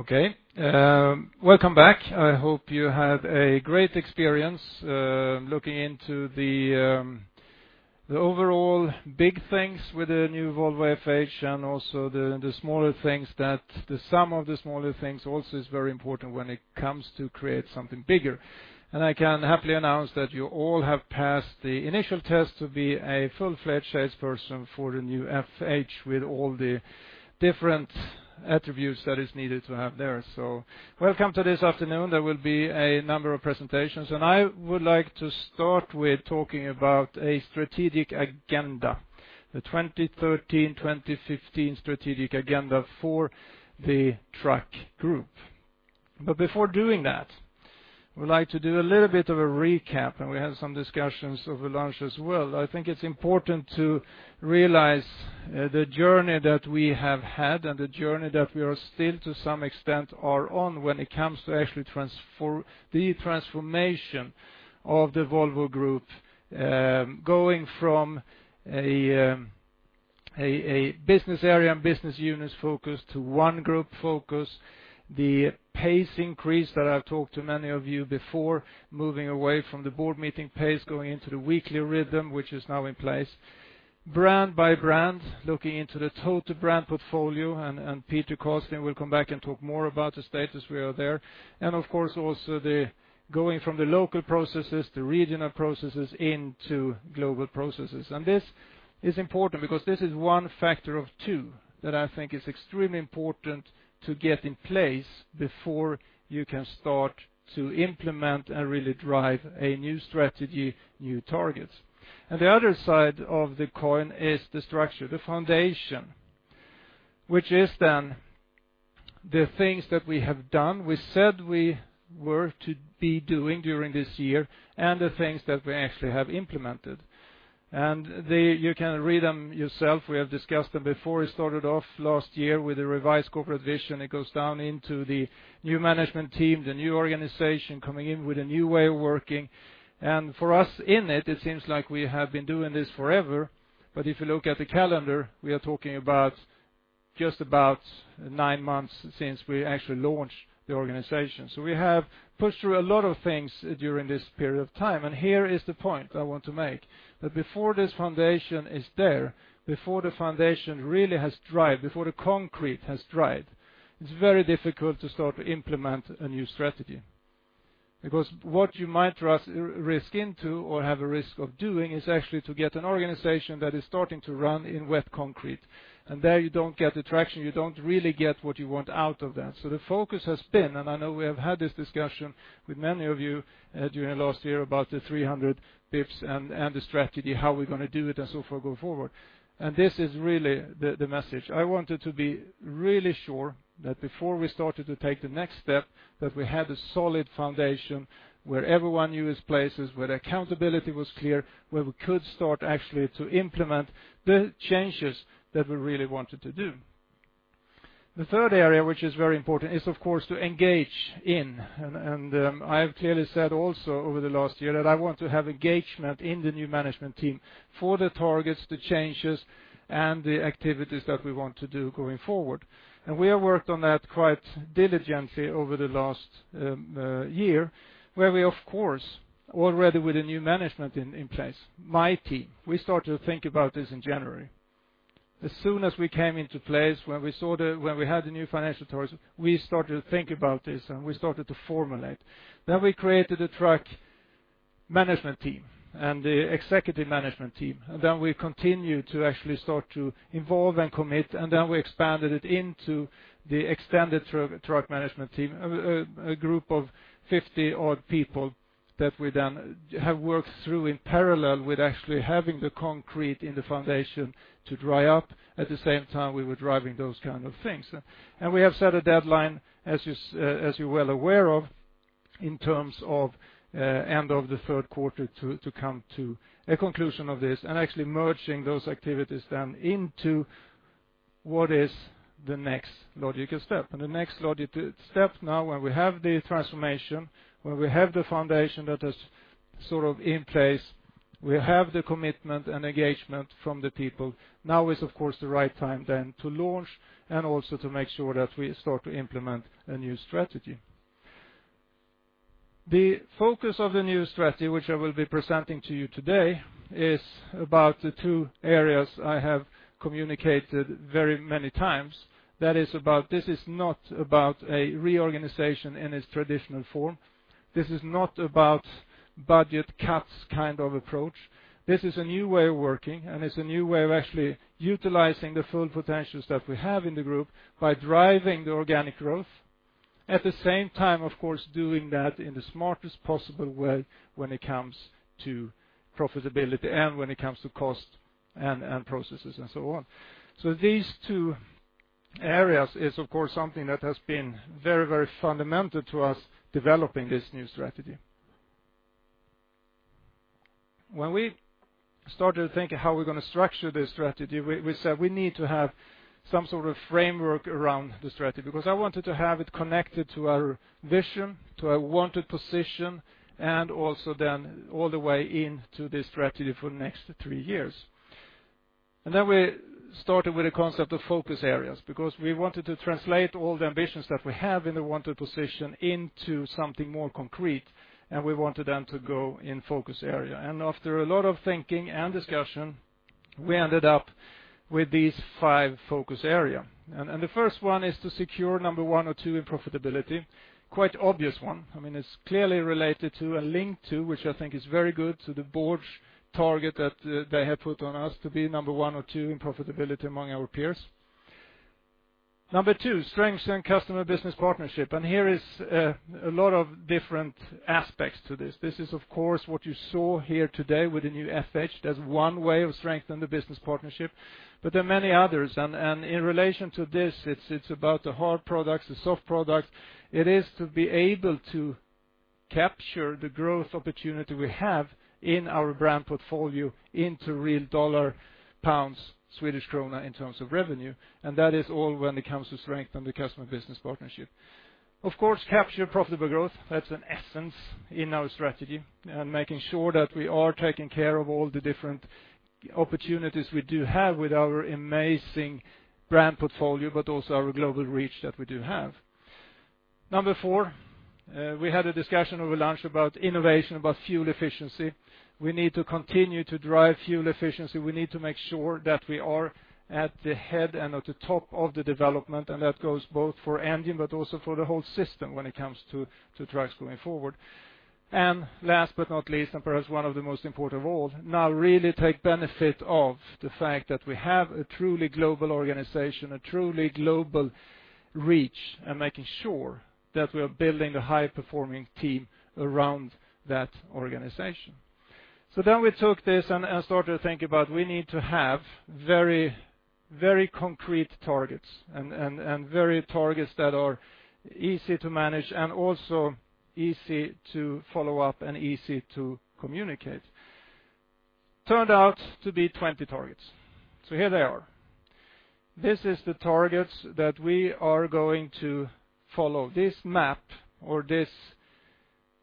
Okay. Welcome back. I hope you had a great experience looking into the overall big things with the new Volvo FH, also the sum of the smaller things also is very important when it comes to create something bigger. I can happily announce that you all have passed the initial test to be a full-fledged salesperson for the new FH, with all the different attributes that is needed to have there. Welcome to this afternoon. There will be a number of presentations. I would like to start with talking about a strategic agenda. The 2013-2015 strategic agenda for the truck group. Before doing that, I would like to do a little bit of a recap, and we had some discussions over lunch as well. I think it's important to realize the journey that we have had and the journey that we are still, to some extent, are on when it comes to actually the transformation of the Volvo Group, going from a business area and business units focus to one group focus. The pace increase that I've talked to many of you before, moving away from the board meeting pace, going into the weekly rhythm, which is now in place. Brand by brand, looking into the total brand portfolio, Peter Karlsten will come back and talk more about the status we are there. Of course, also the going from the local processes to regional processes into global processes. This is important because this is one factor of two that I think is extremely important to get in place before you can start to implement and really drive a new strategy, new targets. The other side of the coin is the structure, the foundation, which is then the things that we have done, we said we were to be doing during this year, and the things that we actually have implemented. You can read them yourself. We have discussed them before. It started off last year with a revised corporate vision. It goes down into the new management team, the new organization coming in with a new way of working. For us in it seems like we have been doing this forever, but if you look at the calendar, we are talking about just about nine months since we actually launched the organization. We have pushed through a lot of things during this period of time, and here is the point I want to make. That before this foundation is there, before the foundation really has dried, before the concrete has dried, it's very difficult to start to implement a new strategy. Because what you might risk into or have a risk of doing is actually to get an organization that is starting to run in wet concrete, and there you don't get the traction, you don't really get what you want out of that. The focus has been, and I know we have had this discussion with many of you during last year about the 300 bips and the strategy, how we're going to do it and so forth going forward. This is really the message. I wanted to be really sure that before we started to take the next step, that we had a solid foundation where everyone knew its places, where the accountability was clear, where we could start actually to implement the changes that we really wanted to do. The third area, which is very important, is of course to engage in. I have clearly said also over the last year that I want to have engagement in the new management team for the targets, the changes, and the activities that we want to do going forward. We have worked on that quite diligently over the last year, where we, of course, already with the new management in place, my team, we started to think about this in January. As soon as we came into place, when we had the new financial targets, we started to think about this, we started to formulate. We created a truck management team and the executive management team. We continued to actually start to involve and commit, we expanded it into the extended truck management team, a group of 50-odd people that we then have worked through in parallel with actually having the concrete in the foundation to dry up. At the same time, we were driving those kind of things. We have set a deadline, as you are well aware of, in terms of end of the third quarter to come to a conclusion of this and actually merging those activities then into what is the next logical step. The next logical step now, when we have the transformation, when we have the foundation that is sort of in place, we have the commitment and engagement from the people. Now is, of course, the right time then to launch and also to make sure that we start to implement a new strategy. The focus of the new strategy, which I will be presenting to you today, is about the two areas I have communicated very many times. That is about this is not about a reorganization in its traditional form. This is not about budget cuts kind of approach. This is a new way of working, it is a new way of actually utilizing the full potentials that we have in the group by driving the organic growth. At the same time, of course, doing that in the smartest possible way when it comes to profitability and when it comes to cost and processes and so on. These two areas is, of course, something that has been very fundamental to us developing this new strategy. When we started to think of how we are going to structure this strategy, we said we need to have some sort of framework around the strategy, because I wanted to have it connected to our vision, to our wanted position, and also then all the way into this strategy for the next three years. We started with the concept of focus areas because we wanted to translate all the ambitions that we have in the wanted position into something more concrete, and we wanted them to go in focus area. After a lot of thinking and discussion, we ended up with these five focus areas. The first one is to secure number one or two in profitability. Quite obvious one. It is clearly related to a link to, which I think is very good, to the board's target that they have put on us to be number one or two in profitability among our peers. Number 2, strengthen customer business partnership. Here is a lot of different aspects to this. This is, of course, what you saw here today with the new FH. That is one way of strengthening the business partnership, but there are many others. In relation to this, it is about the hard products, the soft products. It is to be able to capture the growth opportunity we have in our brand portfolio into real dollar, pounds, Swedish krona in terms of revenue, that is all when it comes to strengthen the customer business partnership. Of course, capture profitable growth, that is an essence in our strategy, making sure that we are taking care of all the different opportunities we do have with our amazing brand portfolio, but also our global reach that we do have. Number 4, we had a discussion over lunch about innovation, about fuel efficiency. We need to continue to drive fuel efficiency. We need to make sure that we are at the head and at the top of the development, that goes both for engine but also for the whole system when it comes to trucks going forward. Last but not least, perhaps one of the most important of all, now really take benefit of the fact that we have a truly global organization, a truly global reach, making sure that we are building a high-performing team around that organization. We took this and started to think about, we need to have very concrete targets and varied targets that are easy to manage and also easy to follow up and easy to communicate. Turned out to be 20 targets. Here they are. This is the targets that we are going to follow. This map or these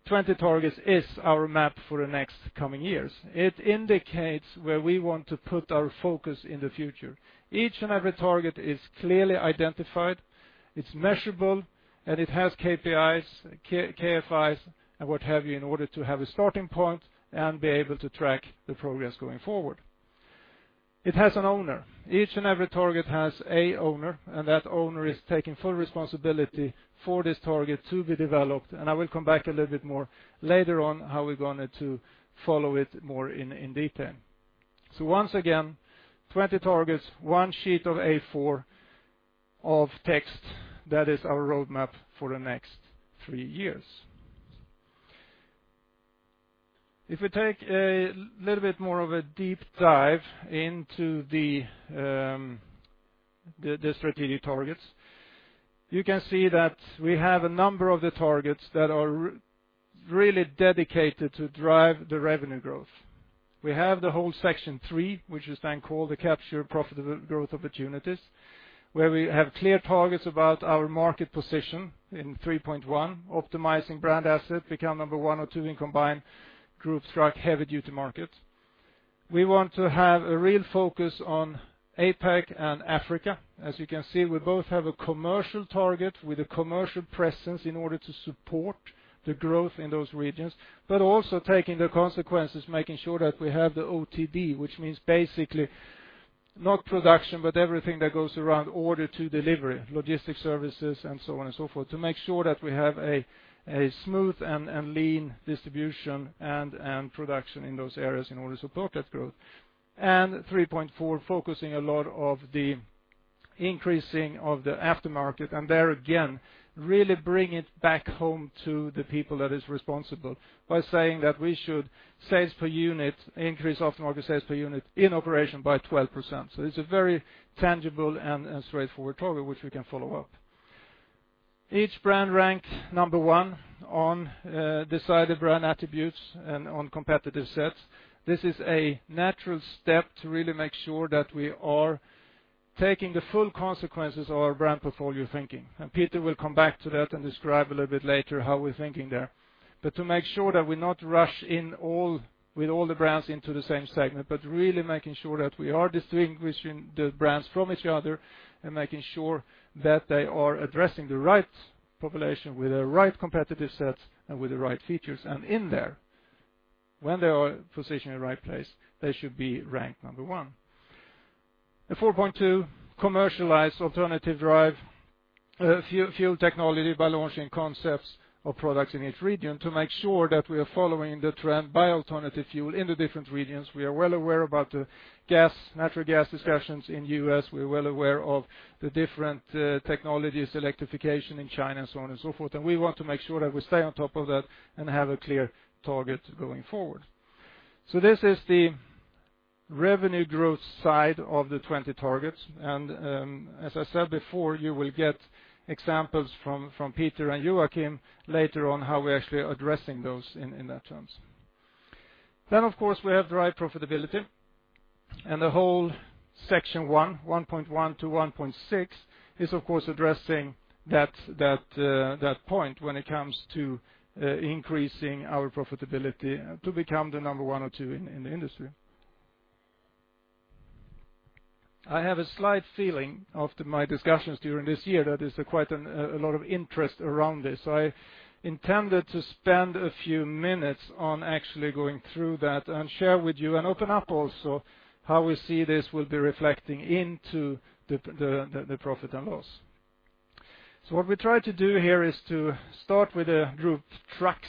20 targets is our map for the next coming years. It indicates where we want to put our focus in the future. Each and every target is clearly identified, it is measurable, it has KPIs, KFIs, what have you, in order to have a starting point and be able to track the progress going forward. It has an owner. Each and every target has a owner, that owner is taking full responsibility for this target to be developed. I will come back a little bit more later on how we are going to follow it more in detail. Once again, 20 targets, one sheet of A4 of text. That is our roadmap for the next three years. If we take a little bit more of a deep dive into the strategic targets, you can see that we have a number of the targets that are really dedicated to drive the revenue growth. We have the whole section 3, which is then called the capture profitable growth opportunities, where we have clear targets about our market position in 3.1, optimizing brand asset, become number 1 or 2 in combined Group Trucks heavy duty markets. We want to have a real focus on APAC and Africa. As you can see, we both have a commercial target with a commercial presence in order to support the growth in those regions, but also taking the consequences, making sure that we have the OTD, which means basically not production, but everything that goes around order to delivery, logistics services and so on and so forth, to make sure that we have a smooth and lean distribution and production in those areas in order to support that growth. 3.4, focusing a lot of the increasing of the aftermarket, and there again, really bring it back home to the people that is responsible by saying that we should increase aftermarket sales per unit in operation by 12%. It's a very tangible and straightforward target which we can follow up. Each brand rank number 1 on decided brand attributes and on competitive sets. This is a natural step to really make sure that we are taking the full consequences of our brand portfolio thinking. Peter will come back to that and describe a little bit later how we're thinking there. To make sure that we not rush with all the brands into the same segment, but really making sure that we are distinguishing the brands from each other and making sure that they are addressing the right population with the right competitive sets and with the right features. And in there, when they are positioned in the right place, they should be ranked number 1. In 4.2, commercialize alternative drive fuel technology by launching concepts of products in each region to make sure that we are following the trend by alternative fuel in the different regions. We are well aware about the natural gas discussions in the U.S. We are well aware of the different technologies, electrification in China, and so on and so forth. We want to make sure that we stay on top of that and have a clear target going forward. This is the revenue growth side of the 20 targets. As I said before, you will get examples from Peter and Joachim later on how we're actually addressing those in that terms. Of course, we have the right profitability, and the whole section 1.1 to 1.6, is, of course, addressing that point when it comes to increasing our profitability to become the number 1 or 2 in the industry. I have a slight feeling after my discussions during this year that there's quite a lot of interest around this. I intended to spend a few minutes on actually going through that and share with you, and open up also how we see this will be reflecting into the profit and loss. What we try to do here is to start with the Group Trucks.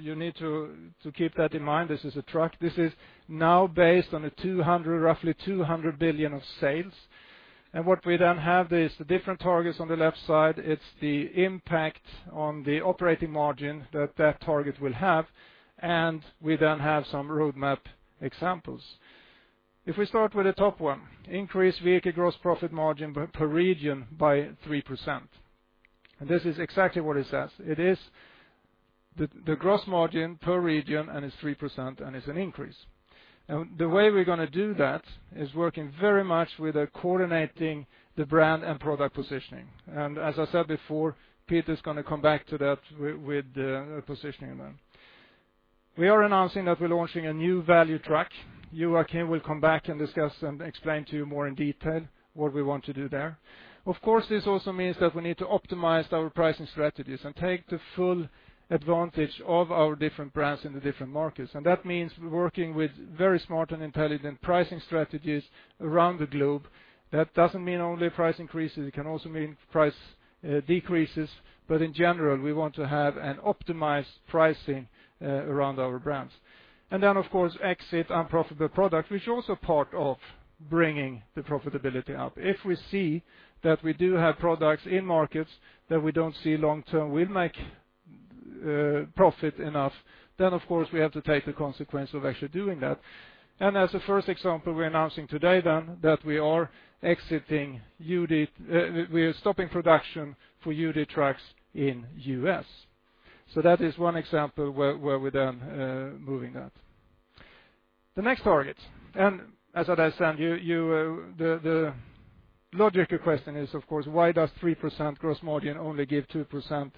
You need to keep that in mind. This is a truck. This is now based on roughly 200 billion of sales. What we then have is the different targets on the left side. It's the impact on the operating margin that that target will have, and we then have some roadmap examples. If we start with the top one, increase vehicle gross profit margin per region by 3%. This is exactly what it says. It is the gross margin per region, and it's 3%, and it's an increase. The way we're going to do that is working very much with coordinating the brand and product positioning. As I said before, Peter's going to come back to that with the positioning then. We are announcing that we're launching a new value truck. Joachim will come back and discuss and explain to you more in detail what we want to do there. Of course, this also means that we need to optimize our pricing strategies and take the full advantage of our different brands in the different markets. That means working with very smart and intelligent pricing strategies around the globe. That doesn't mean only price increases, it can also mean price decreases. In general, we want to have an optimized pricing around our brands. Then, of course, exit unprofitable product, which is also part of bringing the profitability up. If we see that we do have products in markets that we don't see long-term will make profit enough, then of course, we have to take the consequence of actually doing that. As a first example, we're announcing today then that we are stopping production for UD Trucks in the U.S. That is one example where we're then moving that. The next target, As I said, the logical question is of course, why does 3% gross margin only give 2%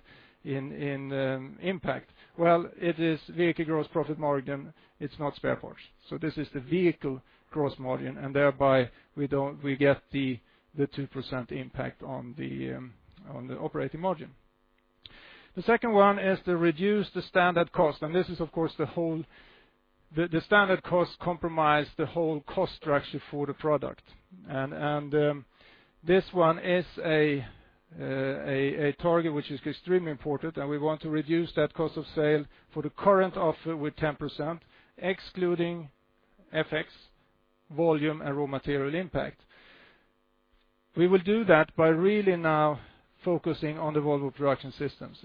in impact? It is vehicle gross profit margin. It's not spare parts. This is the vehicle gross margin, and thereby we get the 2% impact on the operating margin. The second one is to reduce the standard cost. This is, of course, the standard cost comprise the whole cost structure for the product. This one is a target which is extremely important, and we want to reduce that cost of sale for the current offer with 10%, excluding FX volume and raw material impact. We will do that by really now focusing on the Volvo Production Systems.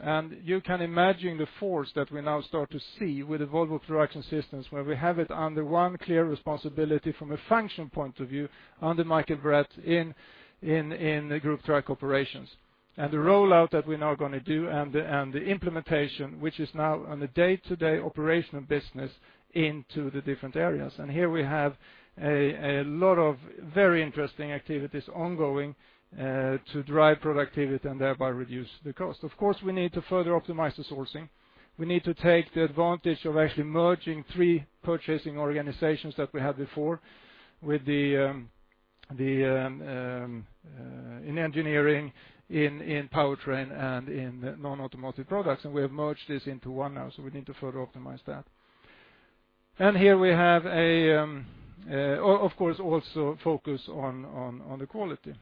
You can imagine the force that we now start to see with the Volvo Production Systems, where we have it under one clear responsibility from a function point of view under Michael Brecht in the Group Truck Operations. The rollout that we're now going to do and the implementation, which is now on a day-to-day operational business into the different areas. Here we have a lot of very interesting activities ongoing to drive productivity and thereby reduce the cost. Of course, we need to further optimize the sourcing. We need to take the advantage of actually merging three purchasing organizations that we had before in engineering, in powertrain, and in non-automotive products, and we have merged this into one now. We need to further optimize that. Here we have, of course, also focus on the quality.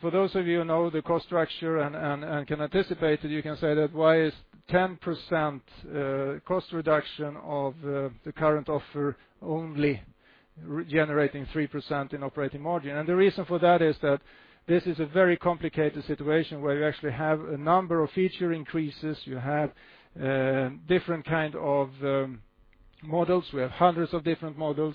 For those of you who know the cost structure and can anticipate it, you can say that why is 10% cost reduction of the current offer only generating 3% in operating margin? The reason for that is that this is a very complicated situation where you actually have a number of feature increases. You have different kind of models. We have hundreds of different models,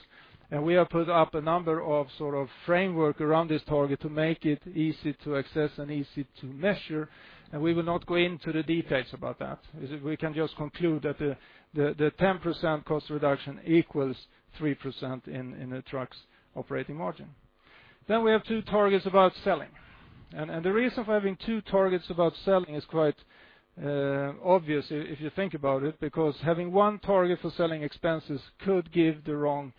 we have put up a number of sort of framework around this target to make it easy to access and easy to measure, we will not go into the details about that. We can just conclude that the 10% cost reduction equals 3% in the trucks operating margin. We have two targets about selling. The reason for having two targets about selling is quite obvious if you think about it, because having one target for selling expenses could give the wrong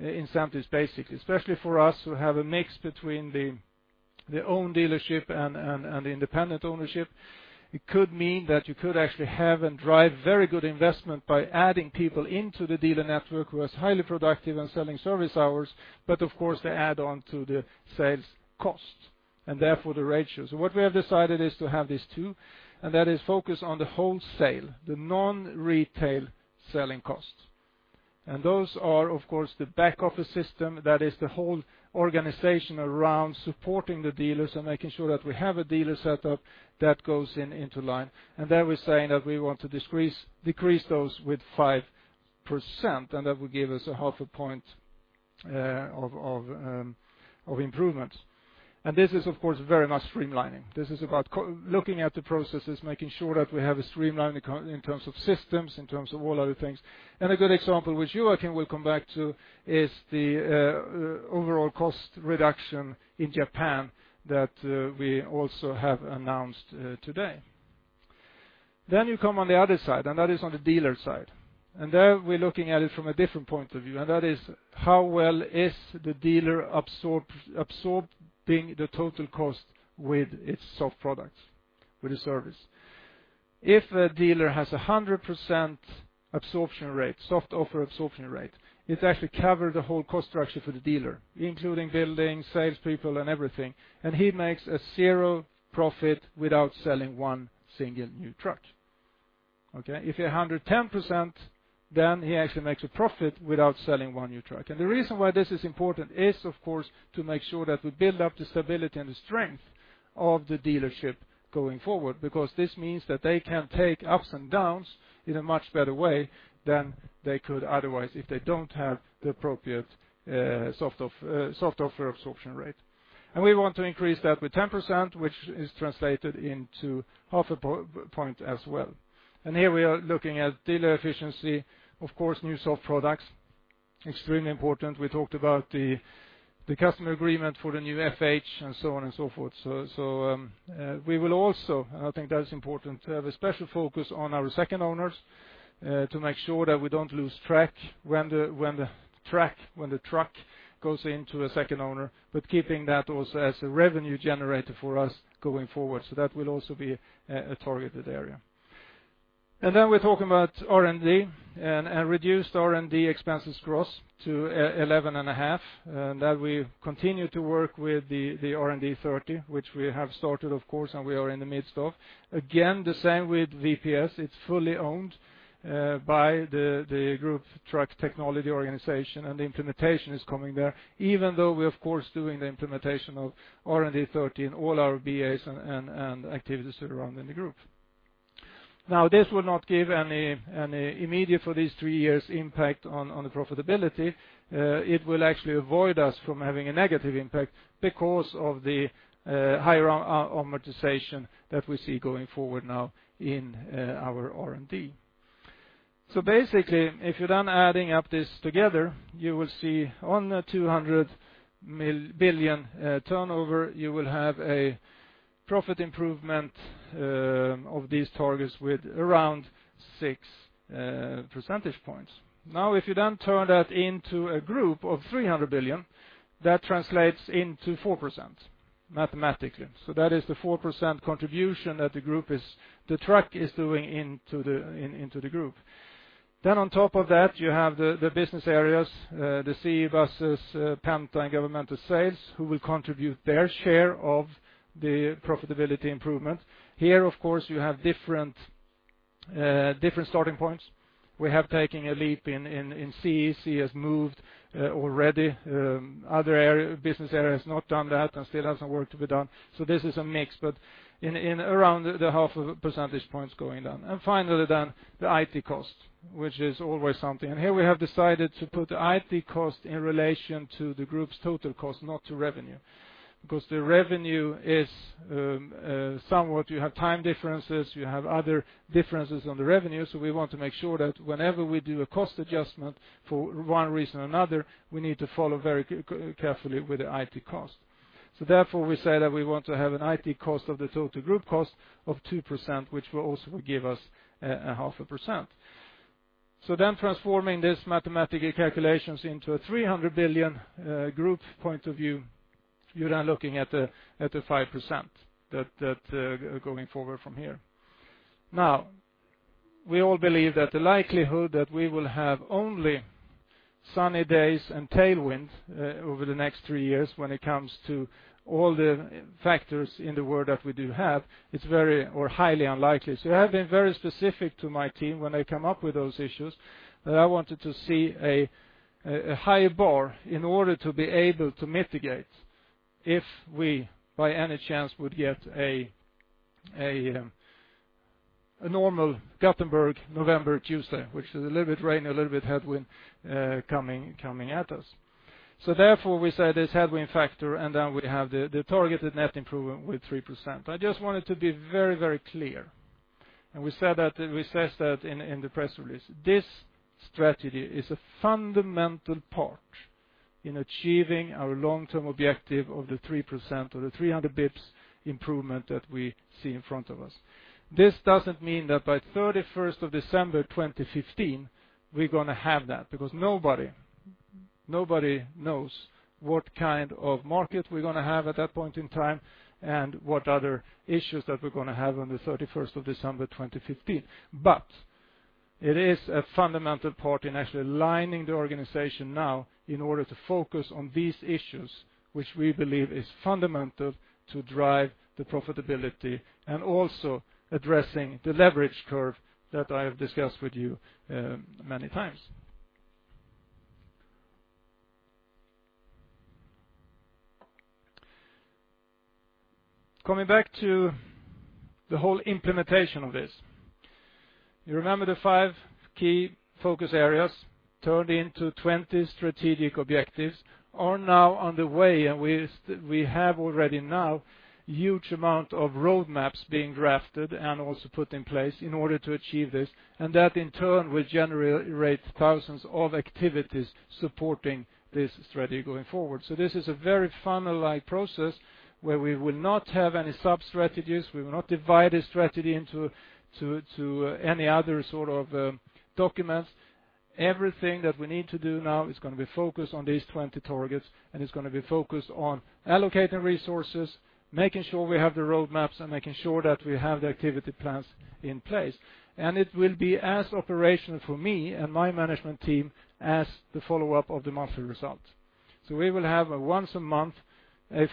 incentives, basically. Especially for us who have a mix between the own dealership and the independent ownership. It could mean that you could actually have and drive very good investment by adding people into the dealer network who are as highly productive and selling service hours, of course, they add on to the sales cost, therefore the ratio. What we have decided is to have these two, that is focused on the wholesale, the non-retail selling cost. Those are, of course, the back office system, that is the whole organization around supporting the dealers and making sure that we have a dealer set up that goes into line. There we're saying that we want to decrease those with 5%, that will give us a half a point of improvement. This is, of course, very much streamlining. This is about looking at the processes, making sure that we have a streamline in terms of systems, in terms of all other things. A good example, which Joachim will come back to, is the overall cost reduction in Japan that we also have announced today. You come on the other side, that is on the dealer side. There, we're looking at it from a different point of view, that is how well is the dealer absorbing the total cost with its soft products, with the service. If a dealer has 100% absorption rate, soft offer absorption rate, it actually cover the whole cost structure for the dealer, including building, sales people, and everything, and he makes a zero profit without selling one single new truck. Okay? If 110%, he actually makes a profit without selling one new truck. The reason why this is important is, of course, to make sure that we build up the stability and the strength of the dealership going forward, because this means that they can take ups and downs in a much better way than they could otherwise, if they don't have the appropriate soft offer absorption rate. We want to increase that with 10%, which is translated into half a point as well. Here we are looking at dealer efficiency, of course, new soft products, extremely important. We talked about the customer agreement for the new FH, and so on and so forth. We will also, and I think that is important, to have a special focus on our second owners, to make sure that we don't lose track when the truck goes into a second owner, but keeping that also as a revenue generator for us going forward. That will also be a targeted area. We are talking about R&D, and reduced R&D expenses gross to 11.5, and that we continue to work with the R&D 30, which we have started, of course, and we are in the midst of. The same with VPS. It's fully owned by the group truck technology organization, and the implementation is coming there, even though we are, of course, doing the implementation of R&D 30 in all our BAs and activities around in the group. This will not give any immediate, for these three years, impact on the profitability. It will actually avoid us from having a negative impact because of the higher amortization that we see going forward now in our R&D. Basically, if you then adding up this together, you will see on the 200 billion turnover, you will have a profit improvement of these targets with around six percentage points. If you then turn that into a group of 300 billion, that translates into 4%, mathematically. That is the 4% contribution that the truck is doing into the group. On top of that, you have the business areas, the CE, Buses, Penta, and governmental sales, who will contribute their share of the profitability improvement. Here, of course, you have different starting points. We have taken a leap in CE. CE has moved already. Other business area has not done that and still has some work to be done. This is a mix, but in around the half a percentage points going down. Finally, the IT cost, which is always something. Here we have decided to put the IT cost in relation to the group's total cost, not to revenue. The revenue is, somewhat, you have time differences, you have other differences on the revenue, so we want to make sure that whenever we do a cost adjustment for one reason or another, we need to follow very carefully with the IT cost. Therefore, we say that we want to have an IT cost of the total group cost of 2%, which will also give us a half a percent. Transforming this mathematic calculations into a 300 billion group point of view, you're now looking at a 5% going forward from here. We all believe that the likelihood that we will have only sunny days and tailwind over the next three years when it comes to all the factors in the world that we do have, it's very or highly unlikely. I have been very specific to my team when I come up with those issues, that I wanted to see a high bar in order to be able to mitigate if we, by any chance, would get a normal Gothenburg November Tuesday, which is a little bit rain and a little bit headwind coming at us. Therefore, we say this headwind factor, and then we have the targeted net improvement with 3%. I just wanted to be very clear, and we said that, we assessed that in the press release. This strategy is a fundamental part in achieving our long-term objective of the 3% or the 300 basis points improvement that we see in front of us. This doesn't mean that by 31st of December 2015, we're going to have that, because nobody knows what kind of market we're going to have at that point in time and what other issues that we're going to have on the 31st of December 2015. It is a fundamental part in actually aligning the organization now in order to focus on these issues, which we believe is fundamental to drive the profitability and also addressing the leverage curve that I have discussed with you many times. Coming back to the whole implementation of this. You remember the five key focus areas turned into 20 strategic objectives are now on the way, and we have already now huge amount of roadmaps being drafted and also put in place in order to achieve this, and that in turn will generate thousands of activities supporting this strategy going forward. This is a very funnel-like process where we will not have any sub-strategies. We will not divide a strategy into any other sort of documents. Everything that we need to do now is going to be focused on these 20 targets, and it's going to be focused on allocating resources, making sure we have the roadmaps, and making sure that we have the activity plans in place. It will be as operational for me and my management team as the follow-up of the monthly results. We will have a once a month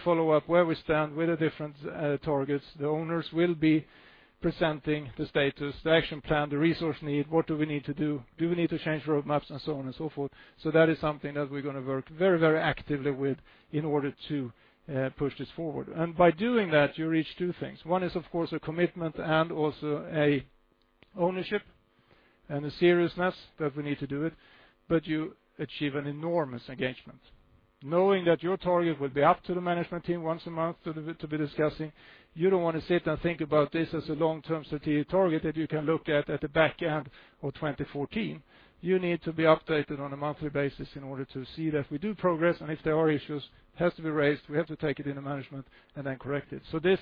follow-up where we stand with the different targets. The owners will be presenting the status, the action plan, the resource need, what do we need to do? Do we need to change roadmaps? So on and so forth. That is something that we're going to work very actively with in order to push this forward. By doing that, you reach two things. One is, of course, a commitment and also ownership and the seriousness that we need to do it. You achieve an enormous engagement. Knowing that your target will be up to the management team once a month to be discussing, you don't want to sit and think about this as a long-term strategic target that you can look at the back end of 2014. You need to be updated on a monthly basis in order to see that we do progress, and if there are issues, it has to be raised. We have to take it into management and then correct it. This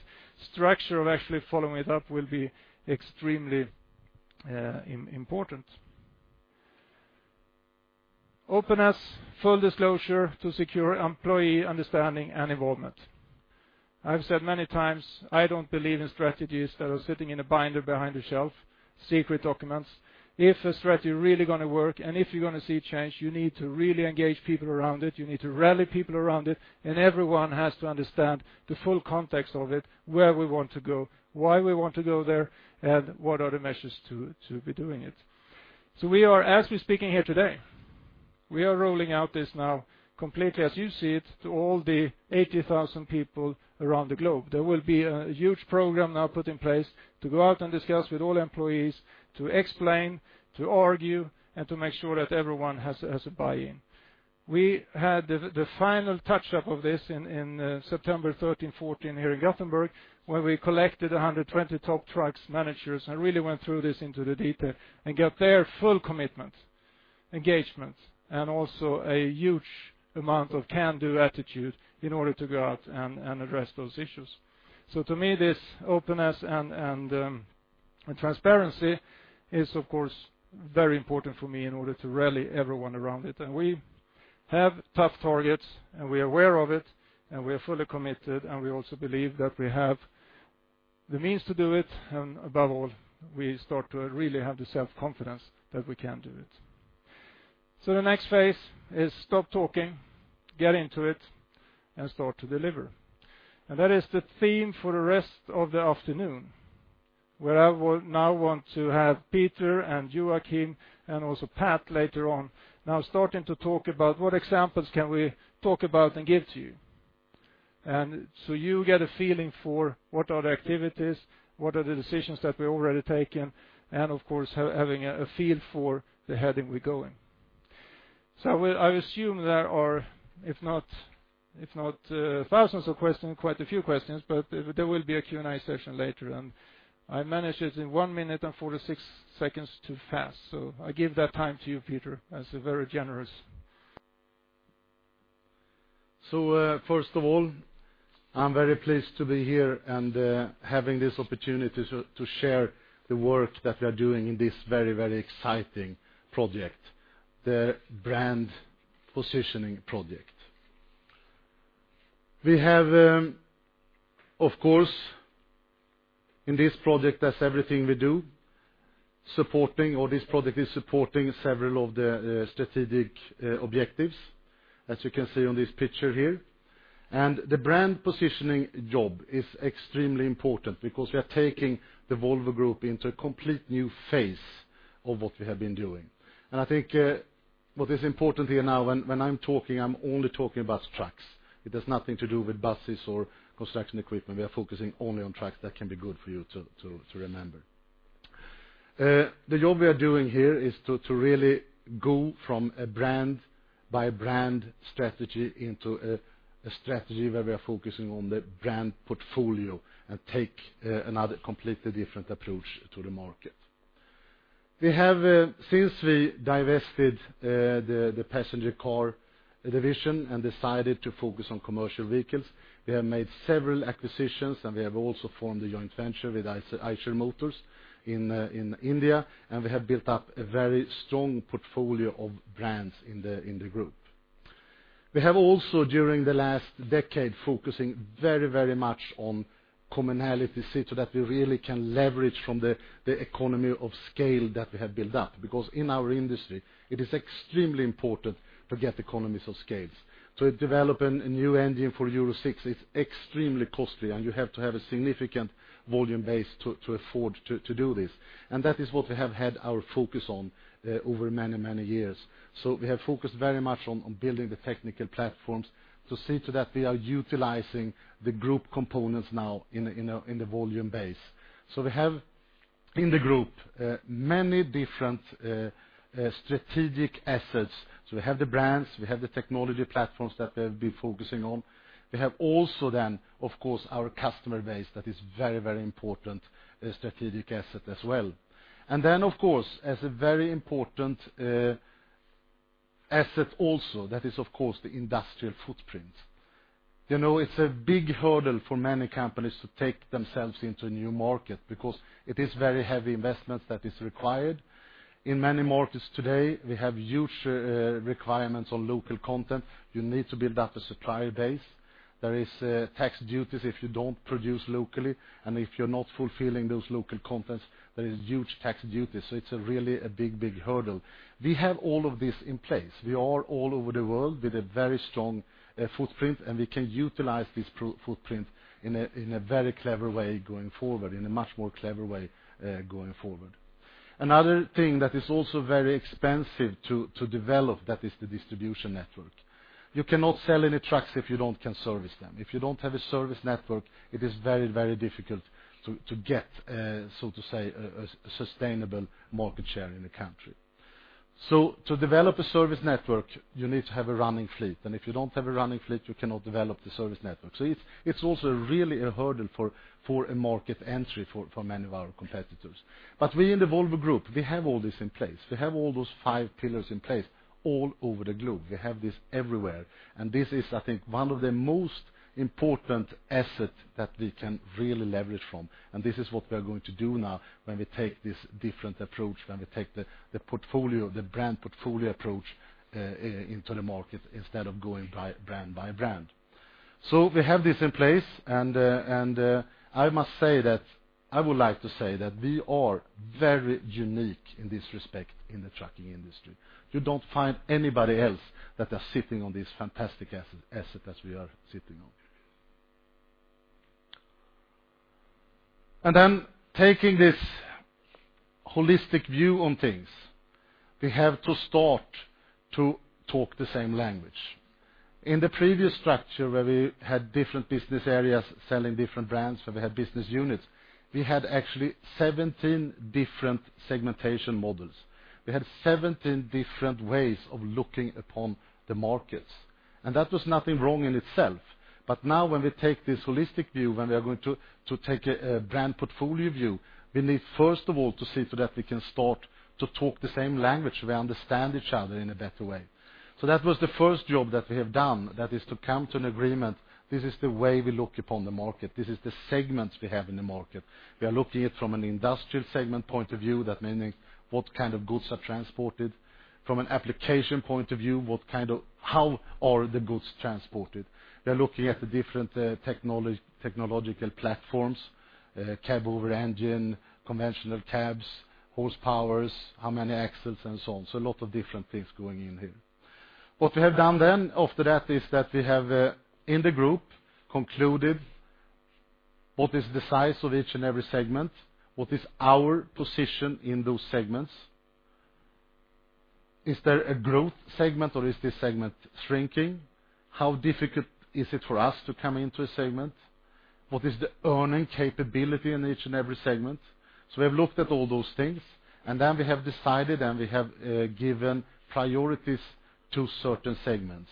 structure of actually following it up will be extremely important. Openness, full disclosure to secure employee understanding and involvement. I've said many times, I don't believe in strategies that are sitting in a binder behind a shelf, secret documents. If a strategy really going to work, and if you're going to see change, you need to really engage people around it. You need to rally people around it, and everyone has to understand the full context of it, where we want to go, why we want to go there, and what are the measures to be doing it. As we're speaking here today, we are rolling out this now completely as you see it to all the 80,000 people around the globe. There will be a huge program now put in place to go out and discuss with all employees to explain, to argue, and to make sure that everyone has a buy-in. We had the final touch-up of this in September 13, 14, here in Gothenburg, where we collected 120 top trucks managers and really went through this into the detail and got their full commitment, engagement, and also a huge amount of can-do attitude in order to go out and address those issues. To me, this openness and transparency is, of course, very important for me in order to rally everyone around it. We have tough targets, and we are aware of it, and we are fully committed, and we also believe that we have the means to do it. Above all, we start to really have the self-confidence that we can do it. The next phase is stop talking, get into it, and start to deliver. That is the theme for the rest of the afternoon, where I will now want to have Peter and Joachim and also Pat later on now starting to talk about what examples can we talk about and give to you. You get a feeling for what are the activities, what are the decisions that we've already taken, and of course, having a feel for the heading we're going. I assume there are, if not thousands of questions, quite a few questions, but there will be a Q&A session later on. I managed it in 1 minute and 46 seconds too fast. I give that time to you, Peter, as a very generous. First of all, I'm very pleased to be here and having this opportunity to share the work that we are doing in this very exciting project, the brand positioning project. We have, of course, in this project, as everything we do, supporting, or this project is supporting several of the strategic objectives, as you can see on this picture here. The brand positioning job is extremely important because we are taking the Volvo Group into a complete new phase of what we have been doing. I think what is important here now, when I'm talking, I'm only talking about trucks. It has nothing to do with buses or construction equipment. We are focusing only on trucks. That can be good for you to remember. The job we are doing here is to really go from a brand by brand strategy into a strategy where we are focusing on the brand portfolio and take another completely different approach to the market. Since we divested the passenger car division and decided to focus on commercial vehicles, we have made several acquisitions, and we have also formed a joint venture with Eicher Motors in India, and we have built up a very strong portfolio of brands in the group. We have also, during the last decade, focusing very much on commonality so that we really can leverage from the economy of scale that we have built up, because in our industry, it is extremely important to get economies of scales. To develop a new engine for Euro 6 is extremely costly, and you have to have a significant volume base to afford to do this. That is what we have had our focus on over many years. We have focused very much on building the technical platforms to see to that we are utilizing the group components now in the volume base. We have in the group many different strategic assets. We have the brands, we have the technology platforms that we have been focusing on. We have also then, of course, our customer base that is very important strategic asset as well. Then, of course, as a very important asset also, that is of course, the industrial footprint. It's a big hurdle for many companies to take themselves into a new market because it is very heavy investments that is required. In many markets today, we have huge requirements on local content. You need to build up a supplier base. There is tax duties if you don't produce locally, and if you're not fulfilling those local contents, there is huge tax duties. It's really a big hurdle. We have all of this in place. We are all over the world with a very strong footprint, and we can utilize this footprint in a very clever way going forward, in a much more clever way going forward. Another thing that is also very expensive to develop, that is the distribution network. You cannot sell any trucks if you can't service them. If you don't have a service network, it is very difficult to get, so to say, a sustainable market share in a country. To develop a service network, you need to have a running fleet, and if you don't have a running fleet, you cannot develop the service network. It's also really a hurdle for a market entry for many of our competitors. We in the Volvo Group, we have all this in place. We have all those five pillars in place all over the globe. We have this everywhere, and this is, I think, one of the most important asset that we can really leverage from. This is what we are going to do now when we take this different approach, when we take the brand portfolio approach into the market instead of going brand by brand. We have this in place, and I would like to say that we are very unique in this respect in the trucking industry. You don't find anybody else that are sitting on this fantastic asset as we are sitting on. Then taking this holistic view on things, we have to start to talk the same language. In the previous structure, where we had different business areas selling different brands, where we had business units, we had actually 17 different segmentation models. That was nothing wrong in itself. Now when we take this holistic view, when we are going to take a brand portfolio view, we need, first of all, to see so that we can start to talk the same language, we understand each other in a better way. That was the first job that we have done, that is to come to an agreement. This is the way we look upon the market. This is the segments we have in the market. We are looking at it from an industrial segment point of view, that meaning what kind goods are transported. From an application point of view, how are the goods transported? We are looking at the different technological platforms, cab over engine, conventional cabs, horsepowers, how many axles and so on. A lot of different things going in here. What we have done then after that is that we have, in the group, concluded what is the size of each and every segment, what is our position in those segments. Is there a growth segment or is this segment shrinking? How difficult is it for us to come into a segment? What is the earning capability in each and every segment? We have looked at all those things, and then we have decided, and we have given priorities to certain segments.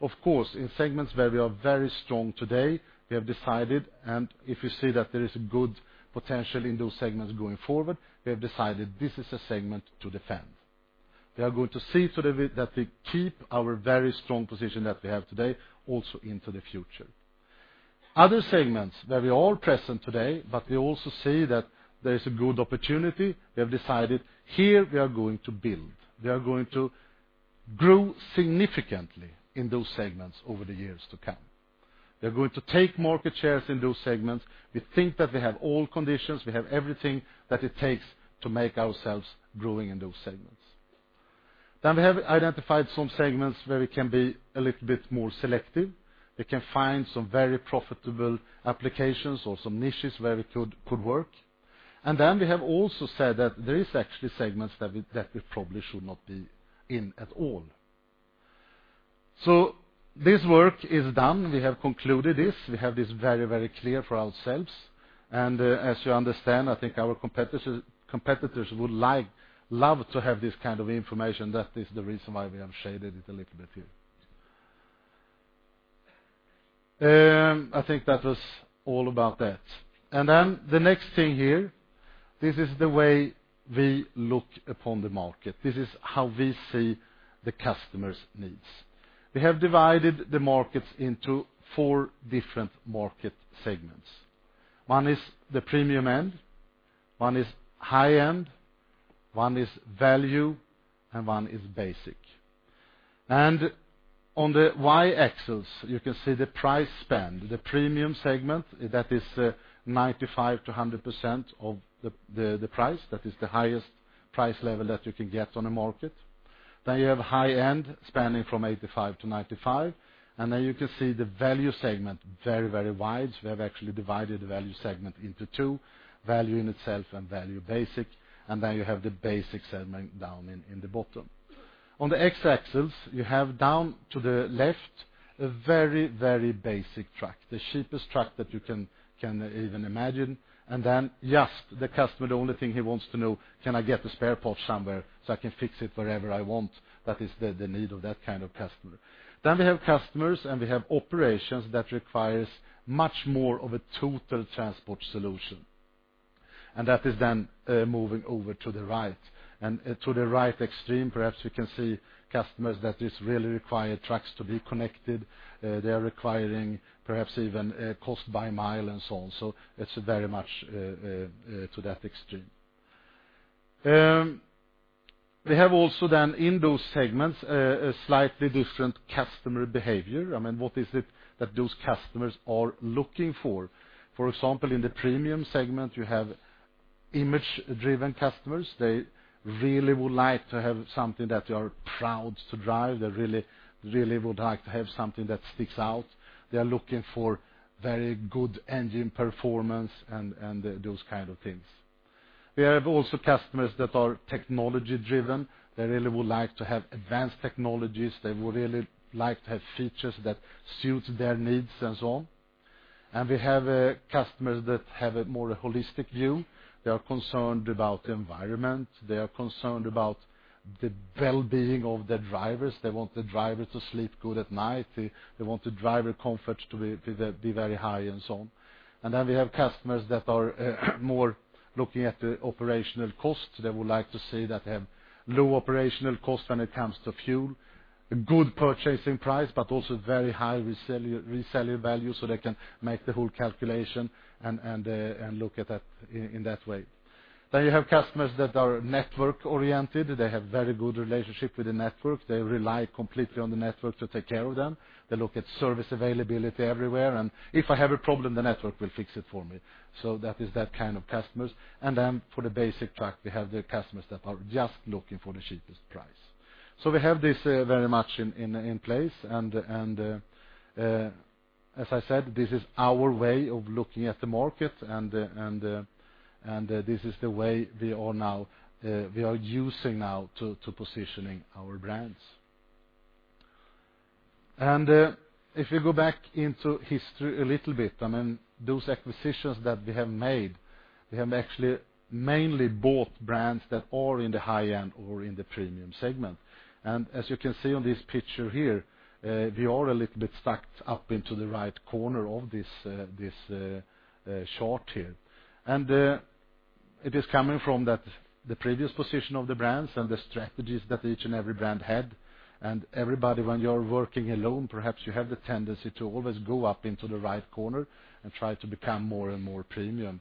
Of course, in segments where we are very strong today, we have decided, and if we see that there is good potential in those segments going forward, we have decided this is a segment to defend. We are going to see to it that we keep our very strong position that we have today also into the future. Other segments where we are all present today, but we also see that there is a good opportunity, we have decided here we are going to build. We are going to grow significantly in those segments over the years to come. We are going to take market shares in those segments. We think that we have all conditions, we have everything that it takes to make ourselves growing in those segments. We have identified some segments where we can be a little bit more selective. We can find some very profitable applications or some niches where we could work. Then we have also said that there is actually segments that we probably should not be in at all. This work is done. We have concluded this. We have this very clear for ourselves. As you understand, I think our competitors would love to have this kind of information. That is the reason why we have shaded it a little bit here. I think that was all about that. Then the next thing here, this is the way we look upon the market. This is how we see the customer's needs. We have divided the markets into four different market segments. One is the premium end, one is high end, one is value, and one is basic. On the y-axis, you can see the price span, the premium segment, that is 95%-100% of the price. That is the highest price level that you can get on a market. You have high end spanning from 85%-95%. Then you can see the value segment, very wide. We have actually divided the value segment into two, value in itself and value basic. You have the basic segment down in the bottom. On the x-axis, you have down to the left, a very basic truck, the cheapest truck that you can even imagine. Just the customer, the only thing he wants to know, "Can I get a spare part somewhere so I can fix it wherever I want?" That is the need of that kind of customer. Then we have customers and we have operations that requires much more of a total transport solution. That is then moving over to the right. To the right extreme, perhaps we can see customers that really require trucks to be connected. They are requiring perhaps even cost by mile and so on. It's very much to that extreme. We have also then in those segments, a slightly different customer behavior. What is it that those customers are looking for? For example, in the premium segment, you have image-driven customers. They really would like to have something that they are proud to drive. They really would like to have something that sticks out. They are looking for very good engine performance and those kind of things. We have also customers that are technology-driven. They really would like to have advanced technologies. They would really like to have features that suit their needs and so on. We have customers that have a more holistic view. They are concerned about the environment. They are concerned about the well-being of their drivers. They want the driver to sleep good at night. They want the driver comfort to be very high and so on. We have customers that are more looking at the operational cost. They would like to see that they have low operational cost when it comes to fuel, a good purchasing price, but also very high resale value so they can make the whole calculation and look at that in that way. You have customers that are network-oriented. They have very good relationship with the network. They rely completely on the network to take care of them. They look at service availability everywhere. If I have a problem, the network will fix it for me. That is that kind of customers. For the basic truck, we have the customers that are just looking for the cheapest price. We have this very much in place as I said, this is our way of looking at the market. This is the way we are using now to positioning our brands. If you go back into history a little bit, those acquisitions that we have made, we have actually mainly bought brands that are in the high-end or in the premium segment. As you can see on this picture here, we are a little bit stacked up into the right corner of this chart here. It is coming from the previous position of the brands and the strategies that each and every brand had. Everybody, when you're working alone, perhaps you have the tendency to always go up into the right corner and try to become more and more premium.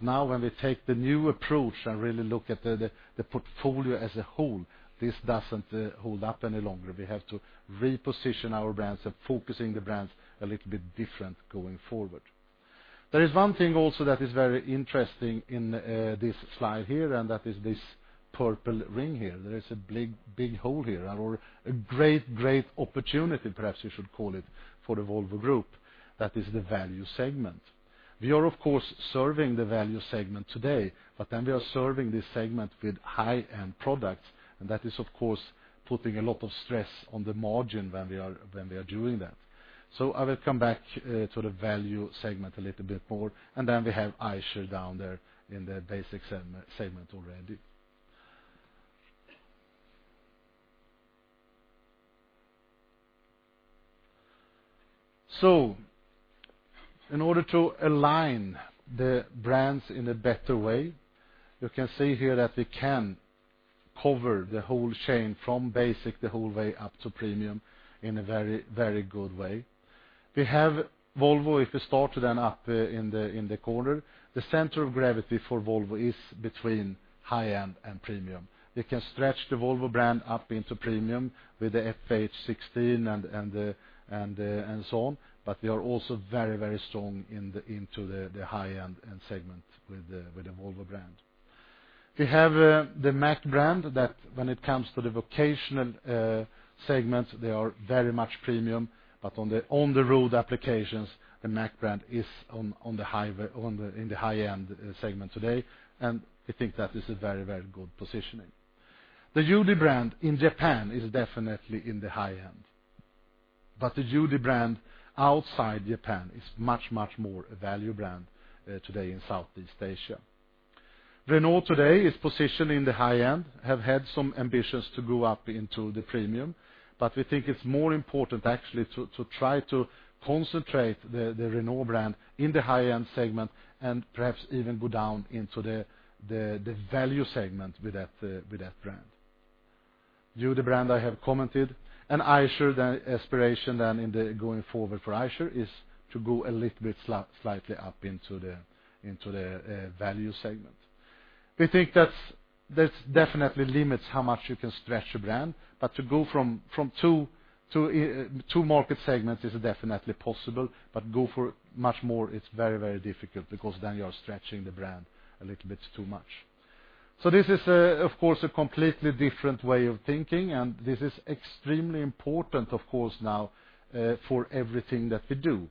Now when we take the new approach and really look at the portfolio as a whole, this doesn't hold up any longer. We have to reposition our brands and focusing the brands a little bit different going forward. There is one thing also that is very interesting in this slide here, and that is this purple ring here. There is a big hole here or a great opportunity, perhaps you should call it, for the Volvo Group. That is the value segment. We are, of course, serving the value segment today, but then we are serving this segment with high-end products, and that is, of course, putting a lot of stress on the margin when we are doing that. I will come back to the value segment a little bit more, and then we have UD down there in the basic segment already. In order to align the brands in a better way, you can see here that we can cover the whole chain from basic the whole way up to premium in a very good way. We have Volvo, if we start then up in the corner, the center of gravity for Volvo is between high-end and premium. We can stretch the Volvo brand up into premium with the FH16 and so on. We are also very strong into the high-end segment with the Volvo brand. We have the Mack brand that when it comes to the vocational segments, they are very much premium, but on the on-the-road applications, the Mack brand is in the high-end segment today, and we think that is a very good positioning. The UD brand in Japan is definitely in the high-end. The UD brand outside Japan is much more a value brand today in Southeast Asia. Renault today is positioned in the high-end, have had some ambitions to go up into the premium. We think it's more important actually to try to concentrate the Renault brand in the high-end segment and perhaps even go down into the value segment with that brand. UD brand I have commented, and UD aspiration then going forward for UD is to go a little bit slightly up into the value segment. We think that definitely limits how much you can stretch a brand. To go from two market segments is definitely possible. Go for much more, it's very difficult because then you are stretching the brand a little bit too much. This is, of course, a completely different way of thinking. This is extremely important, of course, now for everything that we do.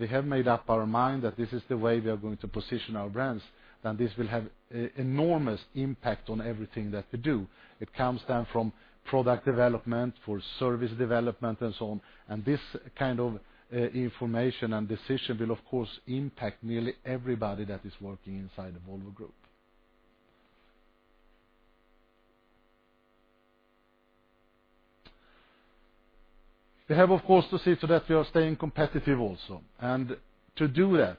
We have made up our mind that this is the way we are going to position our brands. This will have enormous impact on everything that we do. It comes down from product development, for service development and so on. This kind of information and decision will, of course, impact nearly everybody that is working inside the Volvo Group. We have, of course, to see so that we are staying competitive also. To do that,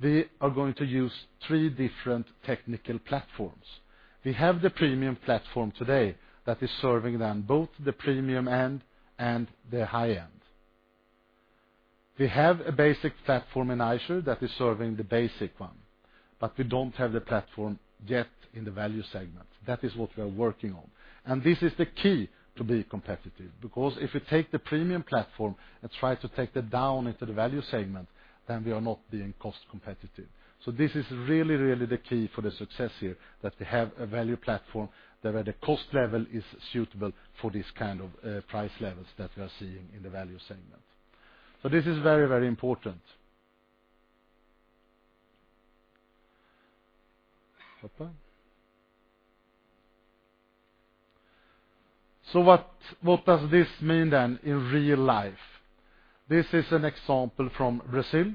we are going to use three different technical platforms. We have the premium platform today that is serving then both the premium end and the high end. We have a basic platform in Eicher that is serving the basic one, but we don't have the platform yet in the value segment. That is what we are working on. This is the key to be competitive, because if we take the premium platform and try to take that down into the value segment, then we are not being cost competitive. This is really, really the key for the success here, that we have a value platform where the cost level is suitable for this kind of price levels that we are seeing in the value segment. This is very, very important. What does this mean then in real life? This is an example from Brazil.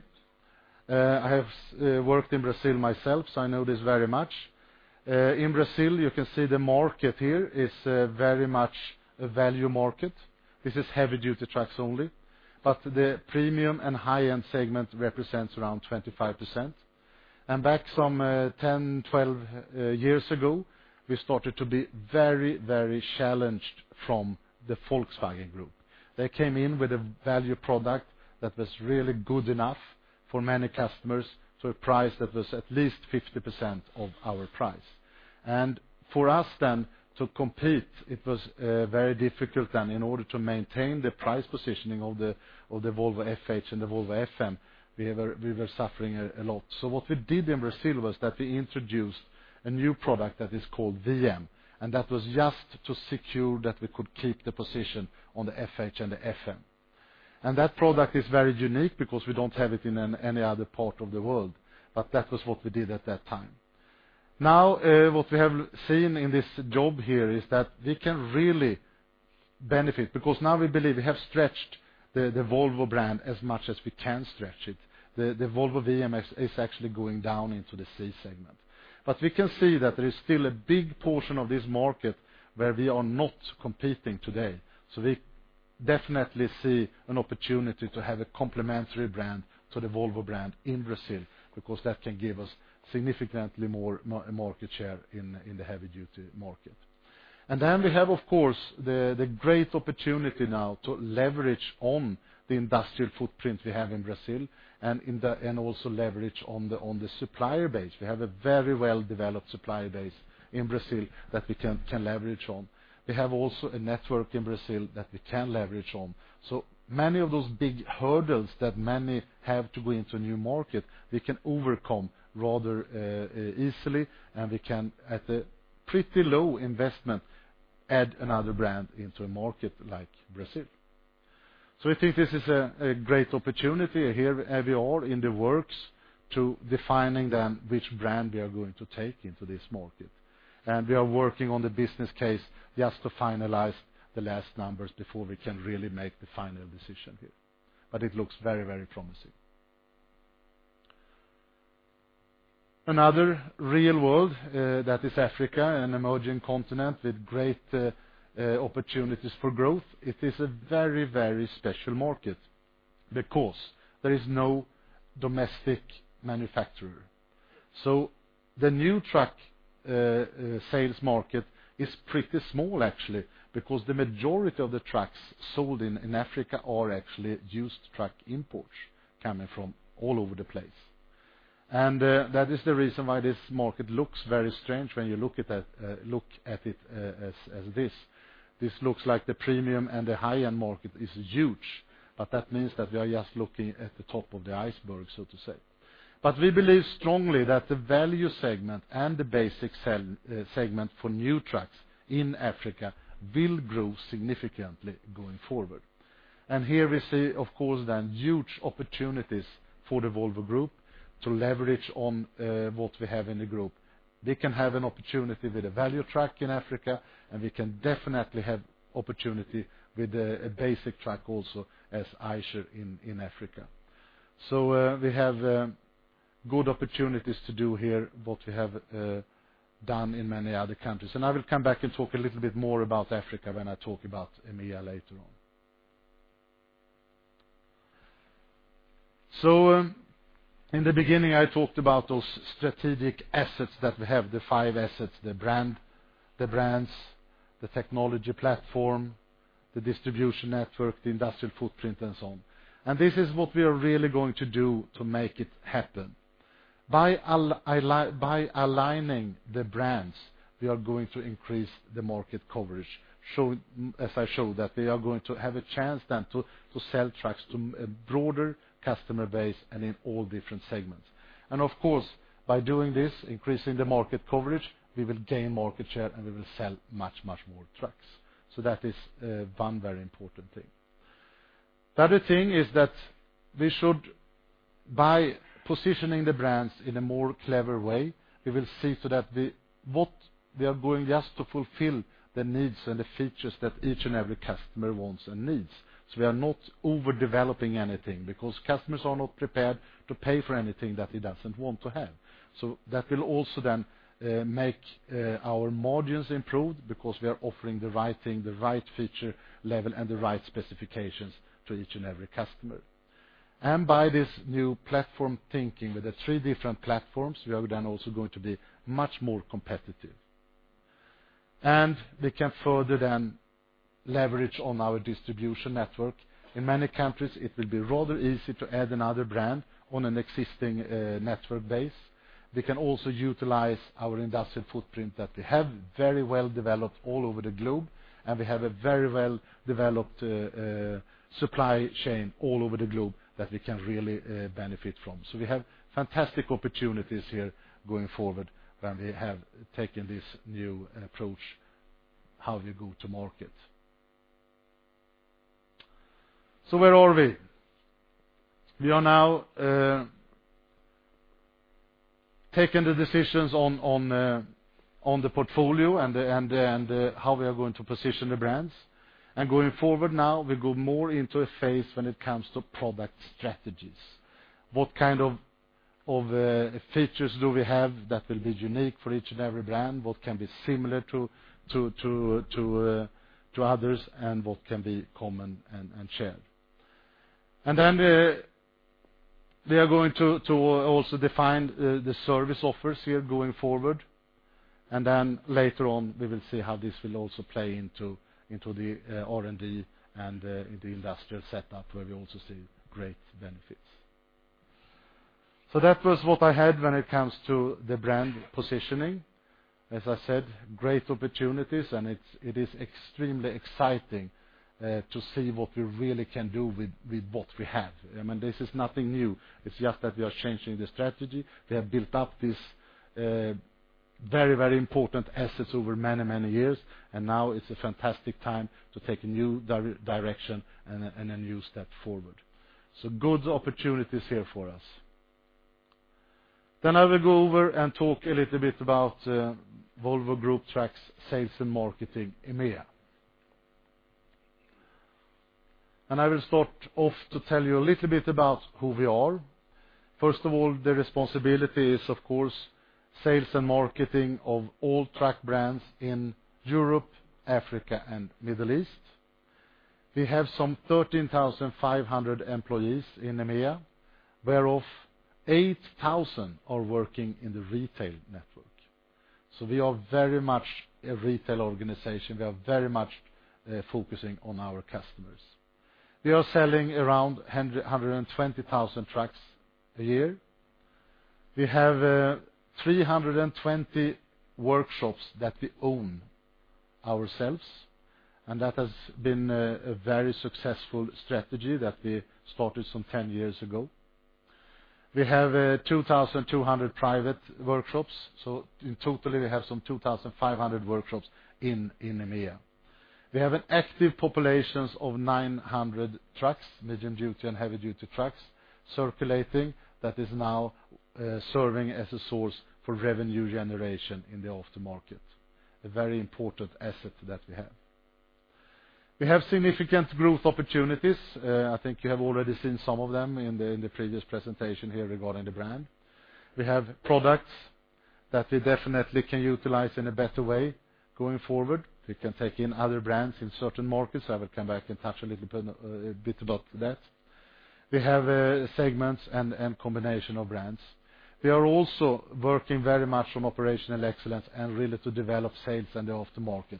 I have worked in Brazil myself, so I know this very much. In Brazil, you can see the market here is very much a value market. This is heavy duty trucks only. The premium and high-end segment represents around 25%. Back some 10, 12 years ago, we started to be very, very challenged from the Volkswagen Group. They came in with a value product that was really good enough for many customers to a price that was at least 50% of our price. For us then to compete, it was very difficult then in order to maintain the price positioning of the Volvo FH and the Volvo FM, we were suffering a lot. What we did in Brazil was that we introduced a new product that is called VM, that was just to secure that we could keep the position on the FH and the FM. That product is very unique because we don't have it in any other part of the world. That was what we did at that time. Now, what we have seen in this job here is that we can really benefit because now we believe we have stretched the Volvo brand as much as we can stretch it. The Volvo VM is actually going down into the C segment. We can see that there is still a big portion of this market where we are not competing today. We definitely see an opportunity to have a complementary brand to the Volvo brand in Brazil, because that can give us significantly more market share in the heavy duty market. Then we have, of course, the great opportunity now to leverage on the industrial footprint we have in Brazil and also leverage on the supplier base. We have a very well-developed supplier base in Brazil that we can leverage on. We have also a network in Brazil that we can leverage on. Many of those big hurdles that many have to go into a new market, we can overcome rather easily, and we can, at a pretty low investment, add another brand into a market like Brazil. We think this is a great opportunity here we are in the works to defining then which brand we are going to take into this market. We are working on the business case just to finalize the last numbers before we can really make the final decision here. It looks very, very promising. Another real world that is Africa, an emerging continent with great opportunities for growth. It is a very, very special market because there is no domestic manufacturer. The new truck sales market is pretty small actually, because the majority of the trucks sold in Africa are actually used truck imports coming from all over the place. That is the reason why this market looks very strange when you look at it as this. This looks like the premium and the high-end market is huge, but that means that we are just looking at the top of the iceberg, so to say. We believe strongly that the value segment and the basic segment for new trucks in Africa will grow significantly going forward. Here we see, of course, then huge opportunities for the Volvo Group to leverage on what we have in the group. We can have an opportunity with a value truck in Africa, and we can definitely have opportunity with a basic truck also as Eicher in Africa. We have good opportunities to do here what we have done in many other countries. I will come back and talk a little bit more about Africa when I talk about EMEA later on. In the beginning, I talked about those strategic assets that we have, the five assets, the brands, the technology platform, the distribution network, the industrial footprint, and so on. This is what we are really going to do to make it happen. By aligning the brands, we are going to increase the market coverage, as I showed, that we are going to have a chance then to sell trucks to a broader customer base and in all different segments. Of course, by doing this, increasing the market coverage, we will gain market share and we will sell much, much more trucks. That is one very important thing. The other thing is that we should by positioning the brands in a more clever way, we will see so that what we are going just to fulfill the needs and the features that each and every customer wants and needs. We are not overdeveloping anything because customers are not prepared to pay for anything that he doesn't want to have. That will also then make our margins improve because we are offering the right thing, the right feature level, and the right specifications to each and every customer. By this new platform thinking with the three different platforms, we are then also going to be much more competitive. We can further then leverage on our distribution network. In many countries, it will be rather easy to add another brand on an existing network base. We can also utilize our industrial footprint that we have very well developed all over the globe, and we have a very well-developed supply chain all over the globe that we can really benefit from. We have fantastic opportunities here going forward when we have taken this new approach, how we go to market. Where are we? We are now taking the decisions on the portfolio and how we are going to position the brands. Going forward now, we go more into a phase when it comes to product strategies. What kind of features do we have that will be unique for each and every brand? What can be similar to others, and what can be common and shared? Then we are going to also define the service offers here going forward. Later on, we will see how this will also play into the R&D and the industrial setup, where we also see great benefits. That was what I had when it comes to the brand positioning. As I said, great opportunities, and it is extremely exciting to see what we really can do with what we have. This is nothing new. It is just that we are changing the strategy. We have built up these very important assets over many years, and now it is a fantastic time to take a new direction and a new step forward. Good opportunities here for us. I will go over and talk a little bit about Volvo Group Trucks sales and marketing EMEA. I will start off to tell you a little bit about who we are. First of all, the responsibility is, of course, sales and marketing of all truck brands in Europe, Africa, and Middle East. We have some 13,500 employees in EMEA, whereof 8,000 are working in the retail network. We are very much a retail organization. We are very much focusing on our customers. We are selling around 120,000 trucks a year. We have 320 workshops that we own ourselves, and that has been a very successful strategy that we started some 10 years ago. We have 2,200 private workshops, in total, we have some 2,500 workshops in EMEA. We have an active populations of 900 trucks, medium-duty and heavy-duty trucks, circulating that is now serving as a source for revenue generation in the aftermarket, a very important asset that we have. We have significant growth opportunities. I think you have already seen some of them in the previous presentation here regarding the brand. We have products that we definitely can utilize in a better way going forward. We can take in other brands in certain markets. I will come back and touch a little bit about that. We have segments and combination of brands. We are also working very much on operational excellence and really to develop sales in the aftermarket.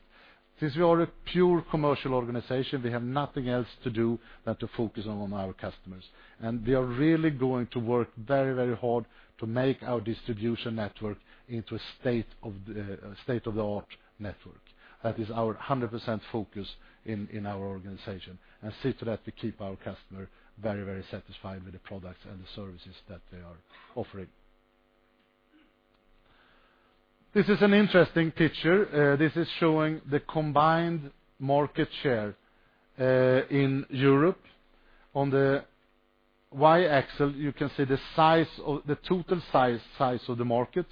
Since we are a pure commercial organization, we have nothing else to do than to focus on our customers. We are really going to work very hard to make our distribution network into a state-of-the-art network. That is our 100% focus in our organization and see to that we keep our customer very satisfied with the products and the services that they are offering. This is an interesting picture. This is showing the combined market share in Europe. On the Y-axis, you can see the total size of the market.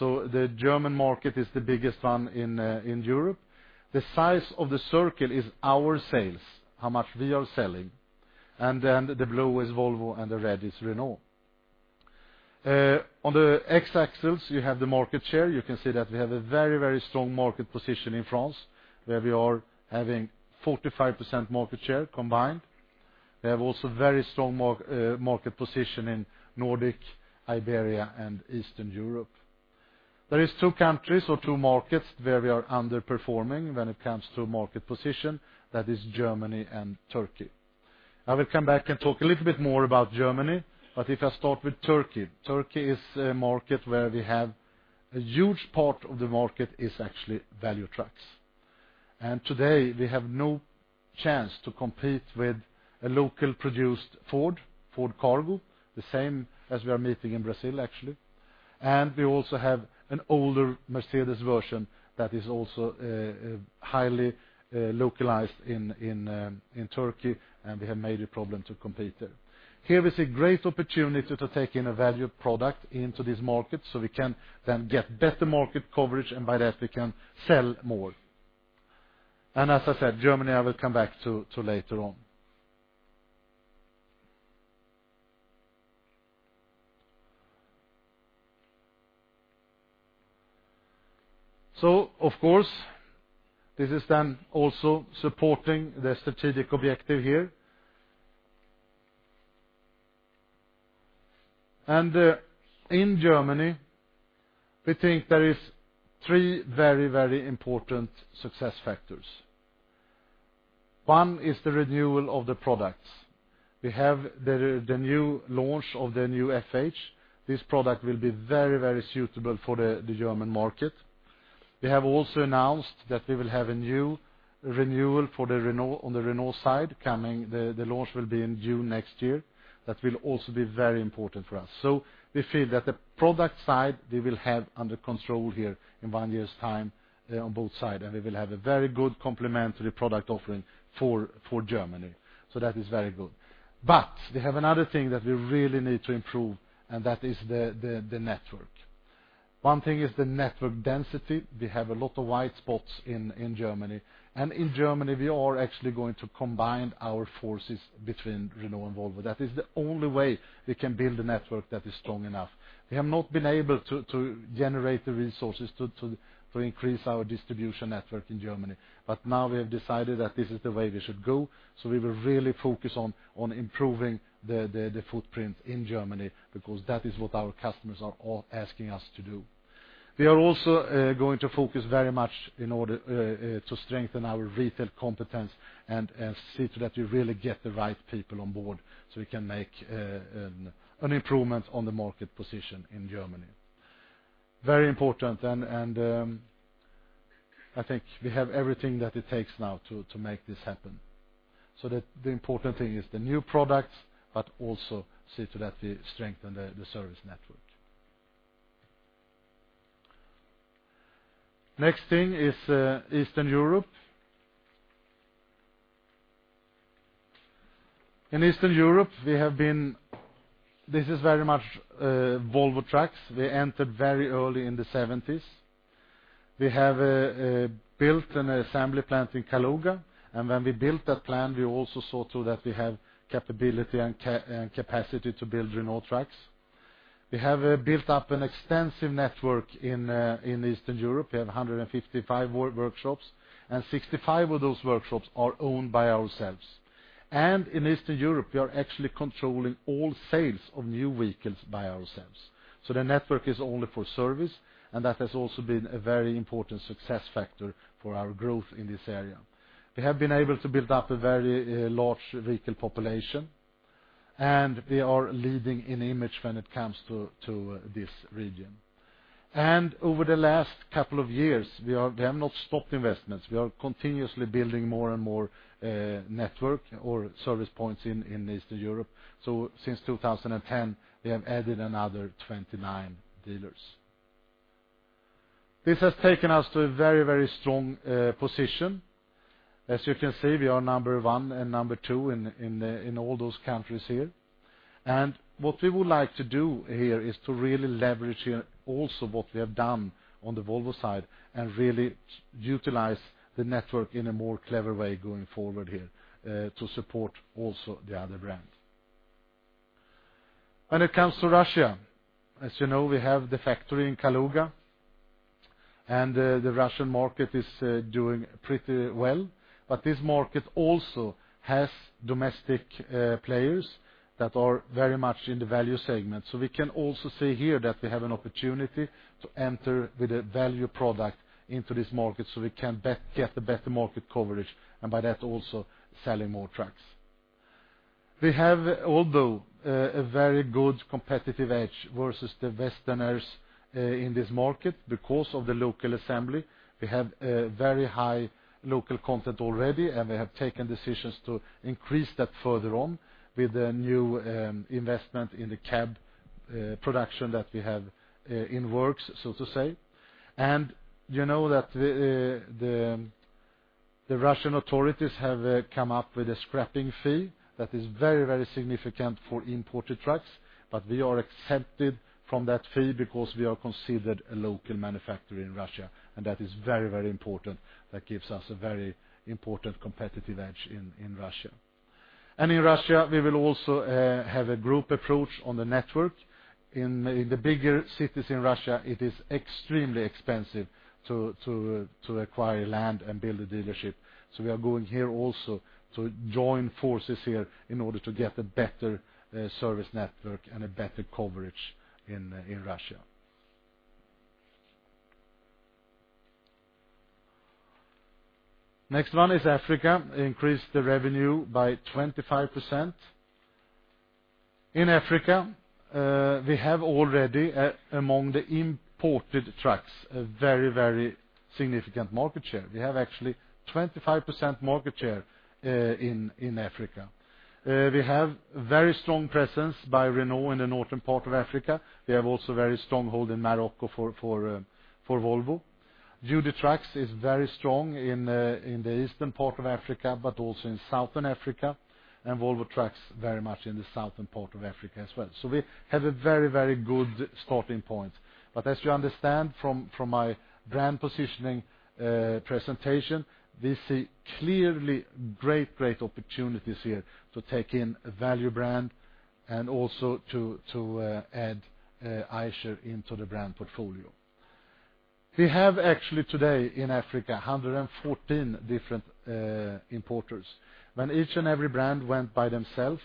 The German market is the biggest one in Europe. The size of the circle is our sales, how much we are selling. The blue is Volvo, and the red is Renault. On the X-axis, you have the market share. You can see that we have a very strong market position in France, where we are having 45% market share combined. We have also very strong market position in Nordic, Iberia, and Eastern Europe. There are two countries or two markets where we are underperforming when it comes to market position, that is Germany and Turkey. I will come back and talk a little bit more about Germany, but if I start with Turkey. Turkey is a market where we have a huge part of the market is actually value trucks. Today, we have no chance to compete with a local produced Ford Cargo, the same as we are meeting in Brazil, actually. We also have an older Mercedes version that is also highly localized in Turkey, and we have major problem to compete there. Here we see great opportunity to take in a value product into this market so we can then get better market coverage. By that, we can sell more. As I said, Germany, I will come back to later on. Of course, this is then also supporting the strategic objective here. In Germany, we think there is three very important success factors. One is the renewal of the products. We have the new launch of the new FH. This product will be very suitable for the German market. We have also announced that we will have a new renewal on the Renault side coming. The launch will be in June next year. That will also be very important for us. We feel that the product side we will have under control here in one year's time on both sides, and we will have a very good complementary product offering for Germany. That is very good. We have another thing that we really need to improve, and that is the network. One thing is the network density. We have a lot of white spots in Germany. In Germany, we are actually going to combine our forces between Renault and Volvo. That is the only way we can build a network that is strong enough. We have not been able to generate the resources to increase our distribution network in Germany. Now we have decided that this is the way we should go. We will really focus on improving the footprint in Germany because that is what our customers are asking us to do. We are also going to focus very much in order to strengthen our retail competence and see to that we really get the right people on board so we can make an improvement on the market position in Germany. Very important. I think we have everything that it takes now to make this happen. The important thing is the new products, but also see to that we strengthen the service network. Next thing is Eastern Europe. In Eastern Europe, this is very much Volvo Trucks. We entered very early in the 1970s. We have built an assembly plant in Kaluga. When we built that plant, we also saw to that we have capability and capacity to build Renault Trucks. We have built up an extensive network in Eastern Europe. We have 155 workshops, and 65 of those workshops are owned by ourselves. In Eastern Europe, we are actually controlling all sales of new vehicles by ourselves. The network is only for service, and that has also been a very important success factor for our growth in this area. We have been able to build up a very large vehicle population, and we are leading in image when it comes to this region. Over the last couple of years, we have not stopped investments. We are continuously building more and more network or service points in Eastern Europe. Since 2010, we have added another 29 dealers. This has taken us to a very strong position. As you can see, we are number one and number two in all those countries here. What we would like to do here is to really leverage here also what we have done on the Volvo side and really utilize the network in a more clever way going forward here to support also the other brands. When it comes to Russia, as you know, we have the factory in Kaluga, and the Russian market is doing pretty well, but this market also has domestic players that are very much in the value segment. We can also see here that we have an opportunity to enter with a value product into this market so we can get a better market coverage, and by that, also selling more trucks. We have although a very good competitive edge versus the Westerners in this market because of the local assembly. We have a very high local content already, and we have taken decisions to increase that further on with the new investment in the cab production that we have in works, so to say. You know that the Russian authorities have come up with a scrapping fee that is very significant for imported trucks, but we are exempted from that fee because we are considered a local manufacturer in Russia, and that is very important. That gives us a very important competitive edge in Russia. In Russia, we will also have a group approach on the network. In the bigger cities in Russia, it is extremely expensive to acquire land and build a dealership. We are going here also to join forces here in order to get a better service network and a better coverage in Russia. Next one is Africa, increase the revenue by 25%. In Africa, we have already, among the imported trucks, a very significant market share. We have actually 25% market share in Africa. We have very strong presence by Renault in the northern part of Africa. We have also very stronghold in Morocco for Volvo. UD Trucks is very strong in the eastern part of Africa, but also in Southern Africa, and Volvo Trucks very much in the southern part of Africa as well. We have a very good starting point. As you understand from my brand positioning presentation, we see clearly great opportunities here to take in a value brand and also to add Eicher into the brand portfolio. We have actually today in Africa 114 different importers. When each and every brand went by themselves,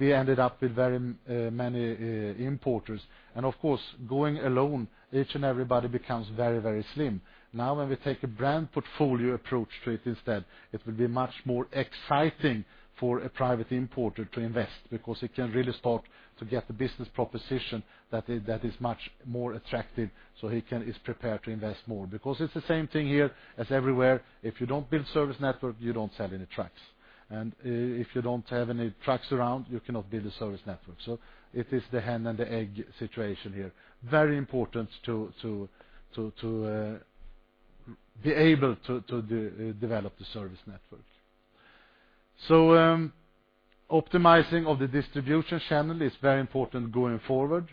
we ended up with very many importers. Of course, going alone, each and everybody becomes very, very slim. Now, when we take a brand portfolio approach to it instead, it will be much more exciting for a private importer to invest because it can really start to get the business proposition that is much more attractive, so he is prepared to invest more. It's the same thing here as everywhere. If you don't build service network, you don't sell any trucks. If you don't have any trucks around, you cannot build a service network. It is the hen and the egg situation here. Very important to be able to develop the service network. Optimizing of the distribution channel is very important going forward,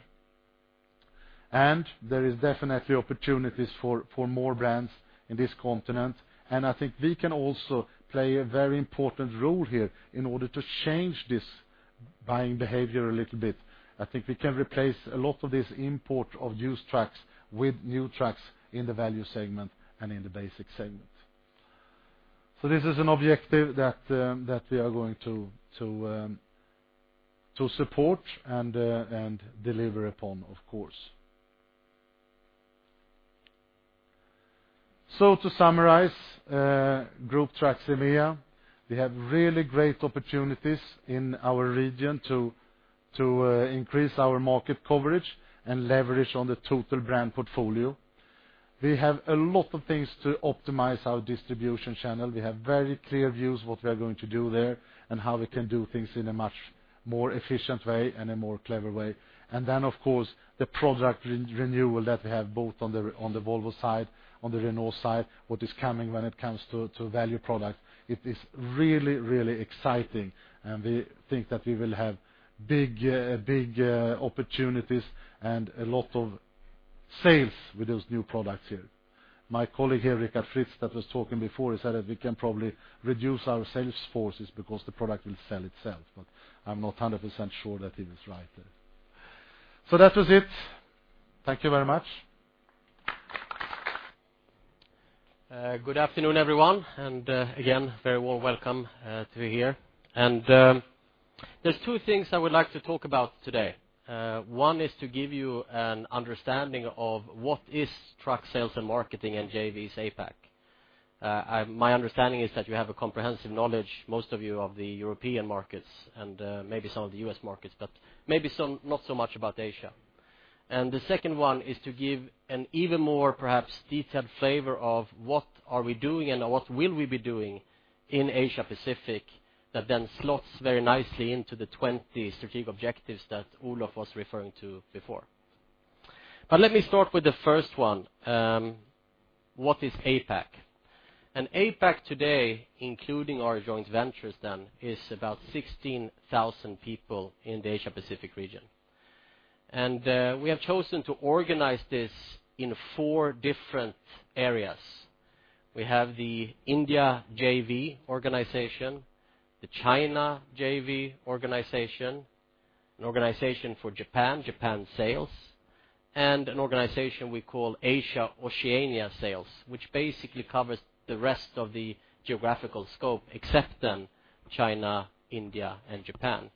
and there is definitely opportunities for more brands in this continent. I think we can also play a very important role here in order to change this buying behavior a little bit. I think we can replace a lot of this import of used trucks with new trucks in the value segment and in the basic segment. This is an objective that we are going to support and deliver upon, of course. To summarize, Group Trucks EMEA, we have really great opportunities in our region to increase our market coverage and leverage on the total brand portfolio. We have a lot of things to optimize our distribution channel. We have very clear views what we are going to do there and how we can do things in a much more efficient way and a more clever way. Of course, the product renewal that we have both on the Volvo side, on the Renault side, what is coming when it comes to value product. It is really, really exciting, and we think that we will have big opportunities and a lot of sales with those new products here. My colleague here, Ricard Fritz, that was talking before, he said that we can probably reduce our sales forces because the product will sell itself. I am not 100% sure that he is right there. That was it. Thank you very much. Good afternoon, everyone. Again, very warm welcome to be here. There are two things I would like to talk about today. One is to give you an understanding of what is truck sales and marketing in JVs APAC. My understanding is that you have a comprehensive knowledge, most of you, of the European markets and maybe some of the U.S. markets, but maybe not so much about Asia. The second one is to give an even more perhaps detailed flavor of what are we doing and what will we be doing in Asia Pacific that then slots very nicely into the 20 strategic objectives that Olof was referring to before. Let me start with the first one. What is APAC? APAC today, including our joint ventures then, is about 16,000 people in the Asia Pacific region. We have chosen to organize this in four different areas. We have the India JV organization, the China JV organization, an organization for Japan sales, and an organization we call Asia-Oceania sales, which basically covers the rest of the geographical scope except then China, India, and Japan.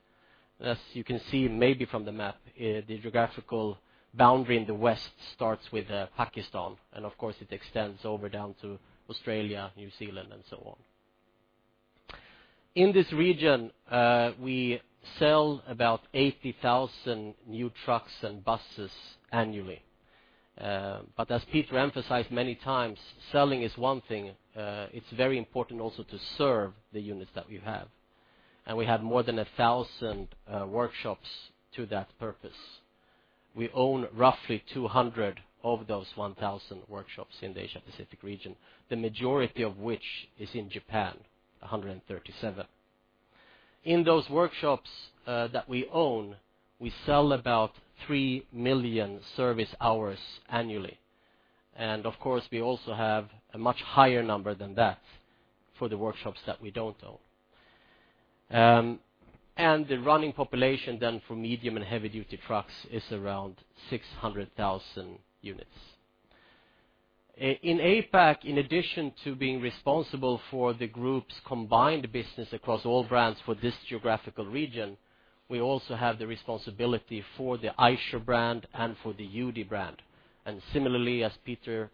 As you can see, maybe from the map, the geographical boundary in the west starts with Pakistan, and of course, it extends over down to Australia, New Zealand, and so on. In this region, we sell about 80,000 new trucks and buses annually. As Peter emphasized many times, selling is one thing. It is very important also to serve the units that we have. We have more than 1,000 workshops to that purpose. We own roughly 200 of those 1,000 workshops in the Asia Pacific region, the majority of which is in Japan, 137. In those workshops that we own, we sell about 3 million service hours annually. Of course, we also have a much higher number than that for the workshops that we don't own. The running population then for medium and heavy duty trucks is around 600,000 units. In APAC, in addition to being responsible for the group's combined business across all brands for this geographical region, we also have the responsibility for the Eicher brand and for the UD brand. Similarly, as Peter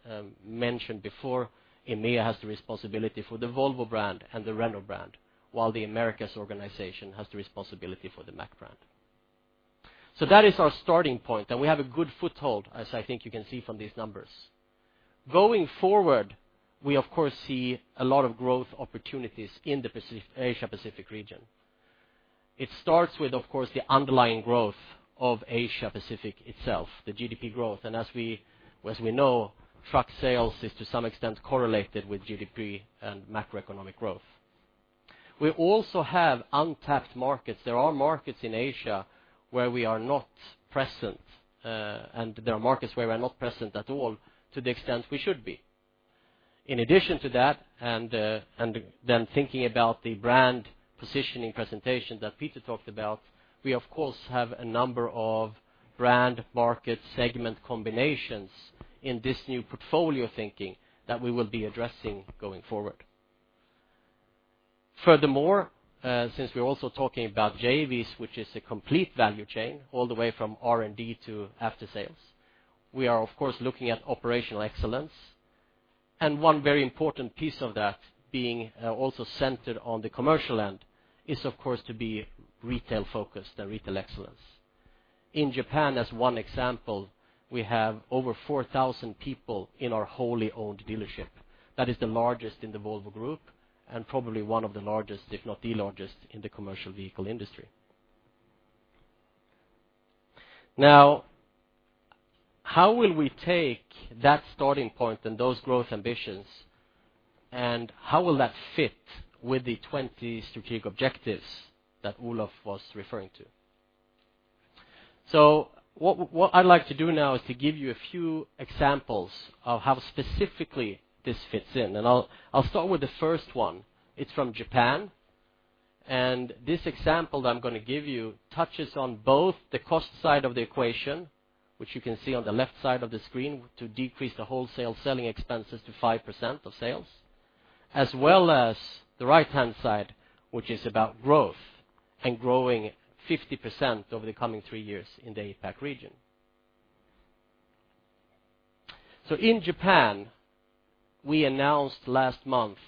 mentioned before, EMEA has the responsibility for the Volvo brand and the Renault brand, while the Americas organization has the responsibility for the Mack brand. That is our starting point, and we have a good foothold, as I think you can see from these numbers. Going forward, we of course see a lot of growth opportunities in the Asia Pacific region. It starts with, of course, the underlying growth of Asia Pacific itself, the GDP growth. As we know, truck sales is to some extent correlated with GDP and macroeconomic growth. We also have untapped markets. There are markets in Asia where we are not present, and there are markets where we are not present at all to the extent we should be. In addition to that, thinking about the brand positioning presentation that Peter talked about, we, of course, have a number of brand market segment combinations in this new portfolio thinking that we will be addressing going forward. Furthermore, since we're also talking about JVs, which is a complete value chain all the way from R&D to aftersales, we are, of course, looking at operational excellence. One very important piece of that being also centered on the commercial end is, of course, to be retail-focused and retail excellence. In Japan, as one example, we have over 4,000 people in our wholly owned dealership. That is the largest in the Volvo Group, and probably one of the largest, if not the largest, in the commercial vehicle industry. Now, how will we take that starting point and those growth ambitions, and how will that fit with the 20 strategic objectives that Olof was referring to? What I'd like to do now is to give you a few examples of how specifically this fits in, and I'll start with the first one. It's from Japan. This example that I'm going to give you touches on both the cost side of the equation, which you can see on the left side of the screen, to decrease the wholesale selling expenses to 5% of sales, as well as the right-hand side, which is about growth and growing 50% over the coming three years in the APAC region. In Japan, we announced last month,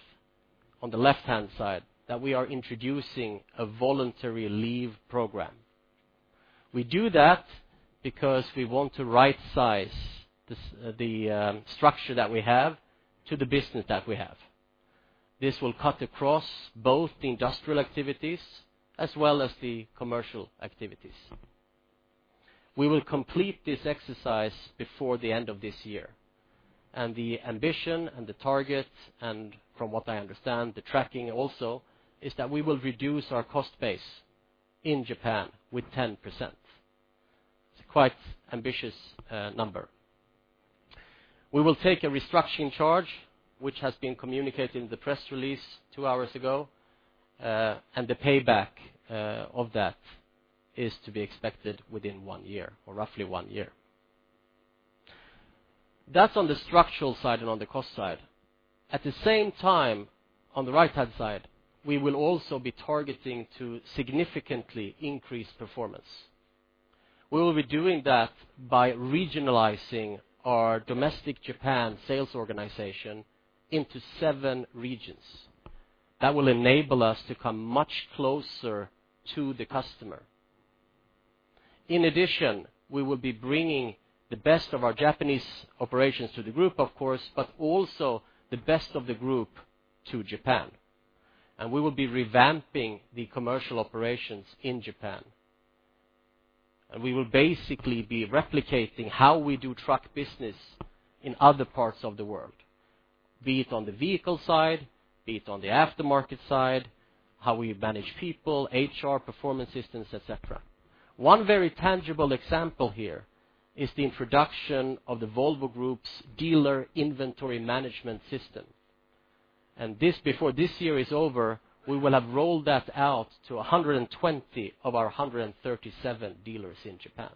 on the left-hand side, that we are introducing a voluntary leave program. We do that because we want to right-size the structure that we have to the business that we have. This will cut across both the industrial activities as well as the commercial activities. We will complete this exercise before the end of this year, and the ambition and the target, and from what I understand, the tracking also, is that we will reduce our cost base in Japan by 10%. It's quite ambitious number. We will take a restructuring charge, which has been communicated in the press release 2 hours ago, and the payback of that is to be expected within one year or roughly one year. That's on the structural side and on the cost side. At the same time, on the right-hand side, we will also be targeting to significantly increase performance. We will be doing that by regionalizing our domestic Japan sales organization into 7 regions. That will enable us to come much closer to the customer. In addition, we will be bringing the best of our Japanese operations to the Group, of course, but also the best of the Group to Japan. We will be revamping the commercial operations in Japan. We will basically be replicating how we do truck business in other parts of the world, be it on the vehicle side, be it on the aftermarket side, how we manage people, HR performance systems, et cetera. One very tangible example here is the introduction of the Volvo Group's dealer inventory management system. Before this year is over, we will have rolled that out to 120 of our 137 dealers in Japan.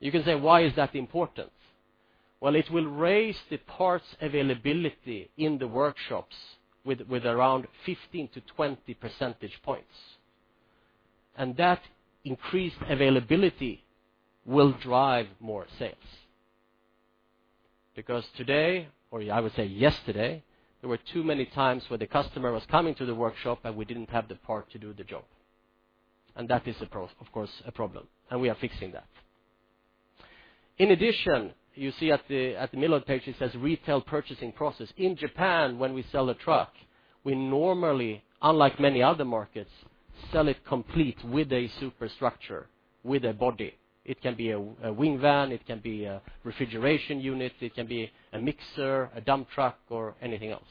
You can say, "Why is that important?" Well, it will raise the parts availability in the workshops with around 15-20 percentage points. That increased availability will drive more sales. Because today, or I would say yesterday, there were too many times where the customer was coming to the workshop, and we didn't have the part to do the job. That is, of course, a problem, and we are fixing that. In addition, you see at the middle of page, it says retail purchasing process. In Japan, when we sell a truck, we normally, unlike many other markets, sell it complete with a superstructure, with a body. It can be a wing van, it can be a refrigeration unit, it can be a mixer, a dump truck, or anything else.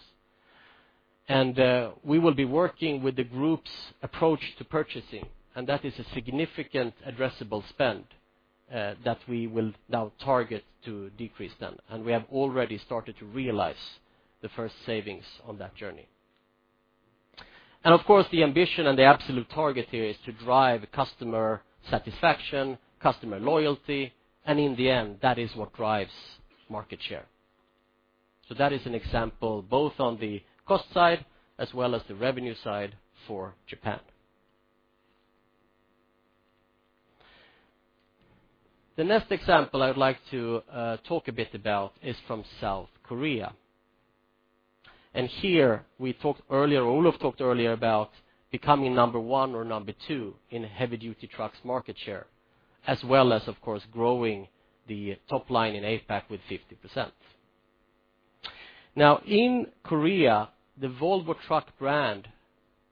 We will be working with the Group's approach to purchasing, and that is a significant addressable spend that we will now target to decrease then. We have already started to realize the first savings on that journey. Of course, the ambition and the absolute target here is to drive customer satisfaction, customer loyalty, and in the end, that is what drives market share. So that is an example both on the cost side as well as the revenue side for Japan. The next example I would like to talk a bit about is from South Korea. Here, we talked earlier, Olof talked earlier about becoming number one or number two in heavy-duty trucks market share, as well as, of course, growing the top line in APAC with 50%. In Korea, the Volvo Truck brand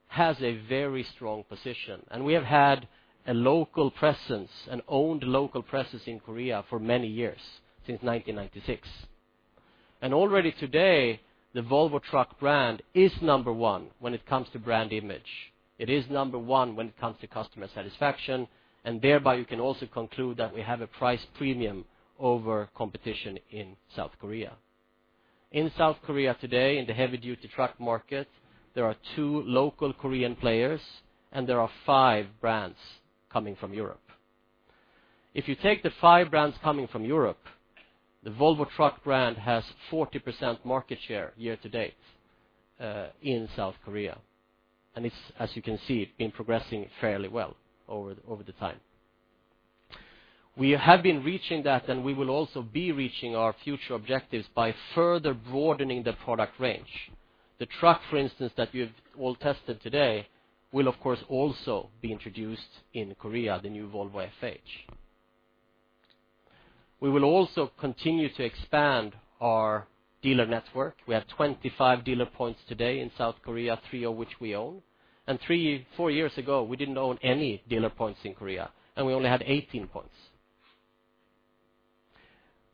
has a very strong position, and we have had a local presence, an owned local presence in Korea for many years, since 1996. Already today, the Volvo Truck brand is number one when it comes to brand image. It is number one when it comes to customer satisfaction, and thereby you can also conclude that we have a price premium over competition in South Korea. In South Korea today, in the heavy-duty truck market, there are two local Korean players, and there are five brands coming from Europe. If you take the 5 brands coming from Europe, the Volvo Trucks brand has 40% market share year to date in South Korea. As you can see, been progressing fairly well over the time. We have been reaching that. We will also be reaching our future objectives by further broadening the product range. The truck, for instance, that you've all tested today will, of course, also be introduced in Korea, the new Volvo FH. We will also continue to expand our dealer network. We have 25 dealer points today in South Korea, 3 of which we own. 4 years ago, we didn't own any dealer points in Korea. We only had 18 points.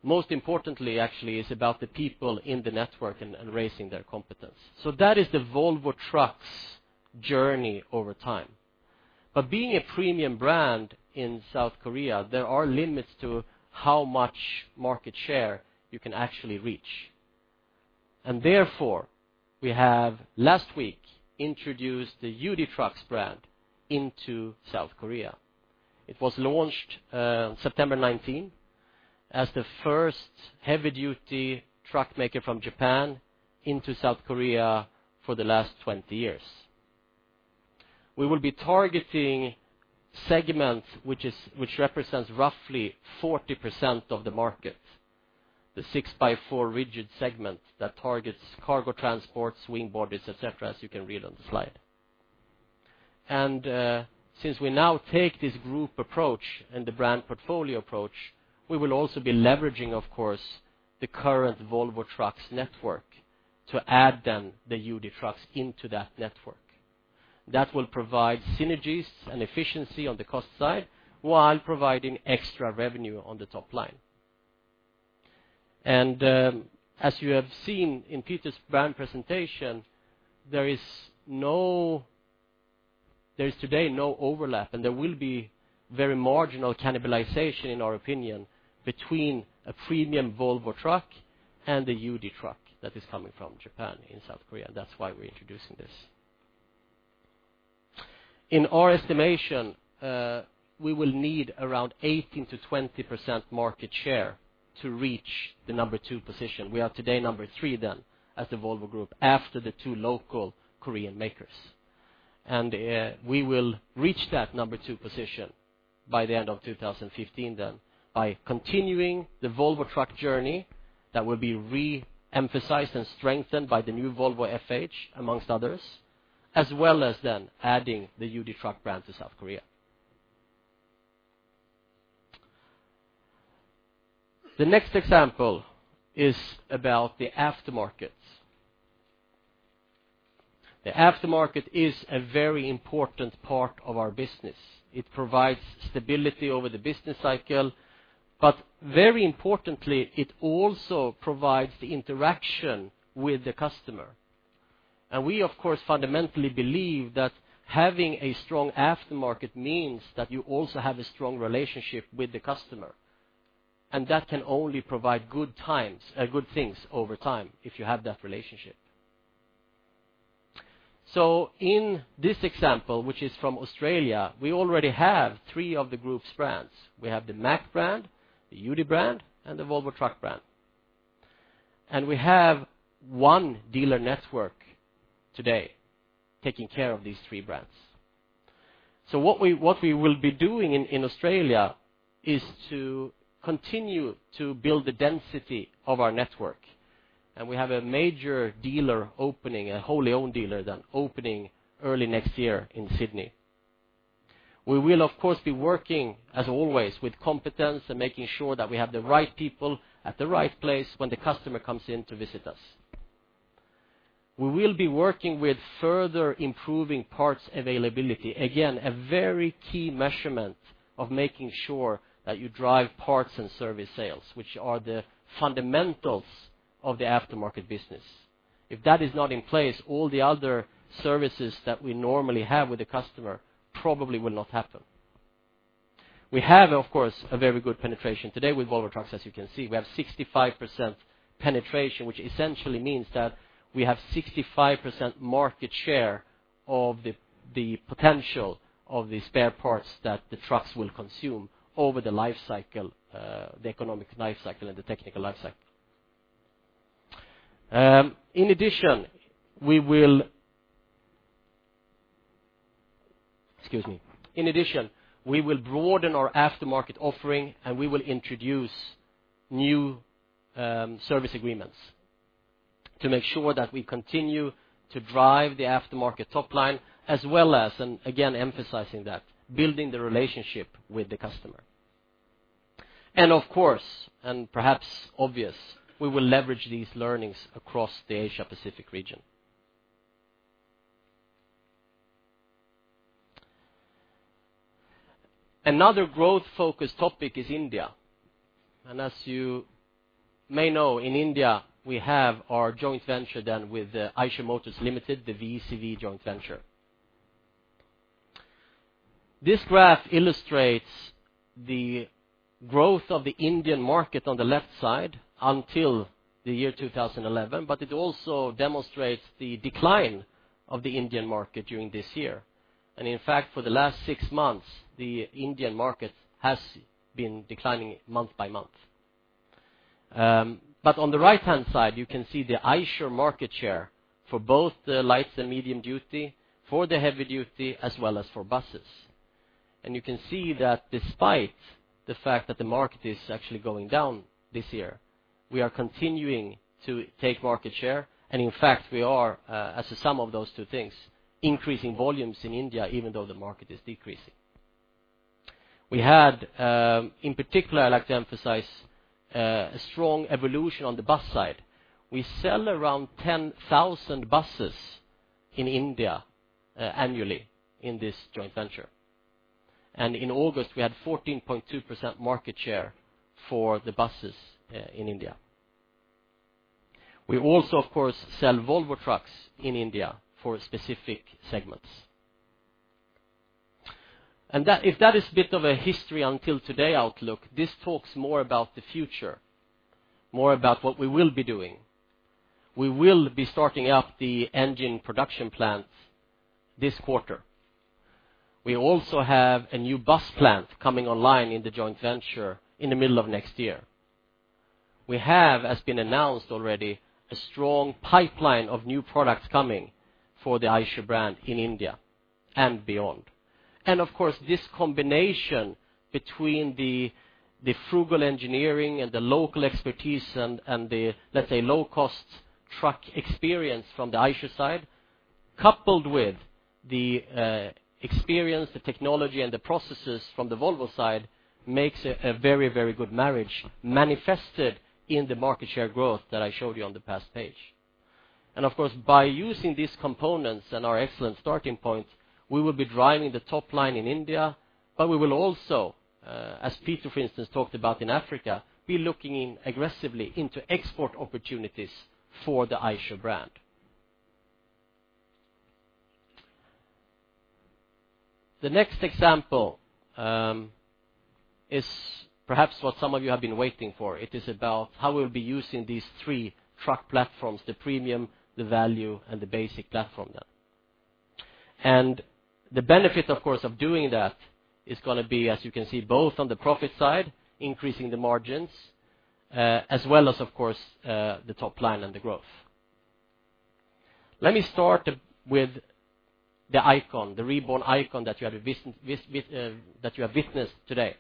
Most importantly, actually, it's about the people in the network and raising their competence. That is the Volvo Trucks journey over time. Being a premium brand in South Korea, there are limits to how much market share you can actually reach. Therefore, we have last week introduced the UD Trucks brand into South Korea. It was launched on September 19 as the first heavy-duty truck maker from Japan into South Korea for the last 20 years. We will be targeting segments which represents roughly 40% of the market, the 6x4 rigid segment that targets cargo transport, swing bodies, et cetera, as you can read on the slide. Since we now take this group approach and the brand portfolio approach, we will also be leveraging, of course, the current Volvo Trucks network to add then the UD Trucks into that network. That will provide synergies and efficiency on the cost side while providing extra revenue on the top line. As you have seen in Peter's brand presentation, there is today no overlap, and there will be very marginal cannibalization, in our opinion, between a premium Volvo truck and the UD truck that is coming from Japan in South Korea. That's why we're introducing this. In our estimation, we will need around 18%-20% market share to reach the number 2 position. We are today number 3 then as the Volvo Group after the 2 local Korean makers. We will reach that number 2 position by the end of 2015 then by continuing the Volvo Trucks journey that will be re-emphasized and strengthened by the new Volvo FH, amongst others, as well as then adding the UD Trucks brand to South Korea. The next example is about the aftermarkets. The aftermarket is a very important part of our business. It provides stability over the business cycle. Very importantly, it also provides the interaction with the customer. We, of course, fundamentally believe that having a strong aftermarket means that you also have a strong relationship with the customer. That can only provide good things over time if you have that relationship. In this example, which is from Australia, we already have 3 of the group's brands. We have the Mack brand, the UD brand, and the Volvo Trucks brand. We have 1 dealer network today taking care of these 3 brands. What we will be doing in Australia is to continue to build the density of our network. We have a major dealer opening, a wholly owned dealer then opening early next year in Sydney. We will, of course, be working, as always, with competence and making sure that we have the right people at the right place when the customer comes in to visit us. We will be working with further improving parts availability. Again, a very key measurement of making sure that you drive parts and service sales, which are the fundamentals of the aftermarket business. If that is not in place, all the other services that we normally have with the customer probably will not happen. We have, of course, a very good penetration today with Volvo Trucks, as you can see. We have 65% penetration, which essentially means that we have 65% market share of the potential of the spare parts that the trucks will consume over the economic life cycle and the technical life cycle. In addition, we will broaden our aftermarket offering, we will introduce new service agreements to make sure that we continue to drive the aftermarket top line as well as, again emphasizing that, building the relationship with the customer. Of course, and perhaps obvious, we will leverage these learnings across the Asia-Pacific region. Another growth focus topic is India. As you may know, in India, we have our joint venture then with Eicher Motors Limited, the VECV joint venture. This graph illustrates the growth of the Indian market on the left side until the year 2011, but it also demonstrates the decline of the Indian market during this year. In fact, for the last six months, the Indian market has been declining month by month. On the right-hand side, you can see the Eicher market share for both the light and medium duty, for the heavy duty, as well as for buses. You can see that despite the fact that the market is actually going down this year, we are continuing to take market share. In fact, we are, as a sum of those two things, increasing volumes in India even though the market is decreasing. We had, in particular, I'd like to emphasize, a strong evolution on the bus side. We sell around 10,000 buses in India annually in this joint venture. In August, we had 14.2% market share for the buses in India. We also, of course, sell Volvo trucks in India for specific segments. If that is a bit of a history until today outlook, this talks more about the future, more about what we will be doing. We will be starting up the engine production plants this quarter. We also have a new bus plant coming online in the joint venture in the middle of next year. We have, as been announced already, a strong pipeline of new products coming for the Eicher brand in India and beyond. Of course, this combination between the frugal engineering and the local expertise and the, let's say, low-cost truck experience from the Eicher side, coupled with the experience, the technology, and the processes from the Volvo side makes a very good marriage manifested in the market share growth that I showed you on the past page. Of course, by using these components and our excellent starting points, we will be driving the top line in India, but we will also, as Peter, for instance, talked about in Africa, be looking aggressively into export opportunities for the Eicher brand. The next example is perhaps what some of you have been waiting for. It is about how we will be using these three truck platforms, the premium, the value, and the basic platform then. The benefit, of course, of doing that is going to be, as you can see, both on the profit side, increasing the margins, as well as, of course, the top line and the growth. Let me start with the icon, the reborn icon that you have witnessed today.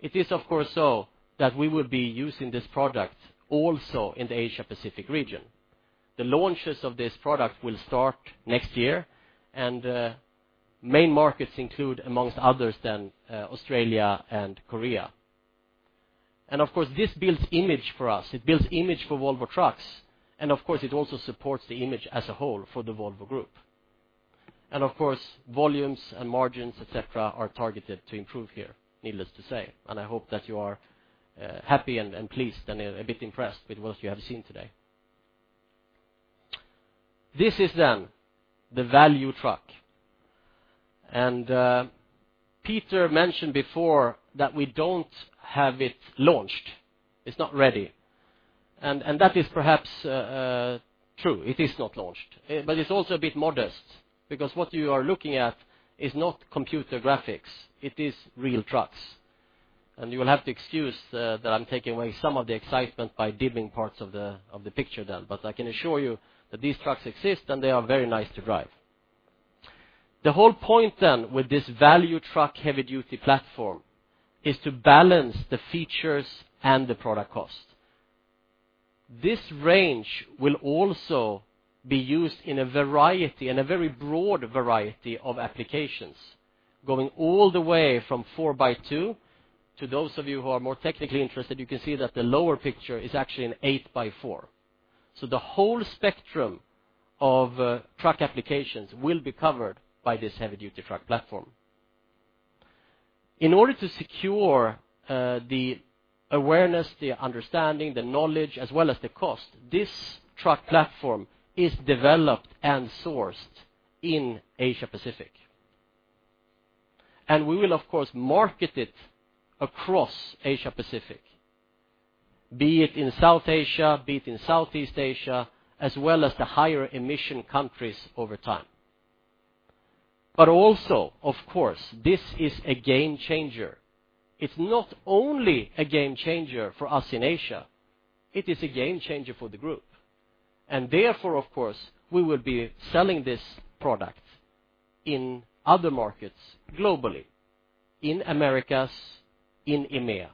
It is, of course, so that we will be using this product also in the Asia Pacific region. The launches of this product will start next year, and main markets include, amongst others, Australia and Korea. Of course, this builds image for us. It builds image for Volvo Trucks, and of course, it also supports the image as a whole for the Volvo Group. Of course, volumes and margins, et cetera, are targeted to improve here, needless to say, and I hope that you are happy and pleased and a bit impressed with what you have seen today. This is the value truck. Peter mentioned before that we do not have it launched. It is not ready. That is perhaps true. It is not launched. It is also a bit modest because what you are looking at is not computer graphics. It is real trucks. You will have to excuse that I am taking away some of the excitement by dimming parts of the picture. I can assure you that these trucks exist, and they are very nice to drive. The whole point with this value truck heavy duty platform is to balance the features and the product cost. This range will also be used in a variety and a very broad variety of applications, going all the way from four by two. To those of you who are more technically interested, you can see that the lower picture is actually an eight by four. The whole spectrum of truck applications will be covered by this heavy duty truck platform. In order to secure the awareness, the understanding, the knowledge, as well as the cost, this truck platform is developed and sourced in Asia Pacific. We will, of course, market it across Asia Pacific, be it in South Asia, be it in Southeast Asia, as well as the higher emission countries over time. Also, of course, this is a game changer. It is not only a game changer for us in Asia, it is a game changer for the group. Therefore, of course, we will be selling this product in other markets globally, in Americas, in EMEA,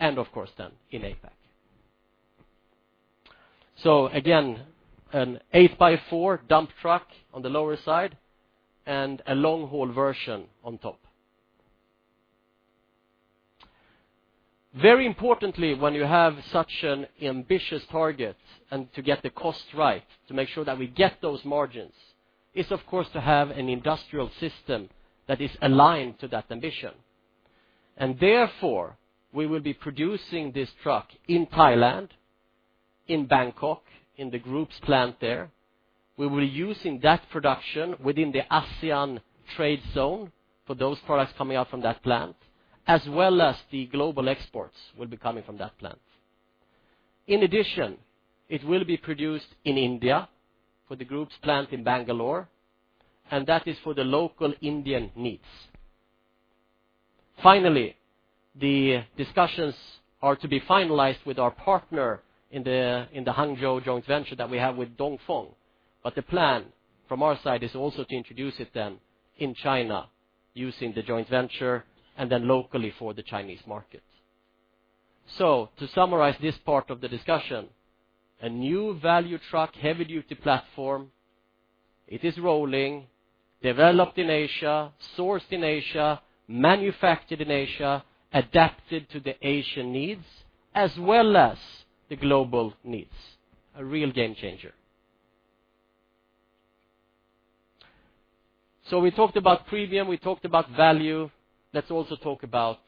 and of course in APAC. Again, an eight by four dump truck on the lower side and a long-haul version on top. Very importantly, when you have such an ambitious target and to get the cost right, to make sure that we get those margins, is of course to have an industrial system that is aligned to that ambition. Therefore, we will be producing this truck in Thailand, in Bangkok, in the group's plant there. We will be using that production within the ASEAN trade zone for those products coming out from that plant, as well as the global exports will be coming from that plant. In addition, it will be produced in India for the group's plant in Bangalore, and that is for the local Indian needs. Finally, the discussions are to be finalized with our partner in the Hangzhou joint venture that we have with Dongfeng. The plan from our side is also to introduce it then in China, using the joint venture and then locally for the Chinese market. To summarize this part of the discussion, a new value truck, heavy-duty platform, it is rolling, developed in Asia, sourced in Asia, manufactured in Asia, adapted to the Asian needs as well as the global needs. A real game changer. We talked about premium, we talked about value. Let's also talk about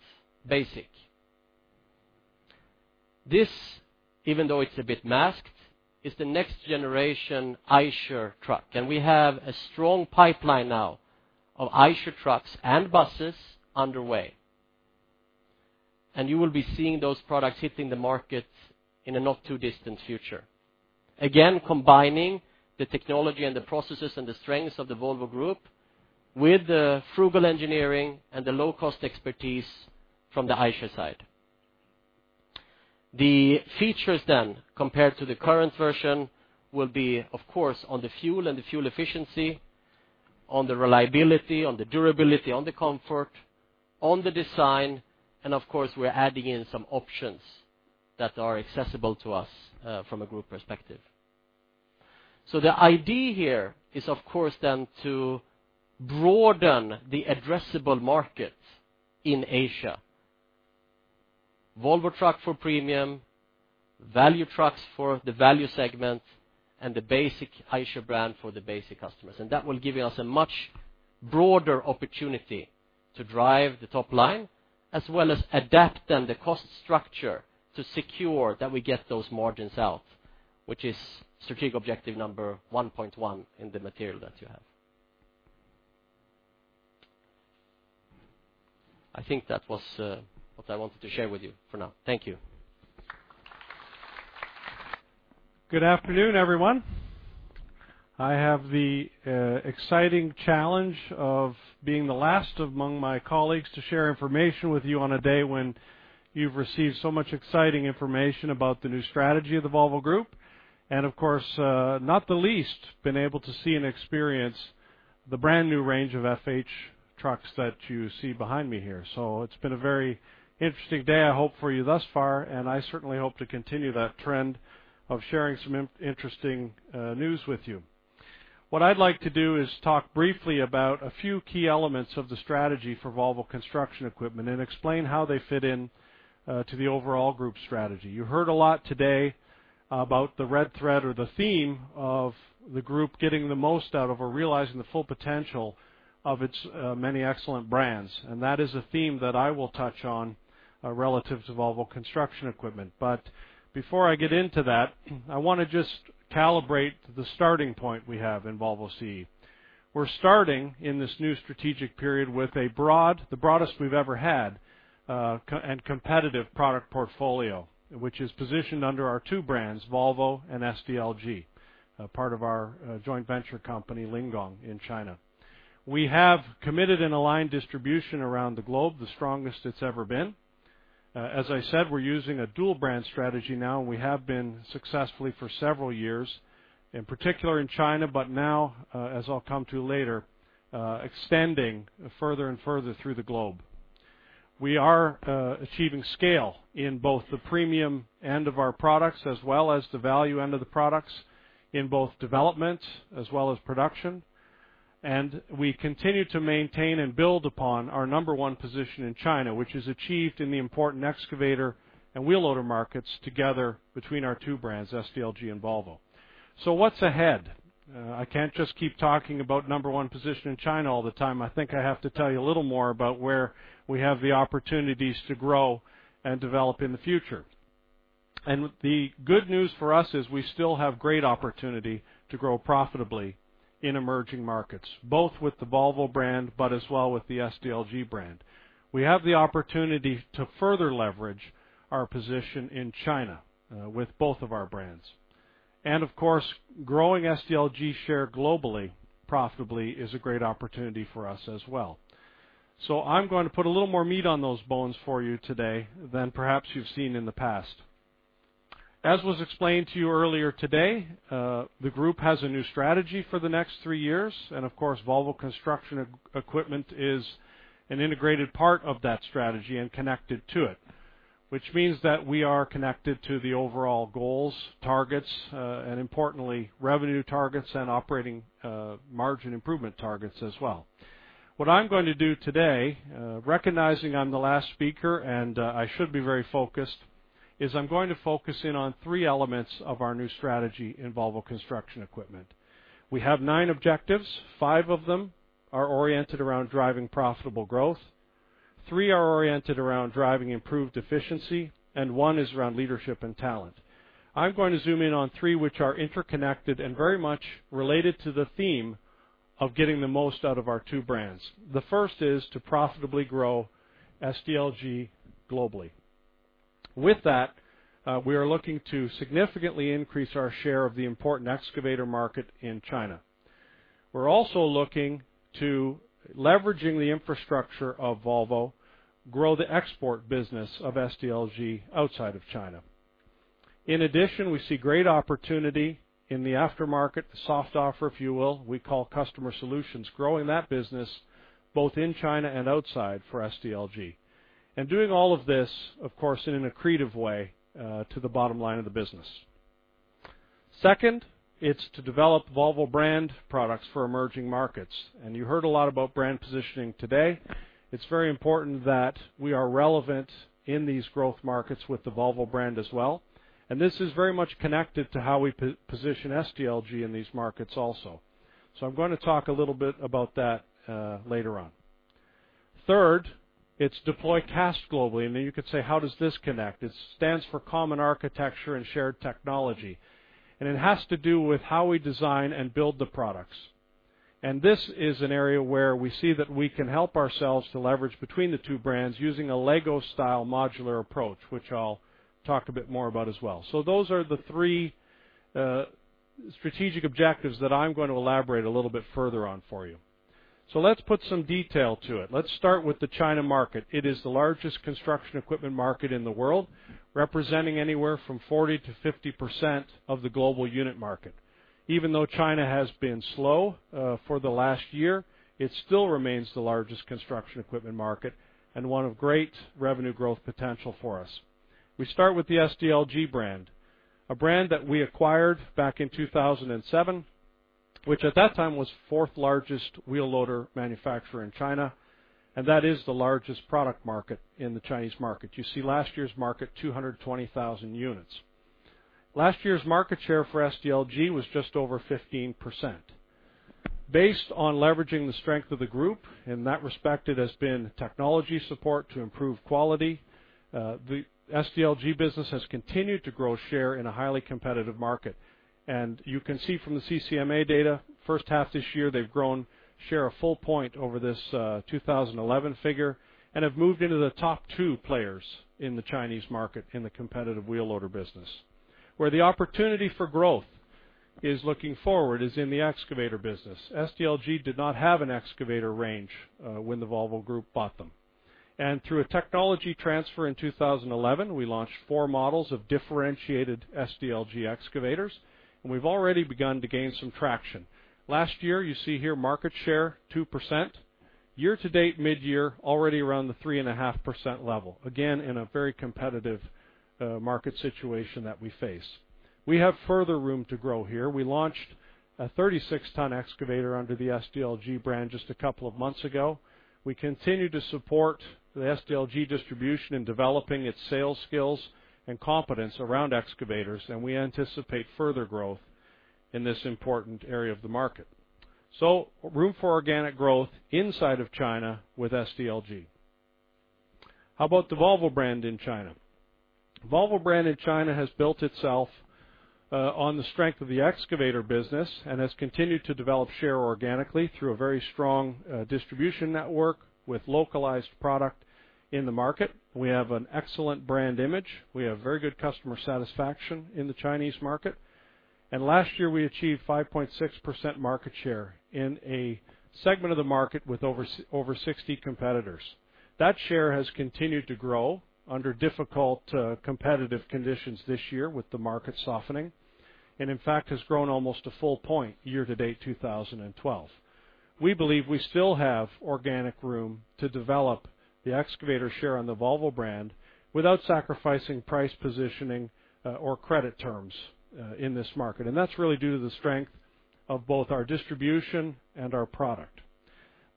basic. This, even though it's a bit masked, is the next generation Eicher truck. We have a strong pipeline now of Eicher trucks and buses underway. You will be seeing those products hitting the market in a not too distant future. Again, combining the technology and the processes and the strengths of the Volvo Group with the frugal engineering and the low-cost expertise from the Eicher side. The features then, compared to the current version, will be, of course, on the fuel and the fuel efficiency, on the reliability, on the durability, on the comfort, on the design, and of course, we're adding in some options that are accessible to us from a group perspective. The idea here is, of course then, to broaden the addressable market in Asia. Volvo Truck for premium, value trucks for the value segment, and the basic Eicher brand for the basic customers. That will give us a much broader opportunity to drive the top line as well as adapt the cost structure to secure that we get those margins out, which is strategic objective number 1.1 in the material that you have. I think that was what I wanted to share with you for now. Thank you. Good afternoon, everyone. I have the exciting challenge of being the last among my colleagues to share information with you on a day when you've received so much exciting information about the new strategy of the Volvo Group. Of course, not the least, been able to see and experience the brand new range of FH trucks that you see behind me here. It's been a very interesting day, I hope, for you thus far, and I certainly hope to continue that trend of sharing some interesting news with you. What I'd like to do is talk briefly about a few key elements of the strategy for Volvo Construction Equipment and explain how they fit in to the overall group strategy. You heard a lot today about the red thread or the theme of the group getting the most out of, or realizing the full potential of its many excellent brands. That is a theme that I will touch on relative to Volvo Construction Equipment. Before I get into that, I want to just calibrate the starting point we have in Volvo CE. We are starting in this new strategic period with a broad, the broadest we have ever had, and competitive product portfolio, which is positioned under our two brands, Volvo and SDLG, part of our joint venture company, Lingong, in China. We have committed and aligned distribution around the globe, the strongest it has ever been. As I said, we're using a dual brand strategy now, and we have been successfully for several years, in particular in China, but now, as I'll come to later, extending further and further through the globe. We are achieving scale in both the premium end of our products as well as the value end of the products in both development as well as production. We continue to maintain and build upon our number one position in China, which is achieved in the important excavator and wheel loader markets together between our two brands, SDLG and Volvo. What's ahead? I can't just keep talking about number one position in China all the time. I think I have to tell you a little more about where we have the opportunities to grow and develop in the future. The good news for us is we still have great opportunity to grow profitably in emerging markets, both with the Volvo brand, but as well with the SDLG brand. We have the opportunity to further leverage our position in China with both of our brands. Of course, growing SDLG share globally profitably is a great opportunity for us as well. I'm going to put a little more meat on those bones for you today than perhaps you've seen in the past. As was explained to you earlier today, the group has a new strategy for the next three years, and of course, Volvo Construction Equipment is an integrated part of that strategy and connected to it, which means that we are connected to the overall goals, targets, and importantly, revenue targets and operating margin improvement targets as well. What I'm going to do today, recognizing I'm the last speaker and I should be very focused, is I'm going to focus in on three elements of our new strategy in Volvo Construction Equipment. We have nine objectives. Five of them are oriented around driving profitable growth, three are oriented around driving improved efficiency, and one is around leadership and talent. I'm going to zoom in on three, which are interconnected and very much related to the theme of getting the most out of our two brands. The first is to profitably grow SDLG globally. With that, we are looking to significantly increase our share of the important excavator market in China. We're also looking to leveraging the infrastructure of Volvo, grow the export business of SDLG outside of China. In addition, we see great opportunity in the aftermarket, the soft offer, if you will, we call customer solutions, growing that business both in China and outside for SDLG. Doing all of this, of course, in an accretive way, to the bottom line of the business. Second, it's to develop Volvo brand products for emerging markets. You heard a lot about brand positioning today. It's very important that we are relevant in these growth markets with the Volvo brand as well, and this is very much connected to how we position SDLG in these markets also. I'm going to talk a little bit about that later on. Third, it's deploy CAST globally. You could say, "How does this connect?" It stands for Common Architecture and Shared Technology, and it has to do with how we design and build the products. This is an area where we see that we can help ourselves to leverage between the two brands using a Lego-style modular approach, which I'll talk a bit more about as well. Those are the three strategic objectives that I'm going to elaborate a little bit further on for you. Let's put some detail to it. Let's start with the China market. It is the largest construction equipment market in the world, representing anywhere from 40%-50% of the global unit market. Even though China has been slow for the last year, it still remains the largest construction equipment market and one of great revenue growth potential for us. We start with the SDLG brand, a brand that we acquired back in 2007, which at that time was fourth largest wheel loader manufacturer in China, and that is the largest product market in the Chinese market. You see last year's market, 220,000 units. Last year's market share for SDLG was just over 15%. Based on leveraging the strength of the group, in that respect, it has been technology support to improve quality. The SDLG business has continued to grow share in a highly competitive market. You can see from the CCMA data, first half this year, they've grown share a full point over this 2011 figure and have moved into the top 2 players in the Chinese market in the competitive wheel loader business. Where the opportunity for growth is looking forward is in the excavator business. SDLG did not have an excavator range when the Volvo Group bought them. Through a technology transfer in 2011, we launched four models of differentiated SDLG excavators, and we've already begun to gain some traction. Last year, you see here market share, 2%. Year to date, mid-year, already around the 3.5% level, again, in a very competitive market situation that we face. We have further room to grow here. We launched a 36-ton excavator under the SDLG brand just a couple of months ago. We continue to support the SDLG distribution in developing its sales skills and competence around excavators, and we anticipate further growth in this important area of the market. Room for organic growth inside of China with SDLG. How about the Volvo brand in China? Volvo brand in China has built itself on the strength of the excavator business and has continued to develop share organically through a very strong distribution network with localized product in the market. We have an excellent brand image. We have very good customer satisfaction in the Chinese market. Last year, we achieved 5.6% market share in a segment of the market with over 60 competitors. That share has continued to grow under difficult competitive conditions this year with the market softening, in fact, has grown almost a full point year to date 2012. We believe we still have organic room to develop the excavator share on the Volvo brand without sacrificing price positioning or credit terms in this market. That's really due to the strength of both our distribution and our product.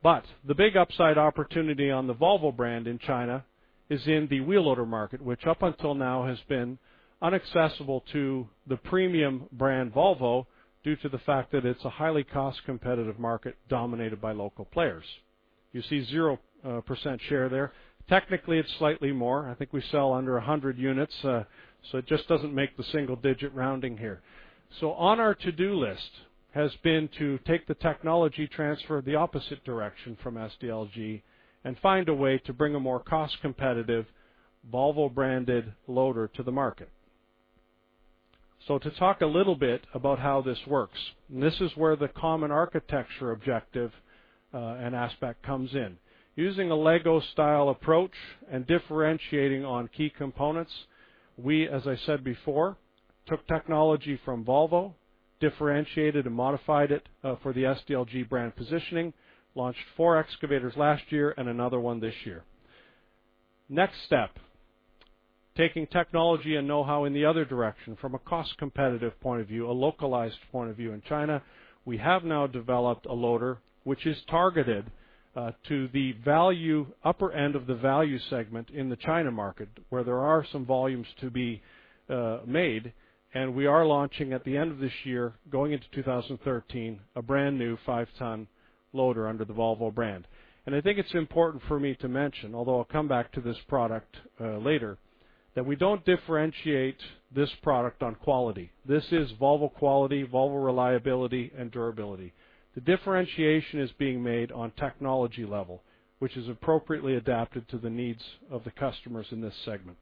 The big upside opportunity on the Volvo brand in China is in the wheel loader market, which up until now has been unaccessible to the premium brand Volvo due to the fact that it's a highly cost-competitive market dominated by local players. You see 0% share there. Technically, it's slightly more. I think we sell under 100 units so it just doesn't make the single digit rounding here. On our to-do list has been to take the technology transfer the opposite direction from SDLG and find a way to bring a more cost-competitive Volvo-branded loader to the market. To talk a little bit about how this works, this is where the common architecture objective and aspect comes in. Using a Lego style approach and differentiating on key components, we, as I said before, took technology from Volvo, differentiated and modified it for the SDLG brand positioning, launched four excavators last year and another one this year. Next step Taking technology and know-how in the other direction from a cost competitive point of view, a localized point of view in China, we have now developed a loader which is targeted to the upper end of the value segment in the China market, where there are some volumes to be made. We are launching at the end of this year, going into 2013, a brand new five ton loader under the Volvo brand. I think it's important for me to mention, although I'll come back to this product later, that we don't differentiate this product on quality. This is Volvo quality, Volvo reliability and durability. The differentiation is being made on technology level, which is appropriately adapted to the needs of the customers in this segment.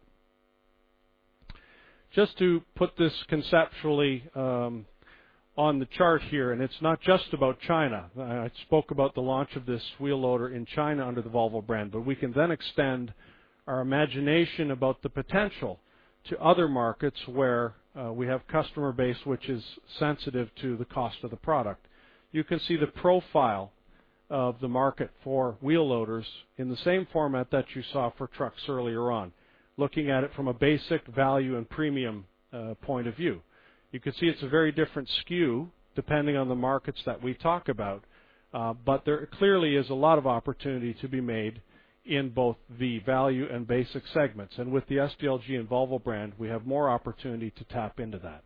Just to put this conceptually on the chart here, it's not just about China. I spoke about the launch of this wheel loader in China under the Volvo brand. We can then extend our imagination about the potential to other markets where we have customer base, which is sensitive to the cost of the product. You can see the profile of the market for wheel loaders in the same format that you saw for trucks earlier on. Looking at it from a basic value and premium point of view. You can see it's a very different skew depending on the markets that we talk about. There clearly is a lot of opportunity to be made in both the value and basic segments. With the SDLG and Volvo brand, we have more opportunity to tap into that.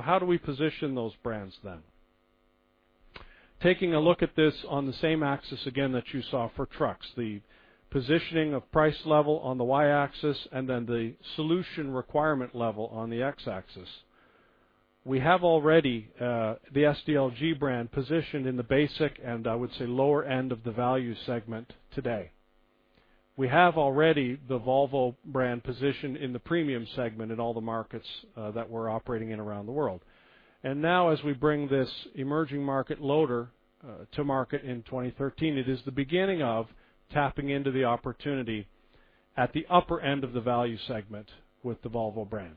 How do we position those brands then? Taking a look at this on the same axis again that you saw for trucks, the positioning of price level on the y-axis and then the solution requirement level on the x-axis. We have already the SDLG brand positioned in the basic, and I would say lower end of the value segment today. We have already the Volvo brand positioned in the premium segment in all the markets that we're operating in around the world. As we bring this emerging market loader to market in 2013, it is the beginning of tapping into the opportunity at the upper end of the value segment with the Volvo brand.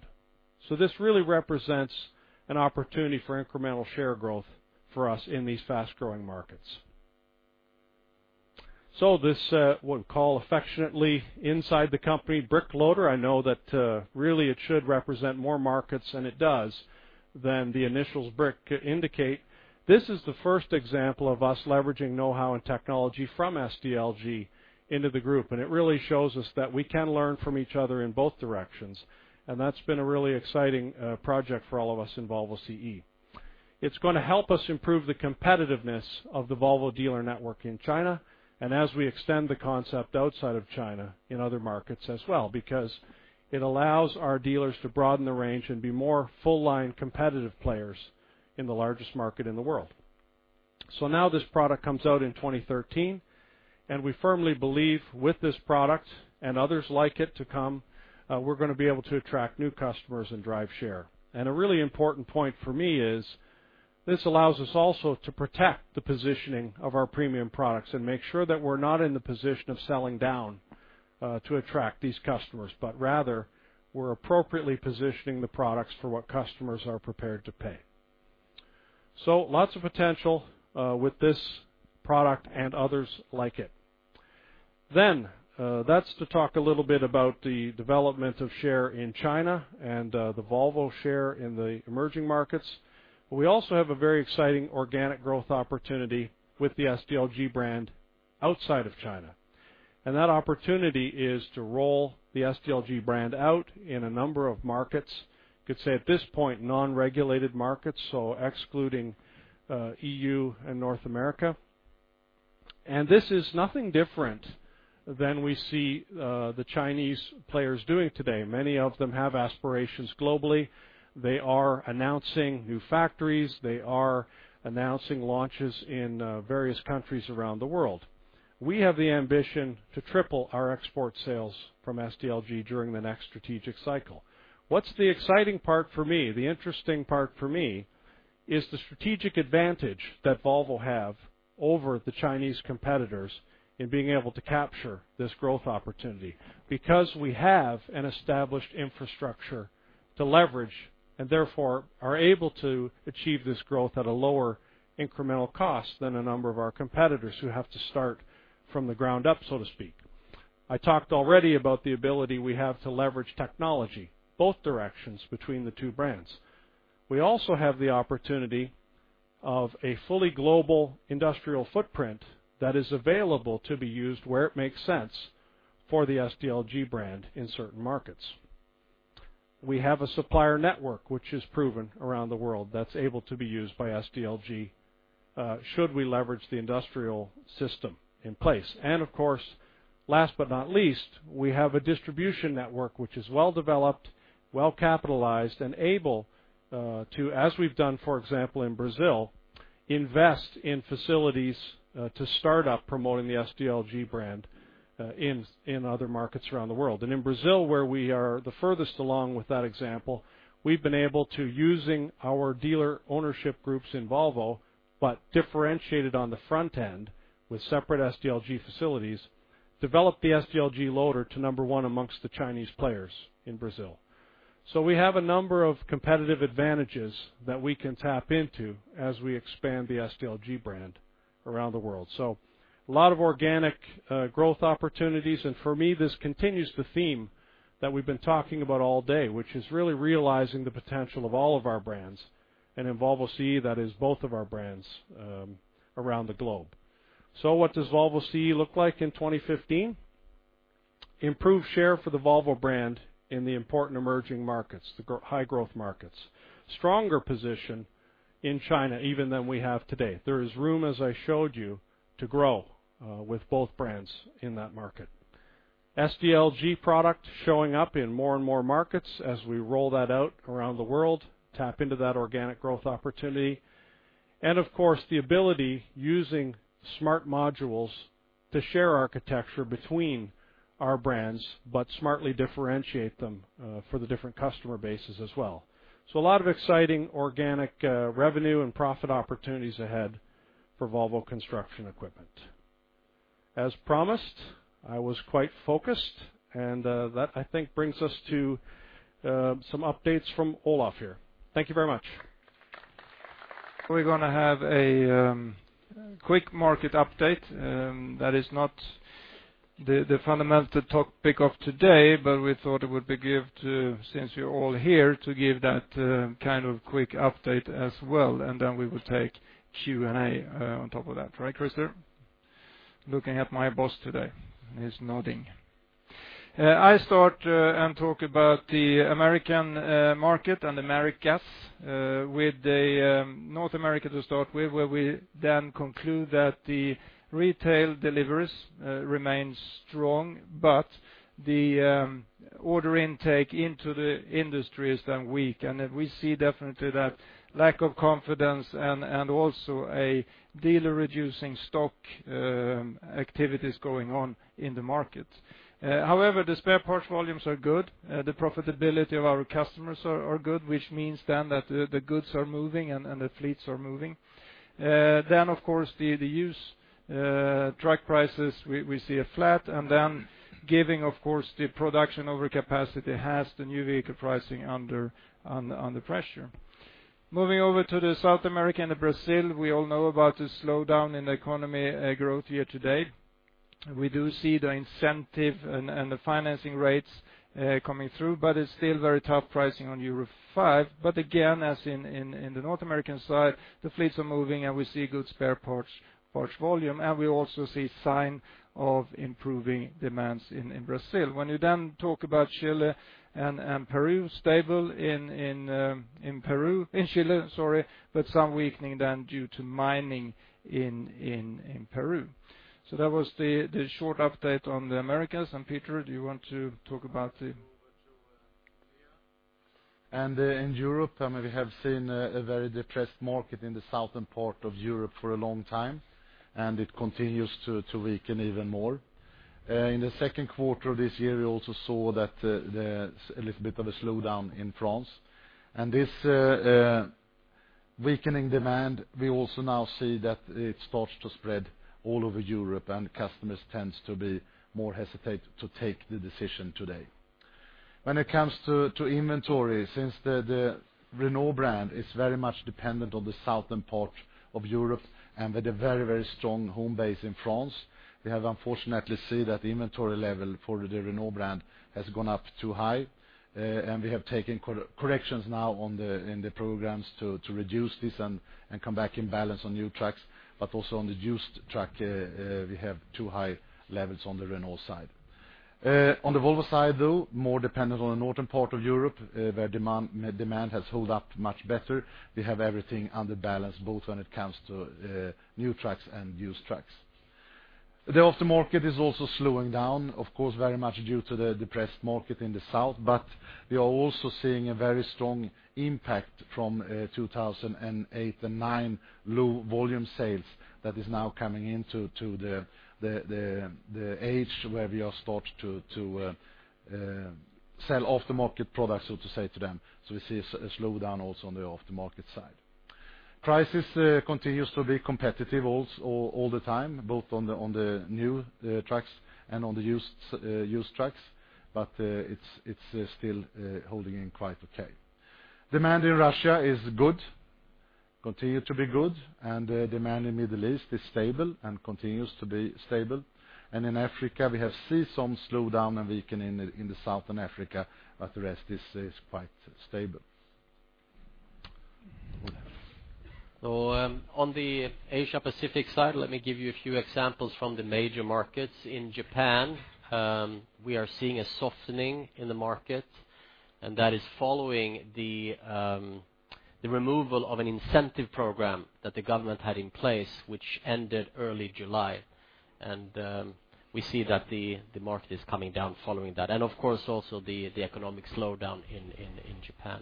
This really represents an opportunity for incremental share growth for us in these fast-growing markets. This, we call affectionately inside the company BRIC loader. I know that really it should represent more markets than it does, than the initials BRIC indicate. This is the first example of us leveraging knowhow and technology from SDLG into the group. It really shows us that we can learn from each other in both directions, and that's been a really exciting project for all of us in Volvo CE. It's going to help us improve the competitiveness of the Volvo dealer network in China, and as we extend the concept outside of China in other markets as well, because it allows our dealers to broaden the range and be more full line competitive players in the largest market in the world. Now this product comes out in 2013, and we firmly believe with this product and others like it to come, we're going to be able to attract new customers and drive share. A really important point for me is this allows us also to protect the positioning of our premium products and make sure that we're not in the position of selling down to attract these customers, but rather we're appropriately positioning the products for what customers are prepared to pay. Lots of potential with this product and others like it. That's to talk a little bit about the development of share in China and the Volvo share in the emerging markets. We also have a very exciting organic growth opportunity with the SDLG brand outside of China. That opportunity is to roll the SDLG brand out in a number of markets. You could say at this point, non-regulated markets, so excluding EU and North America. This is nothing different than we see the Chinese players doing today. Many of them have aspirations globally. They are announcing new factories. They are announcing launches in various countries around the world. We have the ambition to triple our export sales from SDLG during the next strategic cycle. What's the exciting part for me? The interesting part for me is the strategic advantage that Volvo have over the Chinese competitors in being able to capture this growth opportunity because we have an established infrastructure to leverage, and therefore are able to achieve this growth at a lower incremental cost than a number of our competitors who have to start from the ground up, so to speak. I talked already about the ability we have to leverage technology, both directions between the two brands. We also have the opportunity of a fully global industrial footprint that is available to be used where it makes sense for the SDLG brand in certain markets. We have a supplier network which is proven around the world that's able to be used by SDLG, should we leverage the industrial system in place. Of course, last but not least, we have a distribution network which is well developed, well capitalized, and able to, as we've done, for example, in Brazil, invest in facilities to start up promoting the SDLG brand in other markets around the world. In Brazil, where we are the furthest along with that example, we've been able to using our dealer ownership groups in Volvo, but differentiated on the front end with separate SDLG facilities, develop the SDLG loader to number 1 amongst the Chinese players in Brazil. We have a number of competitive advantages that we can tap into as we expand the SDLG brand around the world. A lot of organic growth opportunities, and for me, this continues the theme that we've been talking about all day, which is really realizing the potential of all of our brands, and in Volvo CE, that is both of our brands around the globe. What does Volvo CE look like in 2015? Improved share for the Volvo brand in the important emerging markets, the high growth markets. Stronger position in China, even than we have today. There is room, as I showed you, to grow with both brands in that market. SDLG product showing up in more and more markets as we roll that out around the world, tap into that organic growth opportunity. Of course, the ability using smart modules to share architecture between our brands, but smartly differentiate them for the different customer bases as well. A lot of exciting organic revenue and profit opportunities ahead for Volvo Construction Equipment. As promised, I was quite focused, and that I think brings us to some updates from Olof here. Thank you very much. We're going to have a quick market update. That is not the fundamental topic of today, but we thought it would be good, since you're all here, to give that kind of quick update as well, Then we will take Q&A on top of that. Right, Christer? Looking at my boss today, He's nodding. I start and talk about the American market and Americas, with North America to start with, where we then conclude that the retail deliveries remain strong, but the order intake into the industry is then weak. We see definitely that lack of confidence and also a dealer reducing stock activities going on in the market. However, the spare parts volumes are good. The profitability of our customers are good, which means then that the goods are moving and the fleets are moving. Of course, the used truck prices we see are flat, and then giving, of course, the production overcapacity has the new vehicle pricing under pressure. Moving over to South America and Brazil, we all know about the slowdown in the economy growth year-to-date. We do see the incentive and the financing rates coming through, but it's still very tough pricing on Euro V. Again, as in the North American side, the fleets are moving, and we see good spare parts volume, and we also see sign of improving demands in Brazil. When you then talk about Chile and Peru, stable in Chile, but some weakening then due to mining in Peru. That was the short update on the Americas, and Peter, do you want to talk about the- In Europe, we have seen a very depressed market in the southern part of Europe for a long time, and it continues to weaken even more. In the second quarter of this year, we also saw a little bit of a slowdown in France. This weakening demand, we also now see that it starts to spread all over Europe, and customers tends to be more hesitant to take the decision today. When it comes to inventory, since the Renault brand is very much dependent on the southern part of Europe and with a very strong home base in France, we have unfortunately seen that the inventory level for the Renault brand has gone up too high. We have taken corrections now in the programs to reduce this and come back in balance on new trucks, but also on the used truck, we have too high levels on the Renault side. On the Volvo side, though, more dependent on the northern part of Europe, where demand has held up much better. We have everything under balance, both when it comes to new trucks and used trucks. The aftermarket is also slowing down, of course, very much due to the depressed market in the south, but we are also seeing a very strong impact from 2008 and 2009 low volume sales that is now coming into the age where we are start to sell off-the-market products, so to say, to them. We see a slowdown also on the off-the-market side. Prices continues to be competitive all the time, both on the new trucks and on the used trucks, but it's still holding in quite okay. Demand in Russia is good, continue to be good, and demand in Middle East is stable and continues to be stable. In Africa, we have seen some slowdown and weakening in Southern Africa, but the rest is quite stable. On the Asia Pacific side, let me give you a few examples from the major markets. In Japan, we are seeing a softening in the market, that is following the removal of an incentive program that the government had in place, which ended early July. We see that the market is coming down following that. Of course, also the economic slowdown in Japan.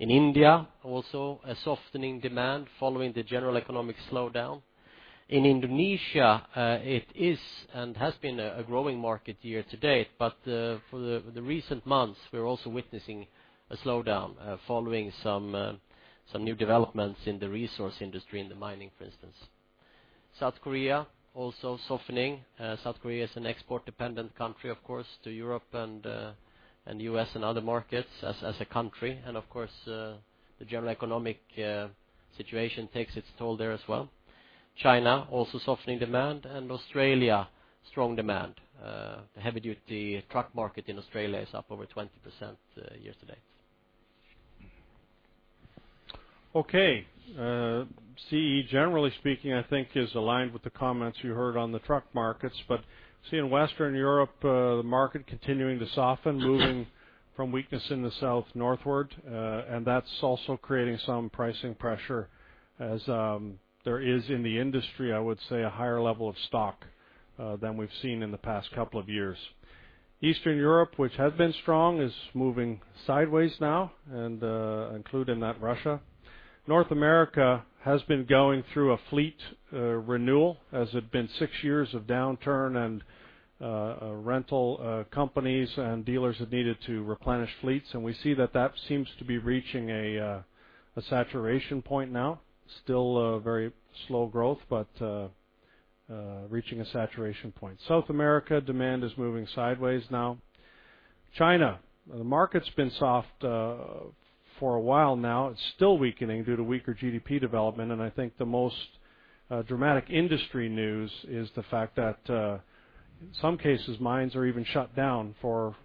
In India, also a softening demand following the general economic slowdown. In Indonesia, it is and has been a growing market year to date, but for the recent months, we're also witnessing a slowdown following some new developments in the resource industry, in the mining, for instance. South Korea also softening. South Korea is an export-dependent country, of course, to Europe and U.S. and other markets as a country. Of course, the general economic situation takes its toll there as well. China, also softening demand, and Australia, strong demand. The heavy-duty truck market in Australia is up over 20% year to date. Okay. CE, generally speaking, I think is aligned with the comments you heard on the truck markets, but see in Western Europe, the market continuing to soften, moving from weakness in the south northward. That's also creating some pricing pressure as there is in the industry, I would say, a higher level of stock, than we've seen in the past couple of years. Eastern Europe, which has been strong, is moving sideways now, and include in that Russia. North America has been going through a fleet renewal, as it had been 6 years of downturn and rental companies and dealers had needed to replenish fleets, and we see that that seems to be reaching a saturation point now. Still very slow growth, but reaching a saturation point. South America, demand is moving sideways now. China, the market's been soft for a while now. It's still weakening due to weaker GDP development, and I think the most dramatic industry news is the fact that, in some cases, mines are even shut down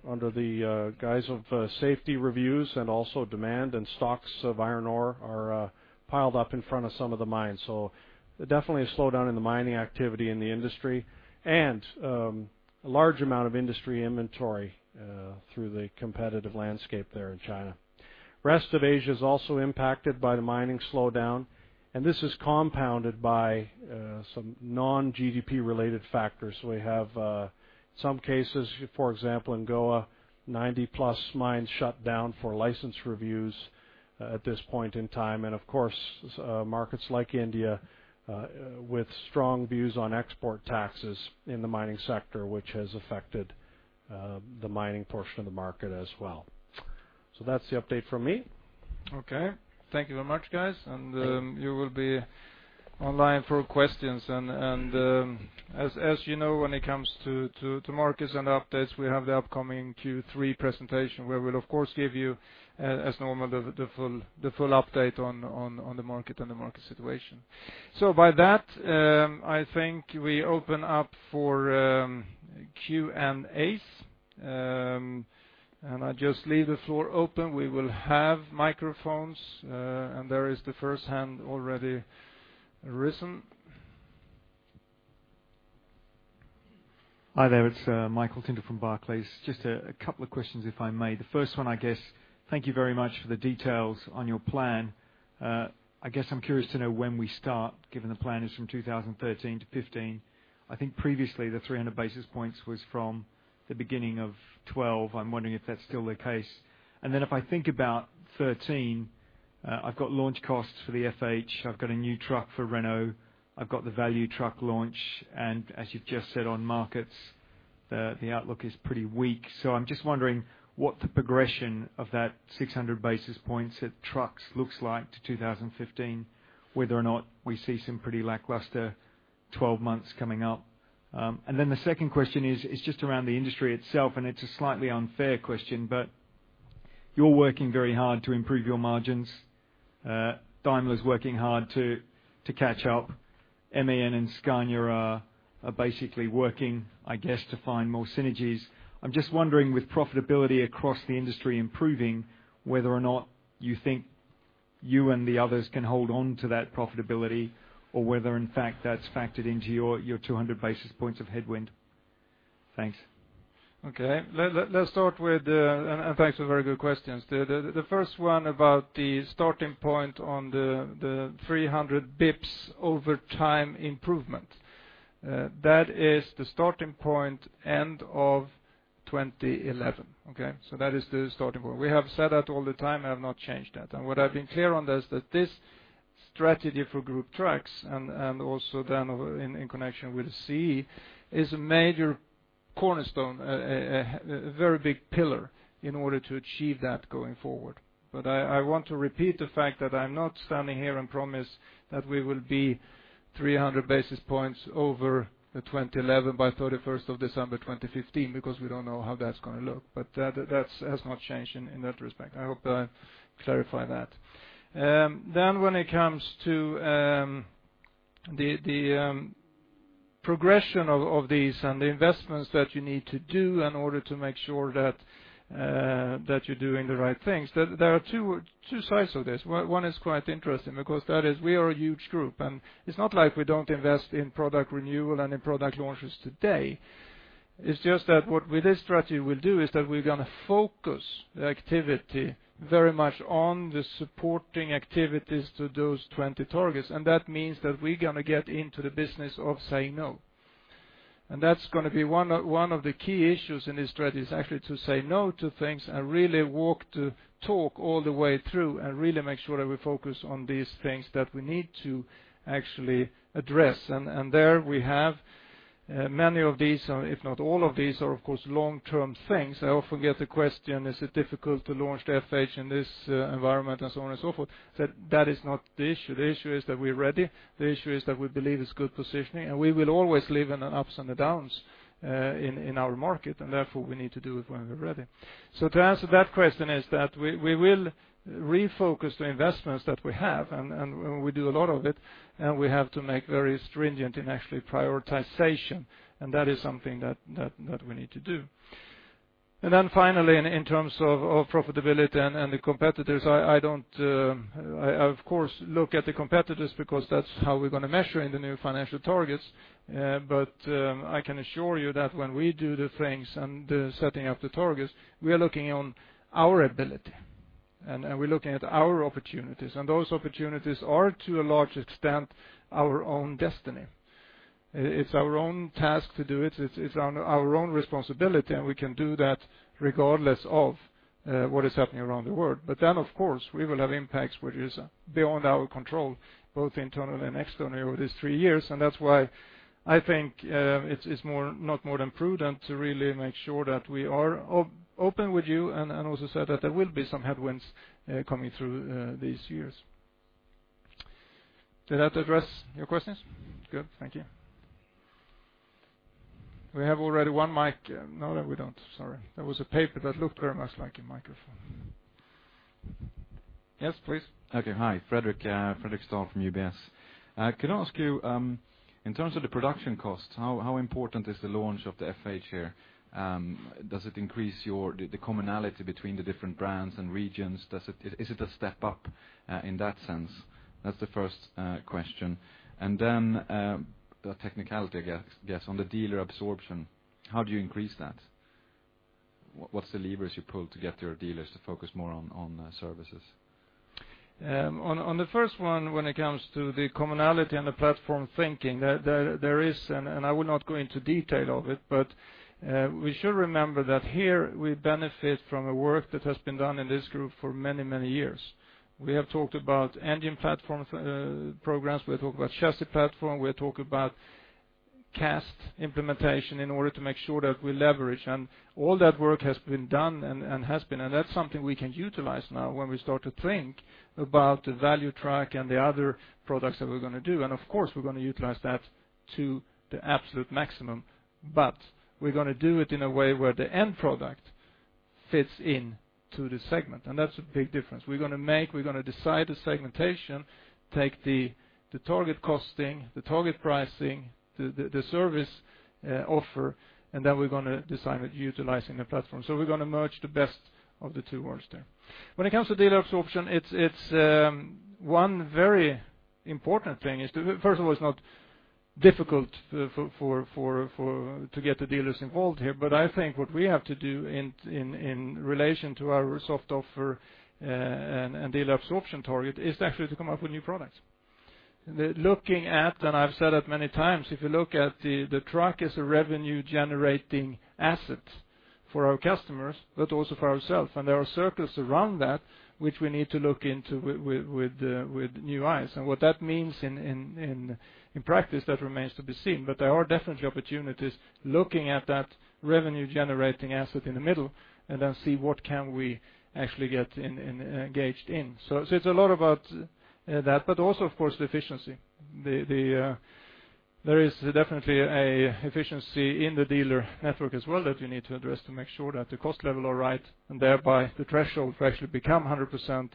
under the guise of safety reviews and also demand and stocks of iron ore are piled up in front of some of the mines. Definitely a slowdown in the mining activity in the industry and a large amount of industry inventory through the competitive landscape there in China. Rest of Asia is also impacted by the mining slowdown, and this is compounded by some non-GDP related factors. We have some cases, for example, in Goa, 90-plus mines shut down for license reviews at this point in time. Of course, markets like India, with strong views on export taxes in the mining sector, which has affected the mining portion of the market as well. That's the update from me. Okay. Thank you very much, guys. You will be online for questions. As you know, when it comes to markets and updates, we have the upcoming Q3 presentation where we will of course give you, as normal, the full update on the market and the market situation. By that, I think we open up for Q&As. I just leave the floor open. We will have microphones, and there is the first hand already risen. Hi there, it's Michael Tyndall from Barclays. Just a couple of questions, if I may. The first one, I guess, thank you very much for the details on your plan. I guess I'm curious to know when we start, given the plan is from 2013 to 2015. I think previously the 300 basis points was from the beginning of 2012. I'm wondering if that's still the case. Then if I think about 2013, I've got launch costs for the FH, I've got a new truck for Renault, I've got the value truck launch. As you've just said on markets, the outlook is pretty weak. I'm just wondering what the progression of that 600 basis points at trucks looks like to 2015, whether or not we see some pretty lackluster 12 months coming up. Then the second question is just around the industry itself, and it's a slightly unfair question, but you're working very hard to improve your margins. Daimler's working hard to catch up. MAN and Scania are basically working, I guess, to find more synergies. I'm just wondering, with profitability across the industry improving, whether or not you think you and the others can hold on to that profitability, or whether, in fact, that's factored into your 200 basis points of headwind. Thanks. Okay. Let's start with the, and thanks for very good questions. The first one about the starting point on the 300 bips over time improvement. That is the starting point end of 2011. Okay? That is the starting point. We have said that all the time, have not changed that. What I've been clear on this, that this strategy for Group Trucks and also then in connection with CE, is a major cornerstone, a very big pillar in order to achieve that going forward. I want to repeat the fact that I'm not standing here and promise that we will be 300 basis points over the 2011 by 31st of December 2015, because we don't know how that's going to look. That has not changed in that respect. I hope that I clarify that. When it comes to the progression of these and the investments that you need to do in order to make sure that you are doing the right things, there are two sides of this. One is quite interesting because that is, we are a huge group. It is not like we do not invest in product renewal and in product launches today. It is just that what with this strategy we will do is that we are going to focus the activity very much on the supporting activities to those 20 targets. That means that we are going to get into the business of saying no. That is going to be one of the key issues in this strategy, is actually to say no to things and really walk the talk all the way through and really make sure that we focus on these things that we need to actually address. There we have Many of these, if not all of these are, of course, long-term things. I often get the question, is it difficult to launch the Volvo FH in this environment and so on and so forth. That is not the issue. The issue is that we are ready. The issue is that we believe it is good positioning. We will always live in the ups and the downs in our market. Therefore, we need to do it when we are ready. To answer that question is that we will refocus the investments that we have. We do a lot of it. We have to make very stringent in actually prioritization. That is something that we need to do. Finally, in terms of profitability and the competitors, I of course look at the competitors because that is how we are going to measure in the new financial targets. I can assure you that when we do the things and the setting of the targets, we are looking on our ability. We are looking at our opportunities. Those opportunities are to a large extent our own destiny. It is our own task to do it. It is our own responsibility. We can do that regardless of what is happening around the world. Of course, we will have impacts which is beyond our control, both internal and external, over these three years. That is why I think it is not more than prudent to really make sure that we are open with you and also say that there will be some headwinds coming through these years. Did that address your questions? Good. Thank you. We have already one mic. No, we do not. Sorry. That was a paper that looked very much like a microphone. Yes, please. Okay. Hi, Fredrik Stahl from UBS. Could I ask you, in terms of the production costs, how important is the launch of the FH here? Does it increase the commonality between the different brands and regions? Is it a step up in that sense? That's the first question. Then a technicality, I guess, on the dealer absorption, how do you increase that? What's the levers you pull to get your dealers to focus more on services? On the first one, when it comes to the commonality and the platform thinking, there is, and I will not go into detail of it, but we should remember that here we benefit from a work that has been done in this group for many, many years. We have talked about engine platforms programs, we have talked about chassis platform, we have talked about CAST implementation in order to make sure that we leverage. All that work has been done, and that's something we can utilize now when we start to think about the value truck and the other products that we're going to do. Of course, we're going to utilize that to the absolute maximum. We're going to do it in a way where the end product fits in to the segment, and that's a big difference. We're going to decide the segmentation, take the target costing, the target pricing, the service offer, and then we're going to design it utilizing the platform. We're going to merge the best of the two worlds there. When it comes to dealer absorption, one very important thing is, first of all, it's not difficult to get the dealers involved here, but I think what we have to do in relation to our soft offer and dealer absorption target is actually to come up with new products. Looking at, and I've said it many times, if you look at the truck as a revenue-generating asset for our customers, but also for ourselves, and there are circles around that which we need to look into with new eyes, and what that means in practice, that remains to be seen. There are definitely opportunities looking at that revenue-generating asset in the middle and then see what can we actually get engaged in. It's a lot about that, but also, of course, the efficiency. There is definitely an efficiency in the dealer network as well that we need to address to make sure that the cost level is right, and thereby the threshold to actually become 100%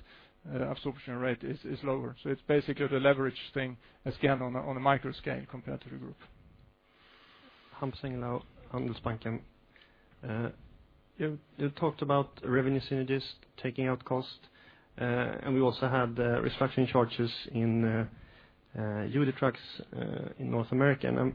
absorption rate is lower. It's basically the leverage thing again on a micro scale compared to the group. Hampus Engellau, Handelsbanken. You talked about revenue synergies taking out cost. We also had restructuring charges in UD Trucks in North America.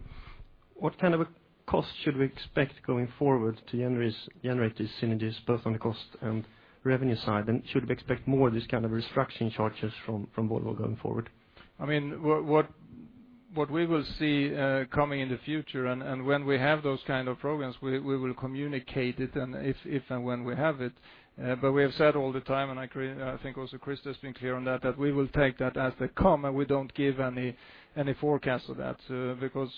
What kind of a cost should we expect going forward to generate these synergies both on the cost and revenue side? Should we expect more of this kind of restructuring charges from Volvo going forward? What we will see coming in the future. When we have those kind of programs, we will communicate it, if and when we have it. We have said all the time, and I think also Christer's been clear on that we will take that as they come, and we don't give any forecast for that because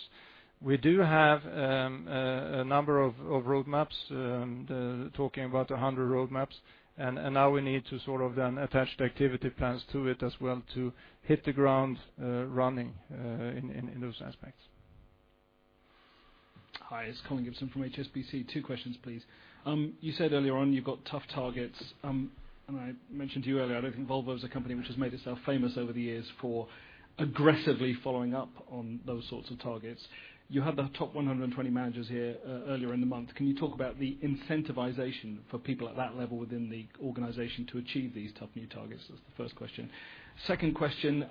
we do have a number of roadmaps, talking about 100 roadmaps. Now we need to sort of then attach the activity plans to it as well to hit the ground running in those aspects. Hi, it's Colin Gibson from HSBC. Two questions, please. You said earlier on you've got tough targets. I mentioned to you earlier, I think Volvo is a company which has made itself famous over the years for aggressively following up on those sorts of targets. You had the top 120 managers here earlier in the month. Can you talk about the incentivization for people at that level within the organization to achieve these tough new targets? That's the first question. Second question,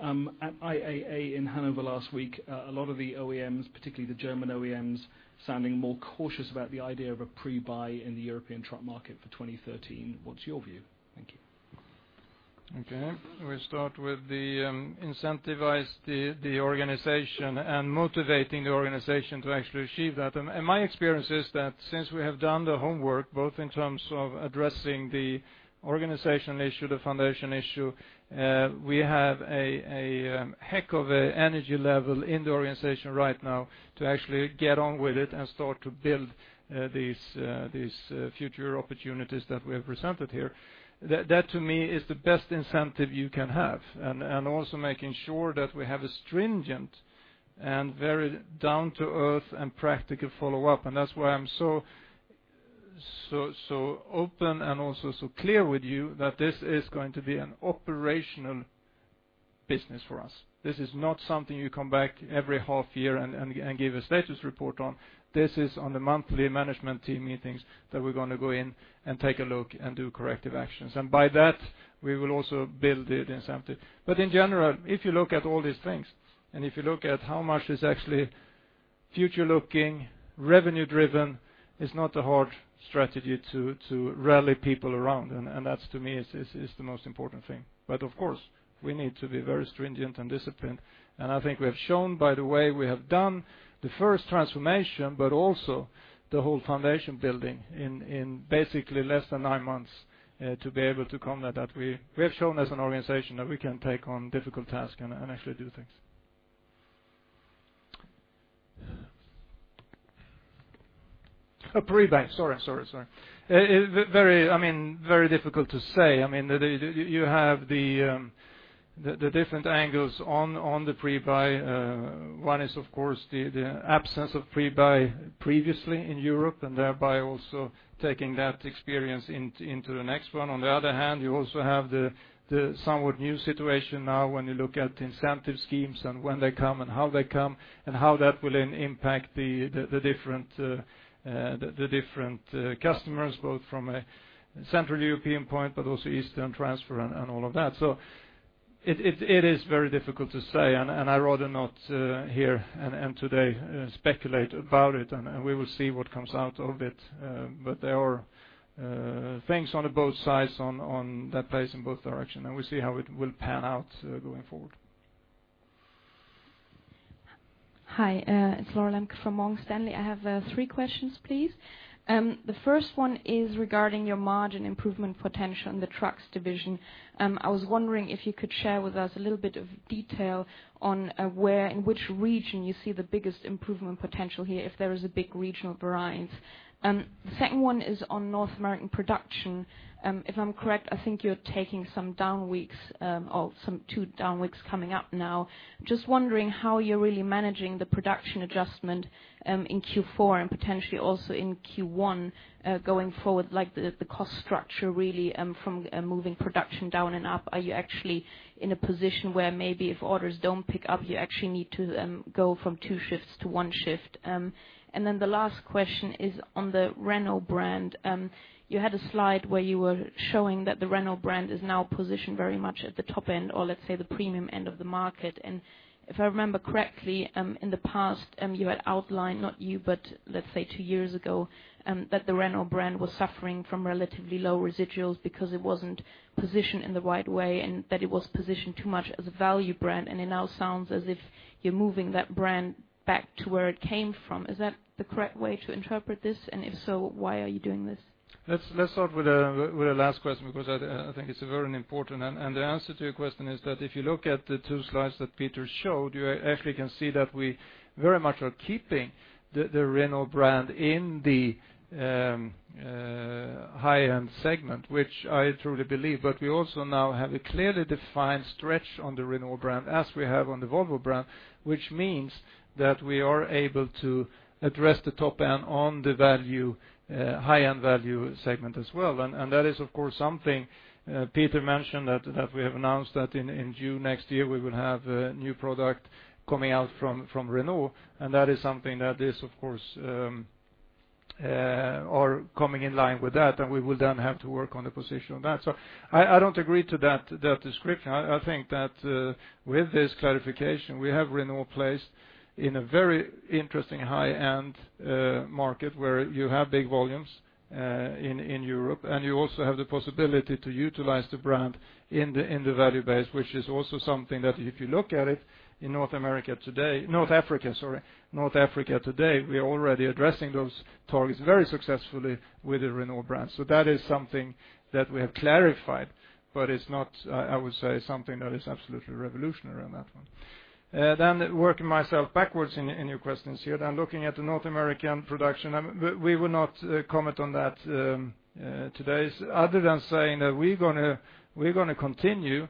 at IAA in Hanover last week, a lot of the OEMs, particularly the German OEMs, sounding more cautious about the idea of a pre-buy in the European truck market for 2013. What's your view? Thank you. Okay. We start with the incentivize the organization and motivating the organization to actually achieve that. My experience is that since we have done the homework, both in terms of addressing the organizational issue, the foundation issue, we have a heck of an energy level in the organization right now to actually get on with it and start to build these future opportunities that we have presented here. That, to me, is the best incentive you can have, and also making sure that we have a stringent and very down-to-earth and practical follow-up. That's why I'm so open and also so clear with you that this is going to be an operational business for us. This is not something you come back every half year and give a status report on. This is on the monthly management team meetings that we're going to go in and take a look and do corrective actions. By that, we will also build the incentive. In general, if you look at all these things, and if you look at how much is actually future-looking, revenue-driven, it's not a hard strategy to rally people around. That, to me, is the most important thing. Of course, we need to be very stringent and disciplined. I think we have shown by the way we have done the first transformation, but also the whole foundation building in basically less than 9 months to be able to combat that. We have shown as an organization that we can take on difficult tasks and actually do things. Pre-buy, sorry. Very difficult to say. You have the different angles on the pre-buy. One is, of course, the absence of pre-buy previously in Europe, thereby also taking that experience into the next one. On the other hand, you also have the somewhat new situation now when you look at incentive schemes and when they come and how they come, and how that will then impact the different customers, both from a Central European point, but also Eastern transfer and all of that. It is very difficult to say, and I'd rather not here and today speculate about it, and we will see what comes out of it. There are things on both sides on that place in both directions, and we see how it will pan out going forward. Hi, it's Laura Lamke from Morgan Stanley. I have 3 questions, please. The first one is regarding your margin improvement potential in the trucks division. I was wondering if you could share with us a little bit of detail on where, in which region you see the biggest improvement potential here, if there is a big regional variance. The second one is on North American production. If I'm correct, I think you're taking some down weeks, or some 2 down weeks coming up now. Just wondering how you're really managing the production adjustment in Q4 and potentially also in Q1 going forward, like the cost structure really from moving production down and up. Are you actually in a position where maybe if orders don't pick up, you actually need to go from 2 shifts to 1 shift? The last question is on the Renault brand. You had a slide where you were showing that the Renault brand is now positioned very much at the top end or let's say the premium end of the market. If I remember correctly, in the past, you had outlined, not you, but let's say 2 years ago, that the Renault brand was suffering from relatively low residuals because it wasn't positioned in the right way and that it was positioned too much as a value brand. It now sounds as if you're moving that brand back to where it came from. Is that the correct way to interpret this? If so, why are you doing this? Let's start with the last question, because I think it is very important. The answer to your question is that if you look at the 2 slides that Peter showed, you actually can see that we very much are keeping the Renault brand in the high-end segment, which I truly believe. We also now have a clearly defined stretch on the Renault brand as we have on the Volvo brand, which means that we are able to address the top end on the high-end value segment as well. That is, of course, something Peter mentioned that we have announced that in June next year, we will have a new product coming out from Renault, and that is something that is, of course, coming in line with that, and we will then have to work on the position of that. I don't agree to that description. I think that with this clarification, we have Renault placed in a very interesting high-end market where you have big volumes in Europe. You also have the possibility to utilize the brand in the value base, which is also something that if you look at it in North Africa, sorry, North Africa today, we are already addressing those targets very successfully with the Renault brand. That is something that we have clarified, but it is not, I would say, something that is absolutely revolutionary on that one. Working myself backwards in your questions here, looking at the North American production, we will not comment on that today other than saying that we're going to continue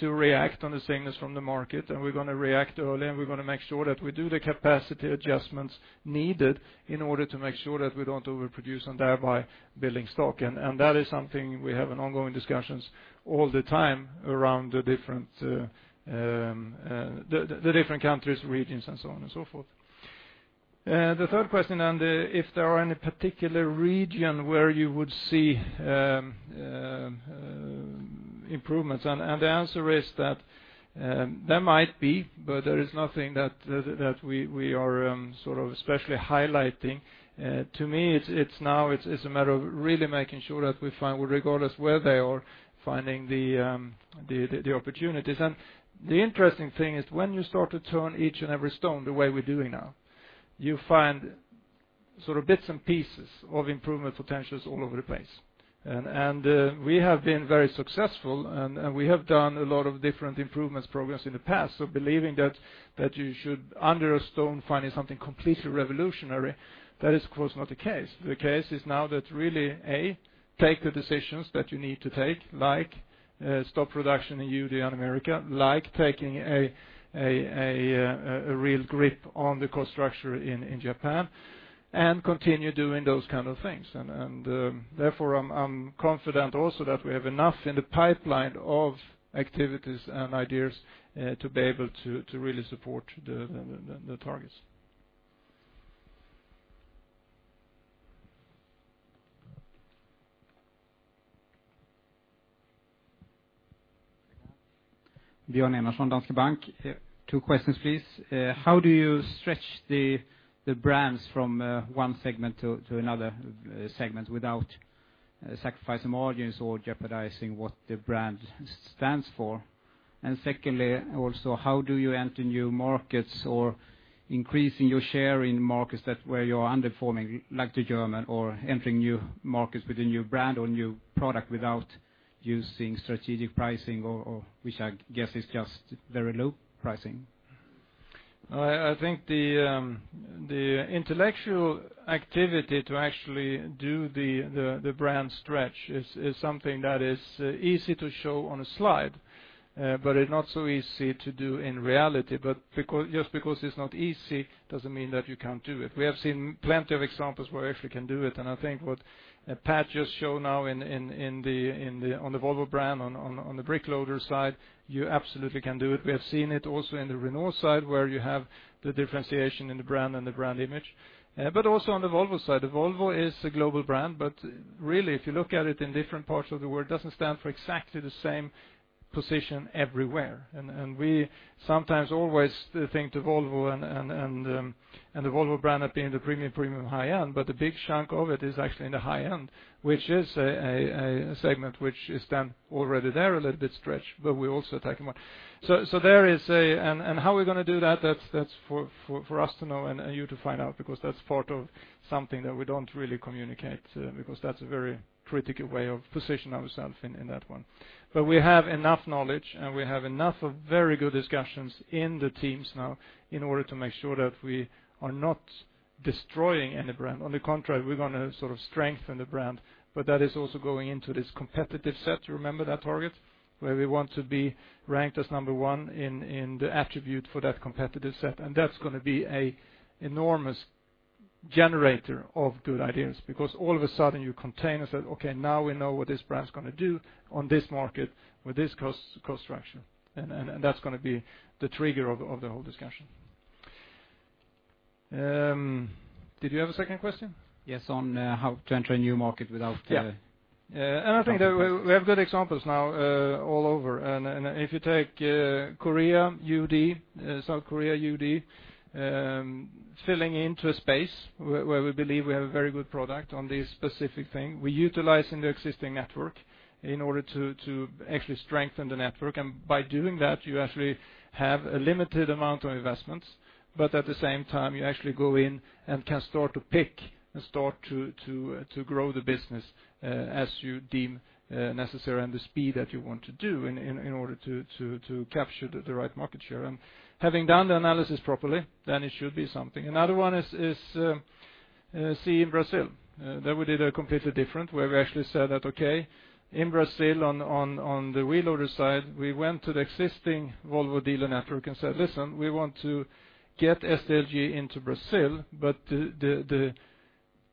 to react on the signals from the market, we're going to react early, we're going to make sure that we do the capacity adjustments needed in order to make sure that we don't overproduce and thereby building stock. That is something we have ongoing discussions all the time around the different countries, regions, and so on and so forth. The third question, if there are any particular region where you would see improvements. The answer is that there might be, but there is nothing that we are especially highlighting. To me, it is a matter of really making sure that we find, regardless where they are, finding the opportunities. The interesting thing is when you start to turn each and every stone the way we're doing now, you find bits and pieces of improvement potentials all over the place. We have been very successful, we have done a lot of different improvements programs in the past. Believing that you should, under a stone, finding something completely revolutionary, that is, of course, not the case. The case is now that really, A, take the decisions that you need to take, like stop production in UD and America, like taking a real grip on the cost structure in Japan, continue doing those kind of things. Therefore, I'm confident also that we have enough in the pipeline of activities and ideas to be able to really support the targets. Björn Enarson, Danske Bank. Two questions, please. How do you stretch the brands from one segment to another segment without sacrificing margins or jeopardizing what the brand stands for? Secondly, also, how do you enter new markets or increasing your share in markets that where you are underperforming, like the German, or entering new markets with a new brand or new product without using strategic pricing or, which I guess is just very low pricing? I think the intellectual activity to actually do the brand stretch is something that is easy to show on a slide, but it's not so easy to do in reality. Just because it's not easy doesn't mean that you can't do it. We have seen plenty of examples where you actually can do it. I think what Pat just showed now on the Volvo brand, on the BRIC loader side, you absolutely can do it. We have seen it also in the Renault side, where you have the differentiation in the brand and the brand image. Also on the Volvo side. The Volvo is a global brand, but really, if you look at it in different parts of the world, it doesn't stand for exactly the same position everywhere. We sometimes always think the Volvo and the Volvo brand have been the premium high-end, but a big chunk of it is actually in the high end, which is a segment which is then already there a little bit stretched, but we're also attacking one. How are we going to do that? That's for us to know and you to find out, because that's part of something that we don't really communicate, because that's a very critical way of positioning ourselves in that one. We have enough knowledge, and we have enough of very good discussions in the teams now in order to make sure that we are not destroying any brand. On the contrary, we're going to strengthen the brand, but that is also going into this competitive set. You remember that target where we want to be ranked as number one in the attribute for that competitive set. That's going to be an enormous generator of good ideas, because all of a sudden you contain and say, "Okay, now we know what this brand is going to do on this market with this cost structure." That's going to be the trigger of the whole discussion. Did you have a second question? Yes, on how to enter a new market without. Yeah. I think that we have good examples now all over. If you take South Korea UD, filling into a space where we believe we have a very good product on this specific thing. We utilize in the existing network in order to actually strengthen the network. By doing that, you actually have a limited amount of investments, but at the same time, you actually go in and can start to pick and start to grow the business as you deem necessary and the speed that you want to do in order to capture the right market share. Having done the analysis properly, then it should be something. Another one is, see in Brazil, that we did a completely different, where we actually said that, okay, in Brazil on the wheel loader side, we went to the existing Volvo dealer network and said, "Listen, we want to get SDLG into Brazil, but the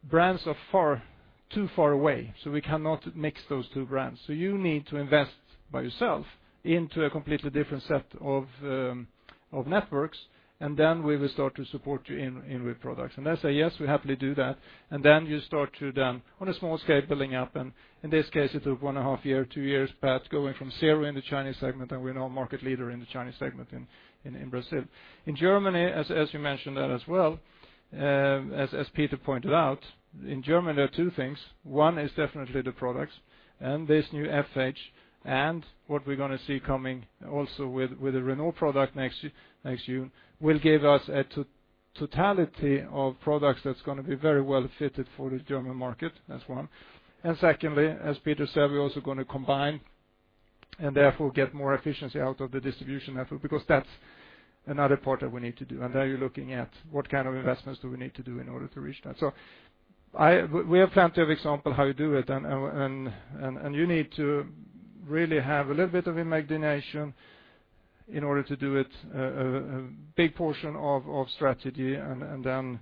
brands are too far away, so we cannot mix those two brands. So you need to invest by yourself into a completely different set of networks, then we will start to support you in with products." They say, "Yes, we happily do that." Then you start to then, on a small scale, building up, and in this case, it took one and a half year, two years, Pat, going from zero in the Chinese segment, and we are now market leader in the Chinese segment in Brazil. In Germany, as you mentioned that as well, as Peter pointed out, in Germany, there are two things. One is definitely the products and this new FH, what we are going to see coming also with a Renault product next June, will give us a totality of products that is going to be very well fitted for the German market. That is one. Secondly, as Peter said, we are also going to combine and therefore get more efficiency out of the distribution effort, because that is another part that we need to do. There you are looking at what kind of investments do we need to do in order to reach that. We have plenty of examples how you do it, you need to really have a little bit of imagination in order to do it, a big portion of strategy, then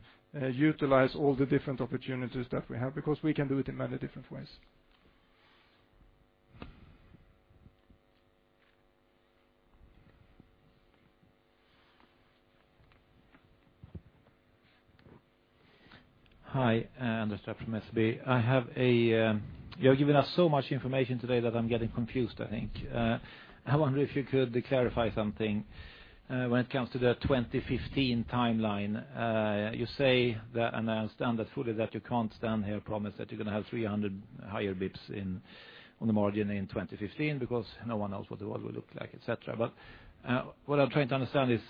utilize all the different opportunities that we have, because we can do it in many different ways. Hi, Anders from SEB. You have given us so much information today that I'm getting confused, I think. I wonder if you could clarify something when it comes to the 2015 timeline. You say that, I understand that fully, that you can't stand here and promise that you're going to have 300 higher bips on the margin in 2015, because no one knows what the world will look like, et cetera. What I'm trying to understand is,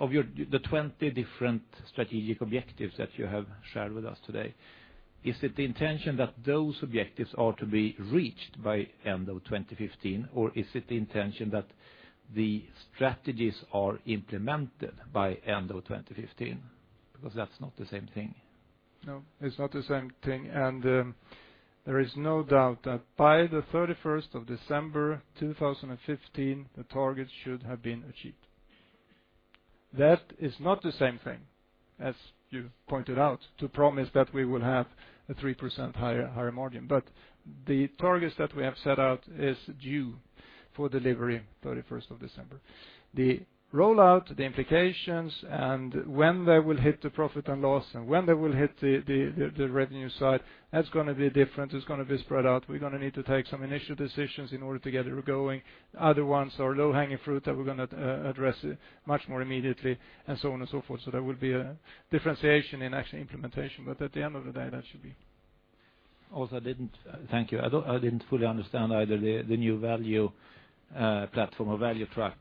of the 20 different strategic objectives that you have shared with us today, is it the intention that those objectives are to be reached by end of 2015, or is it the intention that the strategies are implemented by end of 2015? That's not the same thing. No, it's not the same thing. There is no doubt that by the 31st of December, 2015, the targets should have been achieved. That is not the same thing, as you pointed out, to promise that we will have a 3% higher margin. The targets that we have set out is due for delivery 31st of December. The rollout, the implications, when they will hit the profit and loss, when they will hit the revenue side, that's going to be different. It's going to be spread out. We're going to need to take some initial decisions in order to get it going. Other ones are low-hanging fruit that we're going to address much more immediately, and so on and so forth. There will be a differentiation in actual implementation, at the end of the day, that should be. Also, thank you. I didn't fully understand either the new value platform or value track.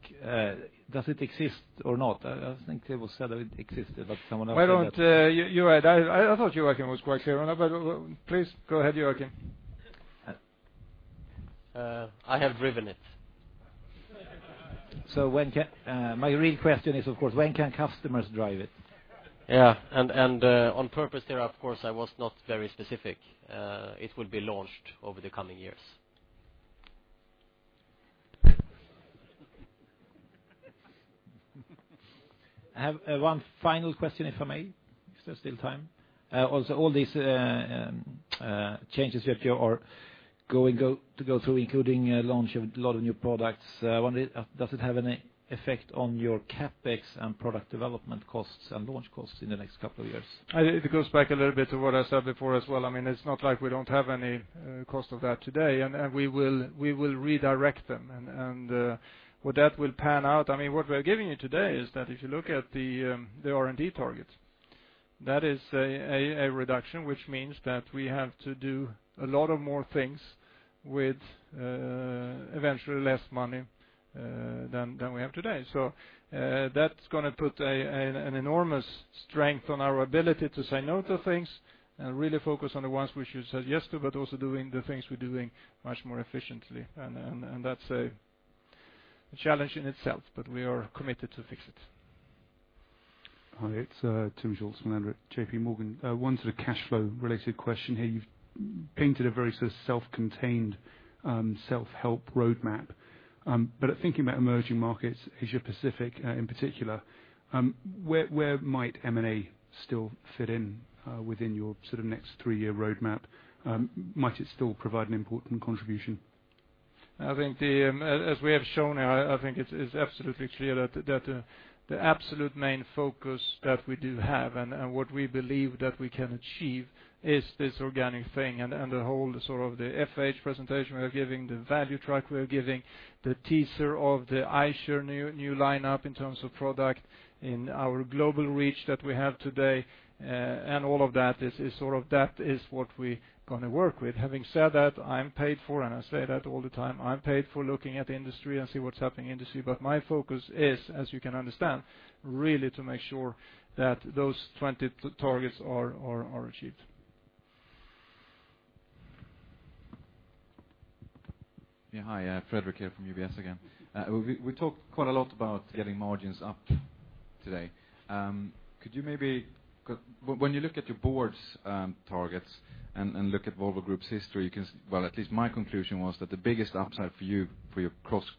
Does it exist or not? I think it was said that it existed, someone else said that. Why don't you add? I thought Joakim was quite clear, but please go ahead, Joakim. I have driven it. My real question is, of course, when can customers drive it? Yeah. On purpose there, of course, I was not very specific. It will be launched over the coming years. I have one final question, if I may, if there's still time. All these changes that you are going to go through, including launch of a lot of new products, I wonder, does it have any effect on your CapEx and product development costs and launch costs in the next couple of years? It goes back a little bit to what I said before as well. It's not like we don't have any cost of that today, and we will redirect them. What that will pan out, what we are giving you today is that if you look at the R&D targets, that is a reduction, which means that we have to do a lot of more things with eventually less money than we have today. That's going to put an enormous strength on our ability to say no to things and really focus on the ones we should say yes to, but also doing the things we're doing much more efficiently. That's a challenge in itself, but we are committed to fix it. Hi, it's Tim Schultz from JP Morgan. One cash flow related question here. You've painted a very self-contained, self-help roadmap. Thinking about emerging markets, Asia Pacific in particular, where might M&A still fit in within your next three-year roadmap? Might it still provide an important contribution? As we have shown here, I think it's absolutely clear that the absolute main focus that we do have, and what we believe that we can achieve is this organic thing, and the whole FH presentation we are giving, the value track we are giving, the teaser of the Eicher new lineup in terms of product, and our global reach that we have today, and all of that is what we are going to work with. Having said that, I'm paid for, and I say that all the time, I'm paid for looking at the industry and see what's happening industry. My focus is, as you can understand, really to make sure that those 20 targets are achieved. Yeah. Hi, Fredrik here from UBS again. We talked quite a lot about getting margins up today. When you look at your board's targets and look at Volvo Group's history, well, at least my conclusion was that the biggest upside for you for your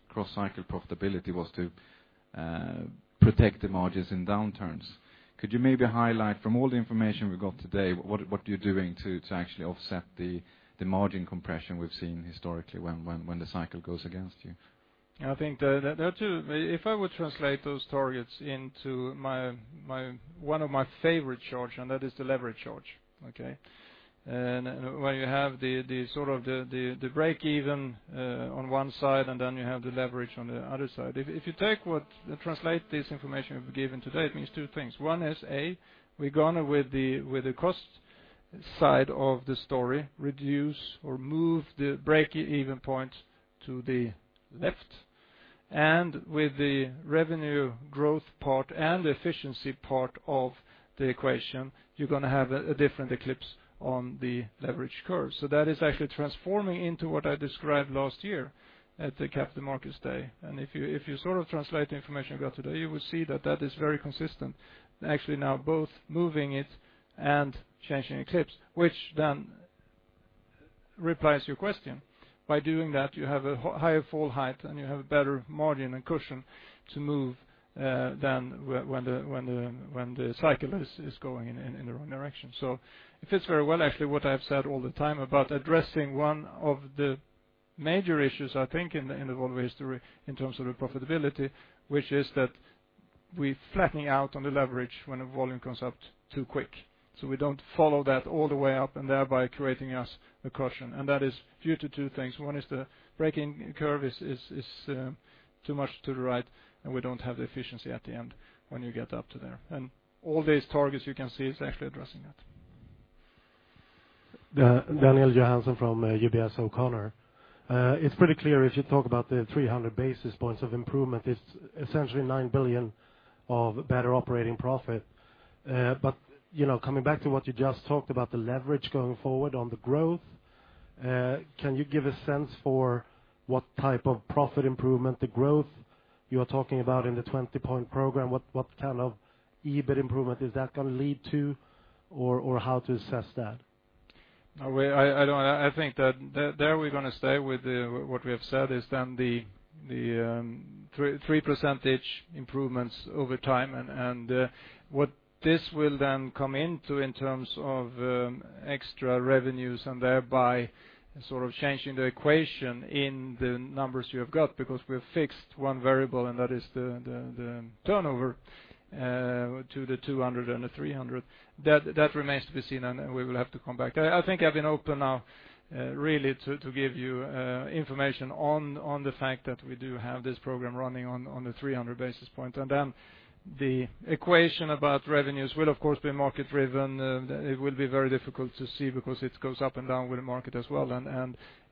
cross-cycle profitability was to protect the margins in downturns. Could you maybe highlight from all the information we got today, what you're doing to actually offset the margin compression we've seen historically when the cycle goes against you? If I were to translate those targets into one of my favorite charts, that is the leverage charts, okay? Where you have the break-even on one side, then you have the leverage on the other side. If you translate this information we've given today, it means two things. One is A, we're going with the cost side of the story, reduce or move the break-even point to the left. With the revenue growth part and the efficiency part of the equation, you're going to have a different eclipse on the leverage curve. That is actually transforming into what I described last year at the Capital Market Day. If you translate the information we got today, you will see that that is very consistent. Actually, now both moving it and changing eclipse, which replies your question. By doing that, you have a higher fall height, and you have a better margin and cushion to move than when the cycle is going in the wrong direction. It fits very well, actually, what I've said all the time about addressing one of the major issues, I think, in the Volvo history in terms of the profitability, which is that We're flattening out on the leverage when the volume goes up too quick. We don't follow that all the way up, and thereby creating us a cushion. That is due to two things. One is the break-even curve is too much to the right, and we don't have the efficiency at the end when you get up to there. All these targets you can see is actually addressing that. Daniel Johansson from UBS O'Connor. It's pretty clear if you talk about the 300 basis points of improvement, it's essentially 9 billion of better operating profit. Coming back to what you just talked about, the leverage going forward on the growth, can you give a sense for what type of profit improvement, the growth you are talking about in the 20-point program? What kind of EBIT improvement is that going to lead to? Or how to assess that? I think that there we're going to stay with what we have said, is then the 3% improvements over time, and what this will then come into in terms of extra revenues, and thereby sort of changing the equation in the numbers you have got, because we have fixed one variable, and that is the turnover to the 200 and the 300. That remains to be seen, and we will have to come back. I think I've been open now really to give you information on the fact that we do have this program running on the 300 basis points. The equation about revenues will, of course, be market driven. It will be very difficult to see because it goes up and down with the market as well.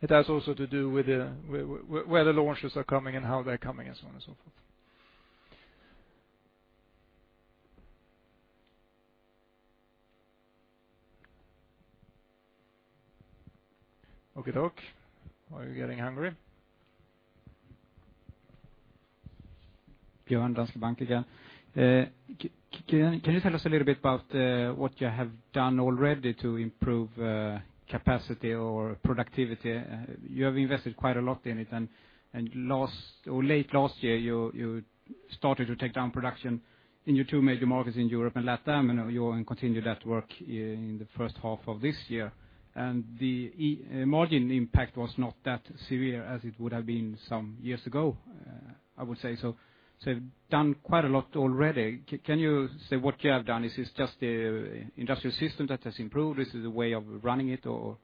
It has also to do with where the launches are coming and how they're coming, and so on and so forth. Okay, Talk. Are you getting hungry? Björn, Danske Bank again. Can you tell us a little bit about what you have done already to improve capacity or productivity? You have invested quite a lot in it, late last year, you started to take down production in your two major markets in Europe and LatAm, and you continued that work in the first half of this year. The margin impact was not that severe as it would have been some years ago, I would say. You've done quite a lot already. Can you say what you have done? Is this just the industrial system that has improved? Is it the way of running it, or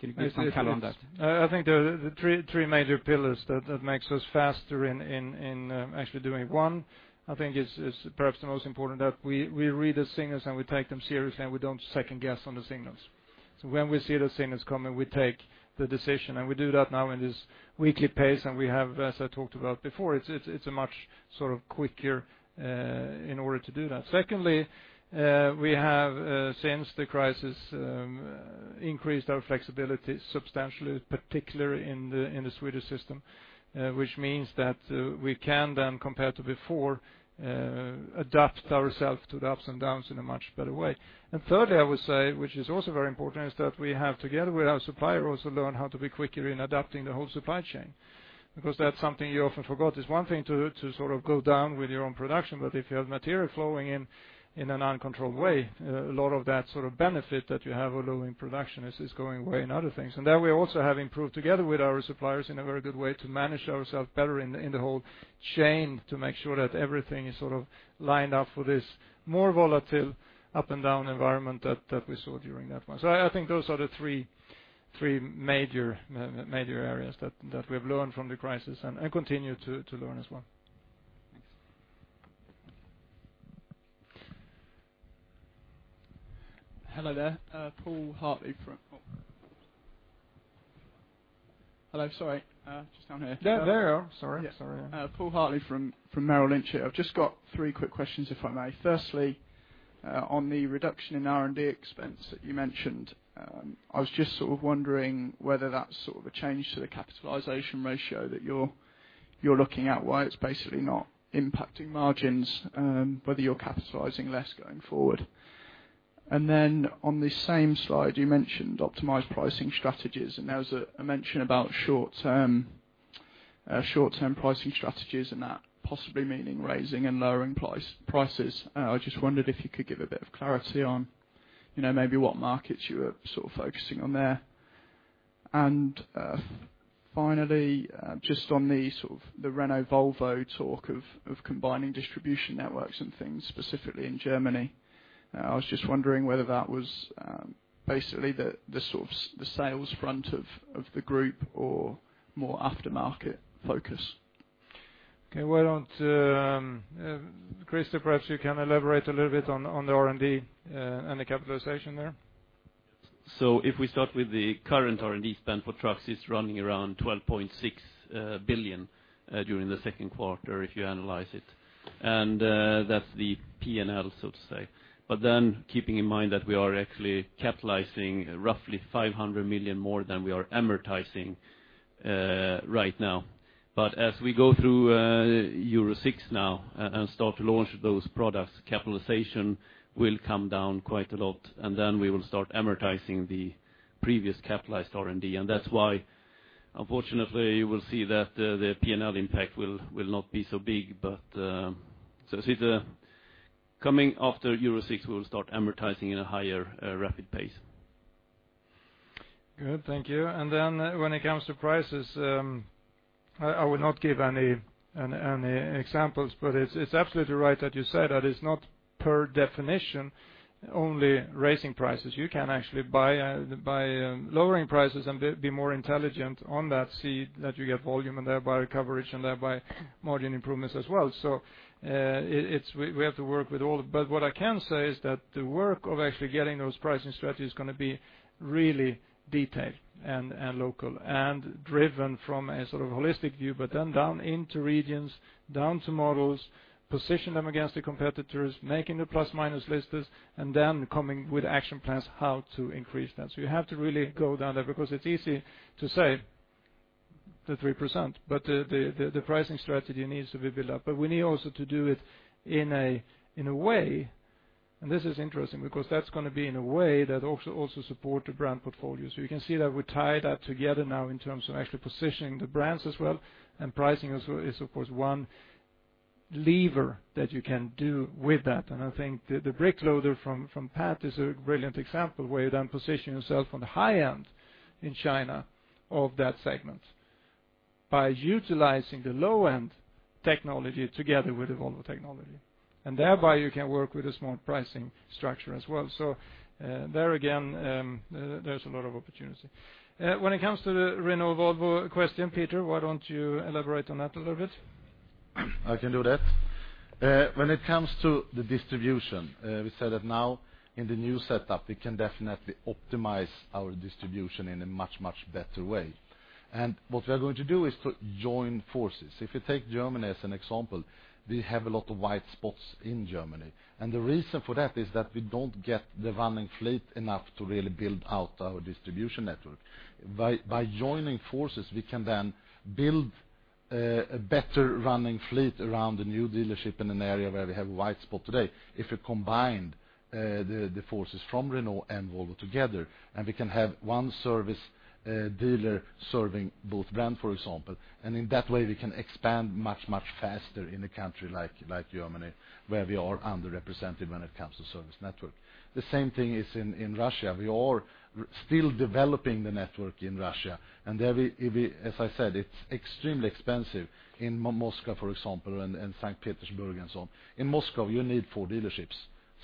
can you give some color on that? I think there are three major pillars that makes us faster in actually doing. One, I think is perhaps the most important, that we read the signals, we take them seriously, and we don't second-guess on the signals. When we see the signals coming, we take the decision, we do that now in this weekly pace, and we have, as I talked about before, it's a much quicker in order to do that. Secondly, we have, since the crisis, increased our flexibility substantially, particularly in the Swedish system, which means that we can then, compared to before, adapt ourselves to the ups and downs in a much better way. Thirdly, I would say, which is also very important, is that we have, together with our suppliers, also learned how to be quicker in adapting the whole supply chain. That's something you often forgot. It's one thing to go down with your own production, but if you have material flowing in in an uncontrolled way, a lot of that sort of benefit that you have of lowering production is just going away in other things. There we also have improved together with our suppliers in a very good way to manage ourselves better in the whole chain to make sure that everything is lined up for this more volatile up-and-down environment that we saw during that one. I think those are the three major areas that we have learned from the crisis and continue to learn as well. Thanks. Hello there, Paul Hartley. Just down here. There you are. Sorry. Yes. Sorry. Paul Hartley from Merrill Lynch here. I've just got three quick questions, if I may. Firstly, on the reduction in R&D expense that you mentioned, I was just wondering whether that's a change to the capitalization ratio that you're looking at, why it's basically not impacting margins, whether you're capitalizing less going forward. Then on the same slide, you mentioned optimized pricing strategies, and there was a mention about short-term pricing strategies and that possibly meaning raising and lowering prices. I just wondered if you could give a bit of clarity on maybe what markets you are focusing on there. Finally, just on the Renault-Volvo talk of combining distribution networks and things, specifically in Germany. I was just wondering whether that was basically the sales front of the group or more aftermarket focus. Why don't, Christer, perhaps you can elaborate a little bit on the R&D and the capitalization there? If we start with the current R&D spend for trucks, it's running around 12.6 billion during the second quarter if you analyze it. That's the P&L, so to say. Keeping in mind that we are actually capitalizing roughly 500 million more than we are amortizing right now. As we go through Euro 6 now and start to launch those products, capitalization will come down quite a lot, then we will start amortizing the previous capitalized R&D. That's why, unfortunately, you will see that the P&L impact will not be so big. Coming after Euro 6, we will start amortizing at a higher rapid pace. Good. Thank you. When it comes to prices, I will not give any examples, it's absolutely right that you say that it's not per definition, only raising prices. You can actually, by lowering prices and be more intelligent on that, see that you get volume and thereby coverage and thereby margin improvements as well. We have to work with all. What I can say is that the work of actually getting those pricing strategy is going to be really detailed and local and driven from a sort of holistic view, then down into regions, down to models, position them against the competitors, making the plus minus lists, coming with action plans how to increase that. You have to really go down there because it's easy to say the 3%, but the pricing strategy needs to be built up. We need also to do it in a way, this is interesting because that's going to be in a way that also support the brand portfolio. You can see that we tie that together now in terms of actually positioning the brands as well, pricing is of course, one lever that you can do with that. I think the BRIC loader from Pat is a brilliant example where you then position yourself on the high end in China of that segment by utilizing the low-end technology together with the Volvo technology. Thereby you can work with a small pricing structure as well. There again, there's a lot of opportunity. When it comes to the Renault Volvo question, Peter, why don't you elaborate on that a little bit? I can do that. When it comes to the distribution, we said that now in the new setup, we can definitely optimize our distribution in a much, much better way. What we are going to do is to join forces. If you take Germany as an example, we have a lot of white spots in Germany. The reason for that is that we don't get the running fleet enough to really build out our distribution network. By joining forces, we can then build a better running fleet around the new dealership in an area where we have a white spot today. If we combined the forces from Renault and Volvo together, and we can have one service dealer serving both brand, for example. In that way, we can expand much, much faster in a country like Germany, where we are underrepresented when it comes to service network. The same thing is in Russia. We are still developing the network in Russia, there, as I said, it's extremely expensive in Moscow, for example, and Saint Petersburg and so on. In Moscow, you need four dealerships,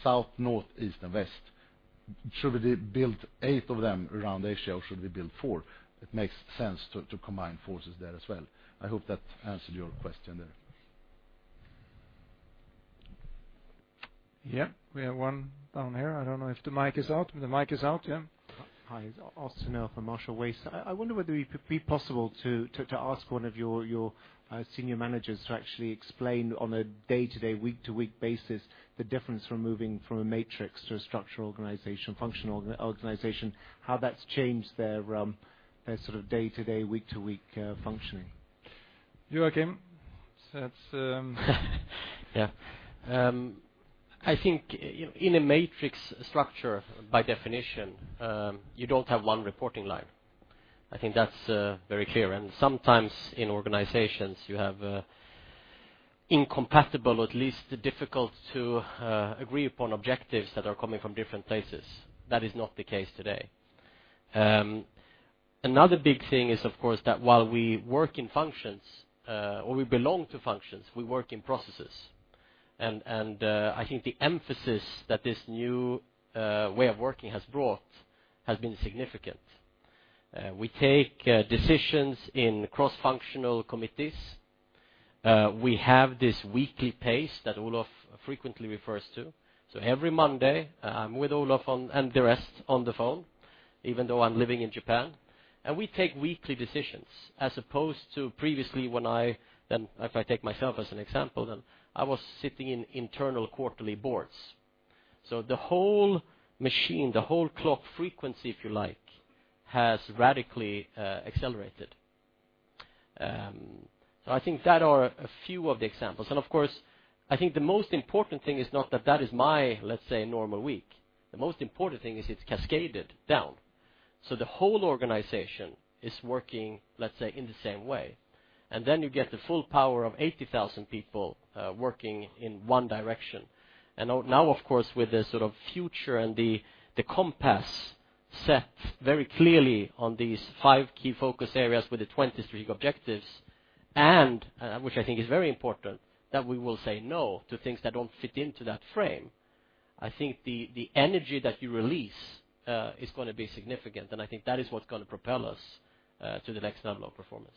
south, north, east, and west. Should we build eight of them around Asia or should we build four? It makes sense to combine forces there as well. I hope that answered your question there. Yeah, we have one down here. I don't know if the mic is out. The mic is out, yeah. Hi. Austin L. from Marshall Wace. I wonder whether it would be possible to ask one of your senior managers to actually explain on a day-to-day, week-to-week basis the difference from moving from a matrix to a structural organization, functional organization, how that's changed their sort of day-to-day, week-to-week functioning. Joakim? Yeah. I think in a matrix structure, by definition, you don't have one reporting line. I think that's very clear. Sometimes in organizations you have incompatible, or at least difficult to agree upon objectives that are coming from different places. That is not the case today. Another big thing is, of course, that while we work in functions, or we belong to functions, we work in processes. I think the emphasis that this new way of working has brought has been significant. We take decisions in cross-functional committees. We have this weekly pace that Olof frequently refers to. Every Monday, I'm with Olof and the rest on the phone, even though I'm living in Japan. We take weekly decisions as opposed to previously when I, if I take myself as an example, then I was sitting in internal quarterly boards. The whole machine, the whole clock frequency, if you like, has radically accelerated. I think that are a few of the examples. Of course, I think the most important thing is not that that is my, let's say, normal week. The most important thing is it's cascaded down. The whole organization is working, let's say, in the same way. Then you get the full power of 80,000 people working in one direction. Now, of course, with the sort of future and the compass set very clearly on these five key focus areas with the 23 objectives, and which I think is very important, that we will say no to things that don't fit into that frame. I think the energy that you release is going to be significant, and I think that is what's going to propel us to the next level of performance.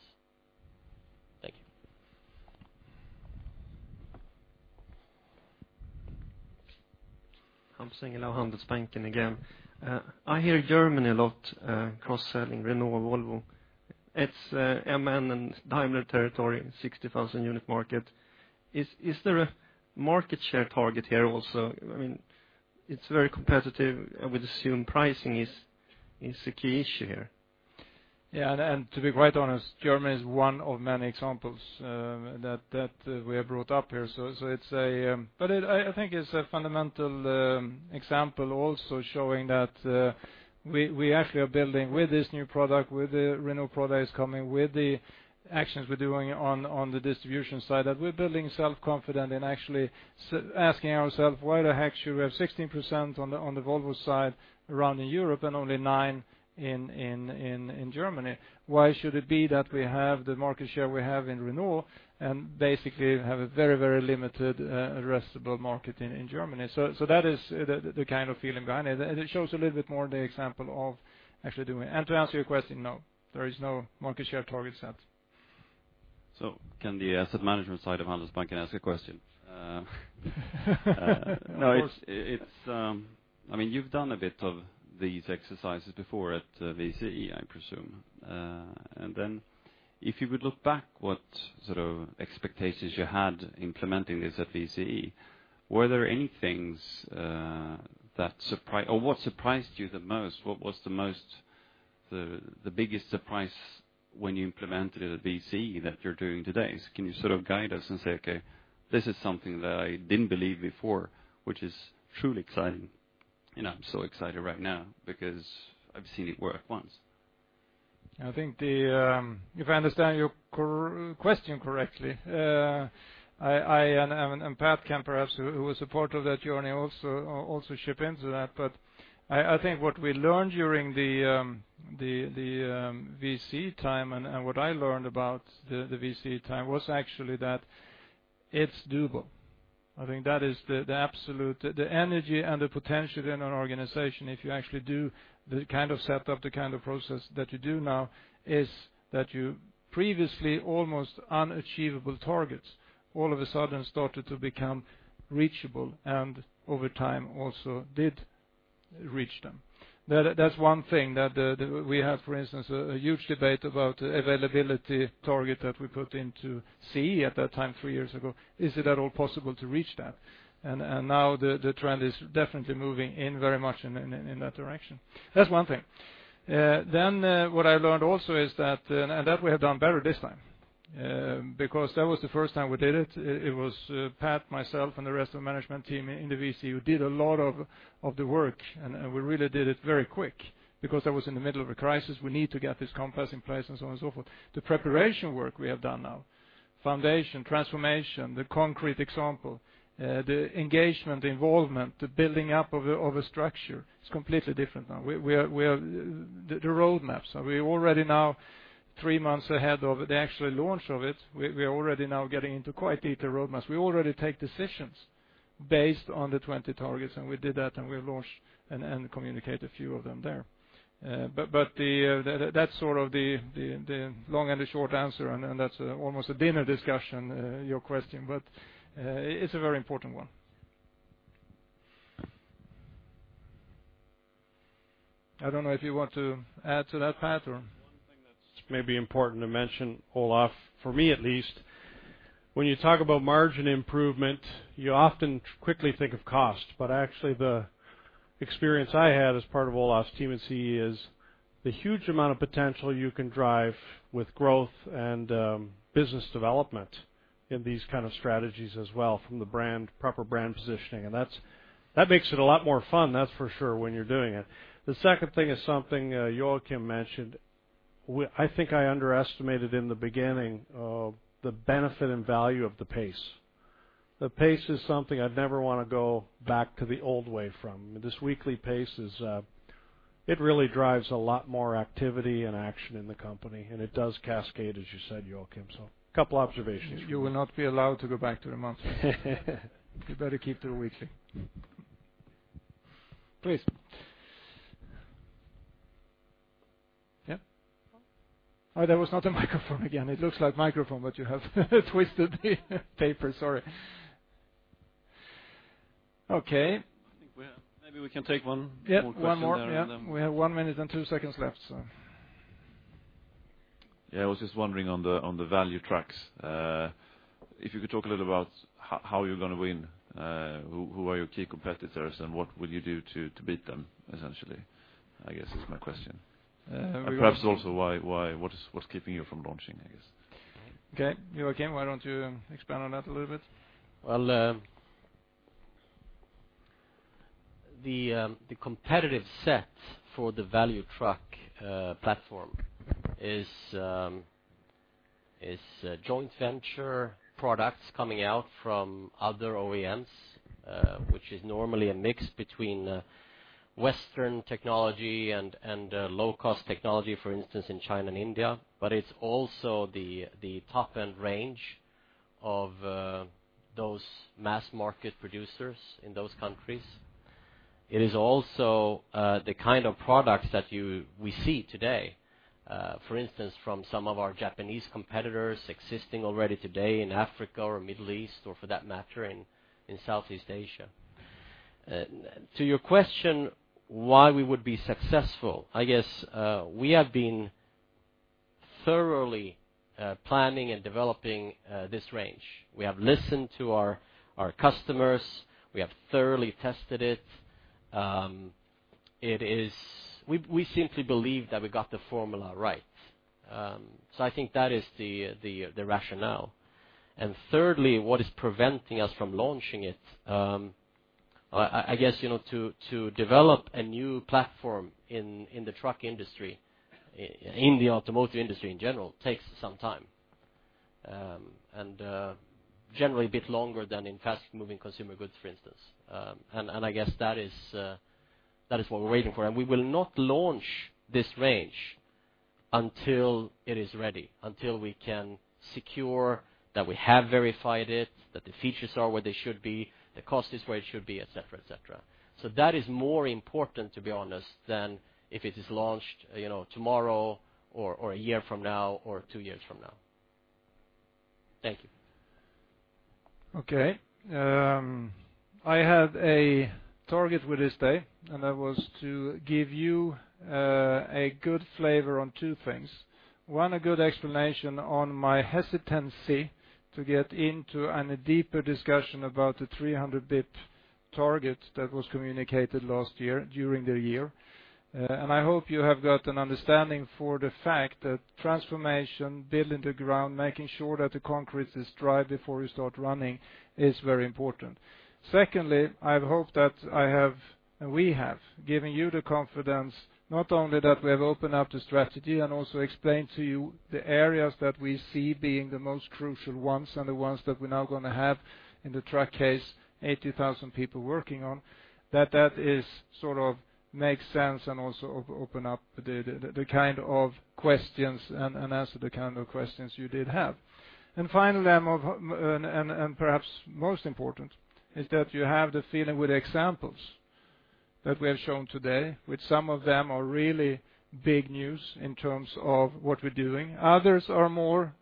Thank you. Hampus Engellau, Handelsbanken again. I hear Germany a lot, cross-selling Renault, Volvo. It's MAN and Daimler territory, 60,000 unit market. Is there a market share target here also? It's very competitive. I would assume pricing is a key issue here. To be quite honest, Germany is one of many examples that we have brought up here. I think it's a fundamental example also showing that we actually are building with this new product, with the Renault Trucks products coming, with the actions we're doing on the distribution side, that we're building self-confidence and actually asking ourselves, why the heck should we have 16% on the Volvo side around in Europe and only nine in Germany? Why should it be that we have the market share we have in Renault Trucks, and basically have a very limited addressable market in Germany? That is the kind of feeling behind it, and it shows a little bit more the example of actually doing it. To answer your question, no, there is no market share target set. Can the asset management side of Handelsbanken ask a question? Of course. You've done a bit of these exercises before at VCE, I presume. If you would look back, what sort of expectations you had implementing this at VCE, were there any things or what surprised you the most? What was the biggest surprise when you implemented it at VCE that you're doing today? Can you sort of guide us and say, "Okay, this is something that I didn't believe before, which is truly exciting, and I'm so excited right now because I've seen it work once"? If I understand your question correctly, Pat can perhaps, who was a part of that journey, also chip into that. I think what we learned during the VCE time and what I learned about the VCE time was actually that it's doable. I think that is the absolute. The energy and the potential in an organization, if you actually do the kind of setup, the kind of process that you do now, is that your previously almost unachievable targets all of a sudden started to become reachable, and over time also did reach them. That's one thing that we have, for instance, a huge debate about availability target that we put into VCE at that time three years ago. Is it at all possible to reach that? Now the trend is definitely moving in very much in that direction. That's one thing. What I learned also is that we have done better this time. That was the first time we did it. It was Pat, myself, and the rest of the management team in the VCE who did a lot of the work, and we really did it very quick because that was in the middle of a crisis. We need to get this compass in place and so on and so forth. The preparation work we have done now, foundation, transformation, the concrete example, the engagement, involvement, the building up of a structure, it's completely different now. The roadmaps, we're already now three months ahead of the actual launch of it. We are already now getting into quite detailed roadmaps. We already take decisions based on the 20 targets. We did that, and we launched and communicated a few of them there. That's sort of the long and the short answer, and that's almost a dinner discussion, your question, but it's a very important one. I don't know if you want to add to that, Pat, or One thing that's maybe important to mention, Olof, for me at least, when you talk about margin improvement, you often quickly think of cost. Actually, the experience I had as part of Olof's team in CE is the huge amount of potential you can drive with growth and business development in these kind of strategies as well from the proper brand positioning, and that makes it a lot more fun, that's for sure, when you're doing it. The second thing is something Joachim mentioned. I think I underestimated in the beginning the benefit and value of the pace. The pace is something I'd never want to go back to the old way from. This weekly pace, it really drives a lot more activity and action in the company, and it does cascade, as you said, Joachim. A couple observations. You will not be allowed to go back to the monthly. You better keep the weekly. Please. Yeah. Oh, that was not a microphone again. It looks like microphone, but you have twisted the paper. Sorry. Okay. I think maybe we can take one more question there and then. Yeah, one more. Yeah. We have one minute and two seconds left. Yeah, I was just wondering on the value trucks, if you could talk a little about how you're going to win, who are your key competitors, and what will you do to beat them essentially, I guess is my question. Perhaps also what's keeping you from launching, I guess. Okay. Joachim, why don't you expand on that a little bit? Well, the competitive set for the value truck platform is joint venture products coming out from other OEMs, which is normally a mix between Western technology and low-cost technology, for instance, in China and India. It's also the top-end range of those mass market producers in those countries. It is also the kind of products that we see today, for instance, from some of our Japanese competitors existing already today in Africa or Middle East, or for that matter, in Southeast Asia. To your question, why we would be successful, I guess we have been thoroughly planning and developing this range. We have listened to our customers. We have thoroughly tested it. We simply believe that we got the formula right. I think that is the rationale. Thirdly, what is preventing us from launching it, I guess, to develop a new platform in the truck industry, in the automotive industry in general, takes some time. Generally a bit longer than in fast-moving consumer goods, for instance. I guess that is what we're waiting for, and we will not launch this range until it is ready, until we can secure that we have verified it, that the features are where they should be, the cost is where it should be, et cetera. That is more important, to be honest, than if it is launched tomorrow or a year from now or two years from now. Thank you. Okay. I have a target with this day, that was to give you a good flavor on two things. One, a good explanation on my hesitancy to get into, a deeper discussion about the 300 basis points target that was communicated last year during the year. I hope you have got an understanding for the fact that transformation, building the ground, making sure that the concrete is dry before you start running is very important. Secondly, I've hoped that I have, we have given you the confidence, not only that we have opened up the strategy also explained to you the areas that we see being the most crucial ones, the ones that we're now going to have in the truck case, 80,000 people working on, that that is sort of makes sense and also open up the kind of questions and answer the kind of questions you did have. Finally, perhaps most important, is that you have the feeling with examples that we have shown today, which some of them are really big news in terms of what we're doing. Others are more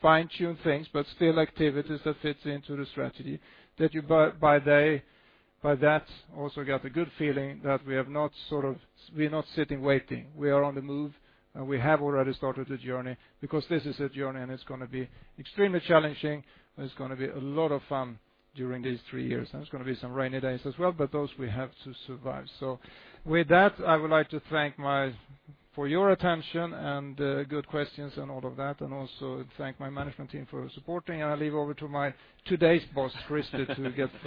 fine-tuned things, but still activities that fits into the strategy that you by that also got a good feeling that we have not sort of We're not sitting waiting. We are on the move, we have already started the journey because this is a journey, it's going to be extremely challenging, it's going to be a lot of fun during these three years, it's going to be some rainy days as well, those we have to survive. With that, I would like to thank for your attention good questions all of that, also thank my management team for supporting, I'll leave over to my today's boss, Christer, to get.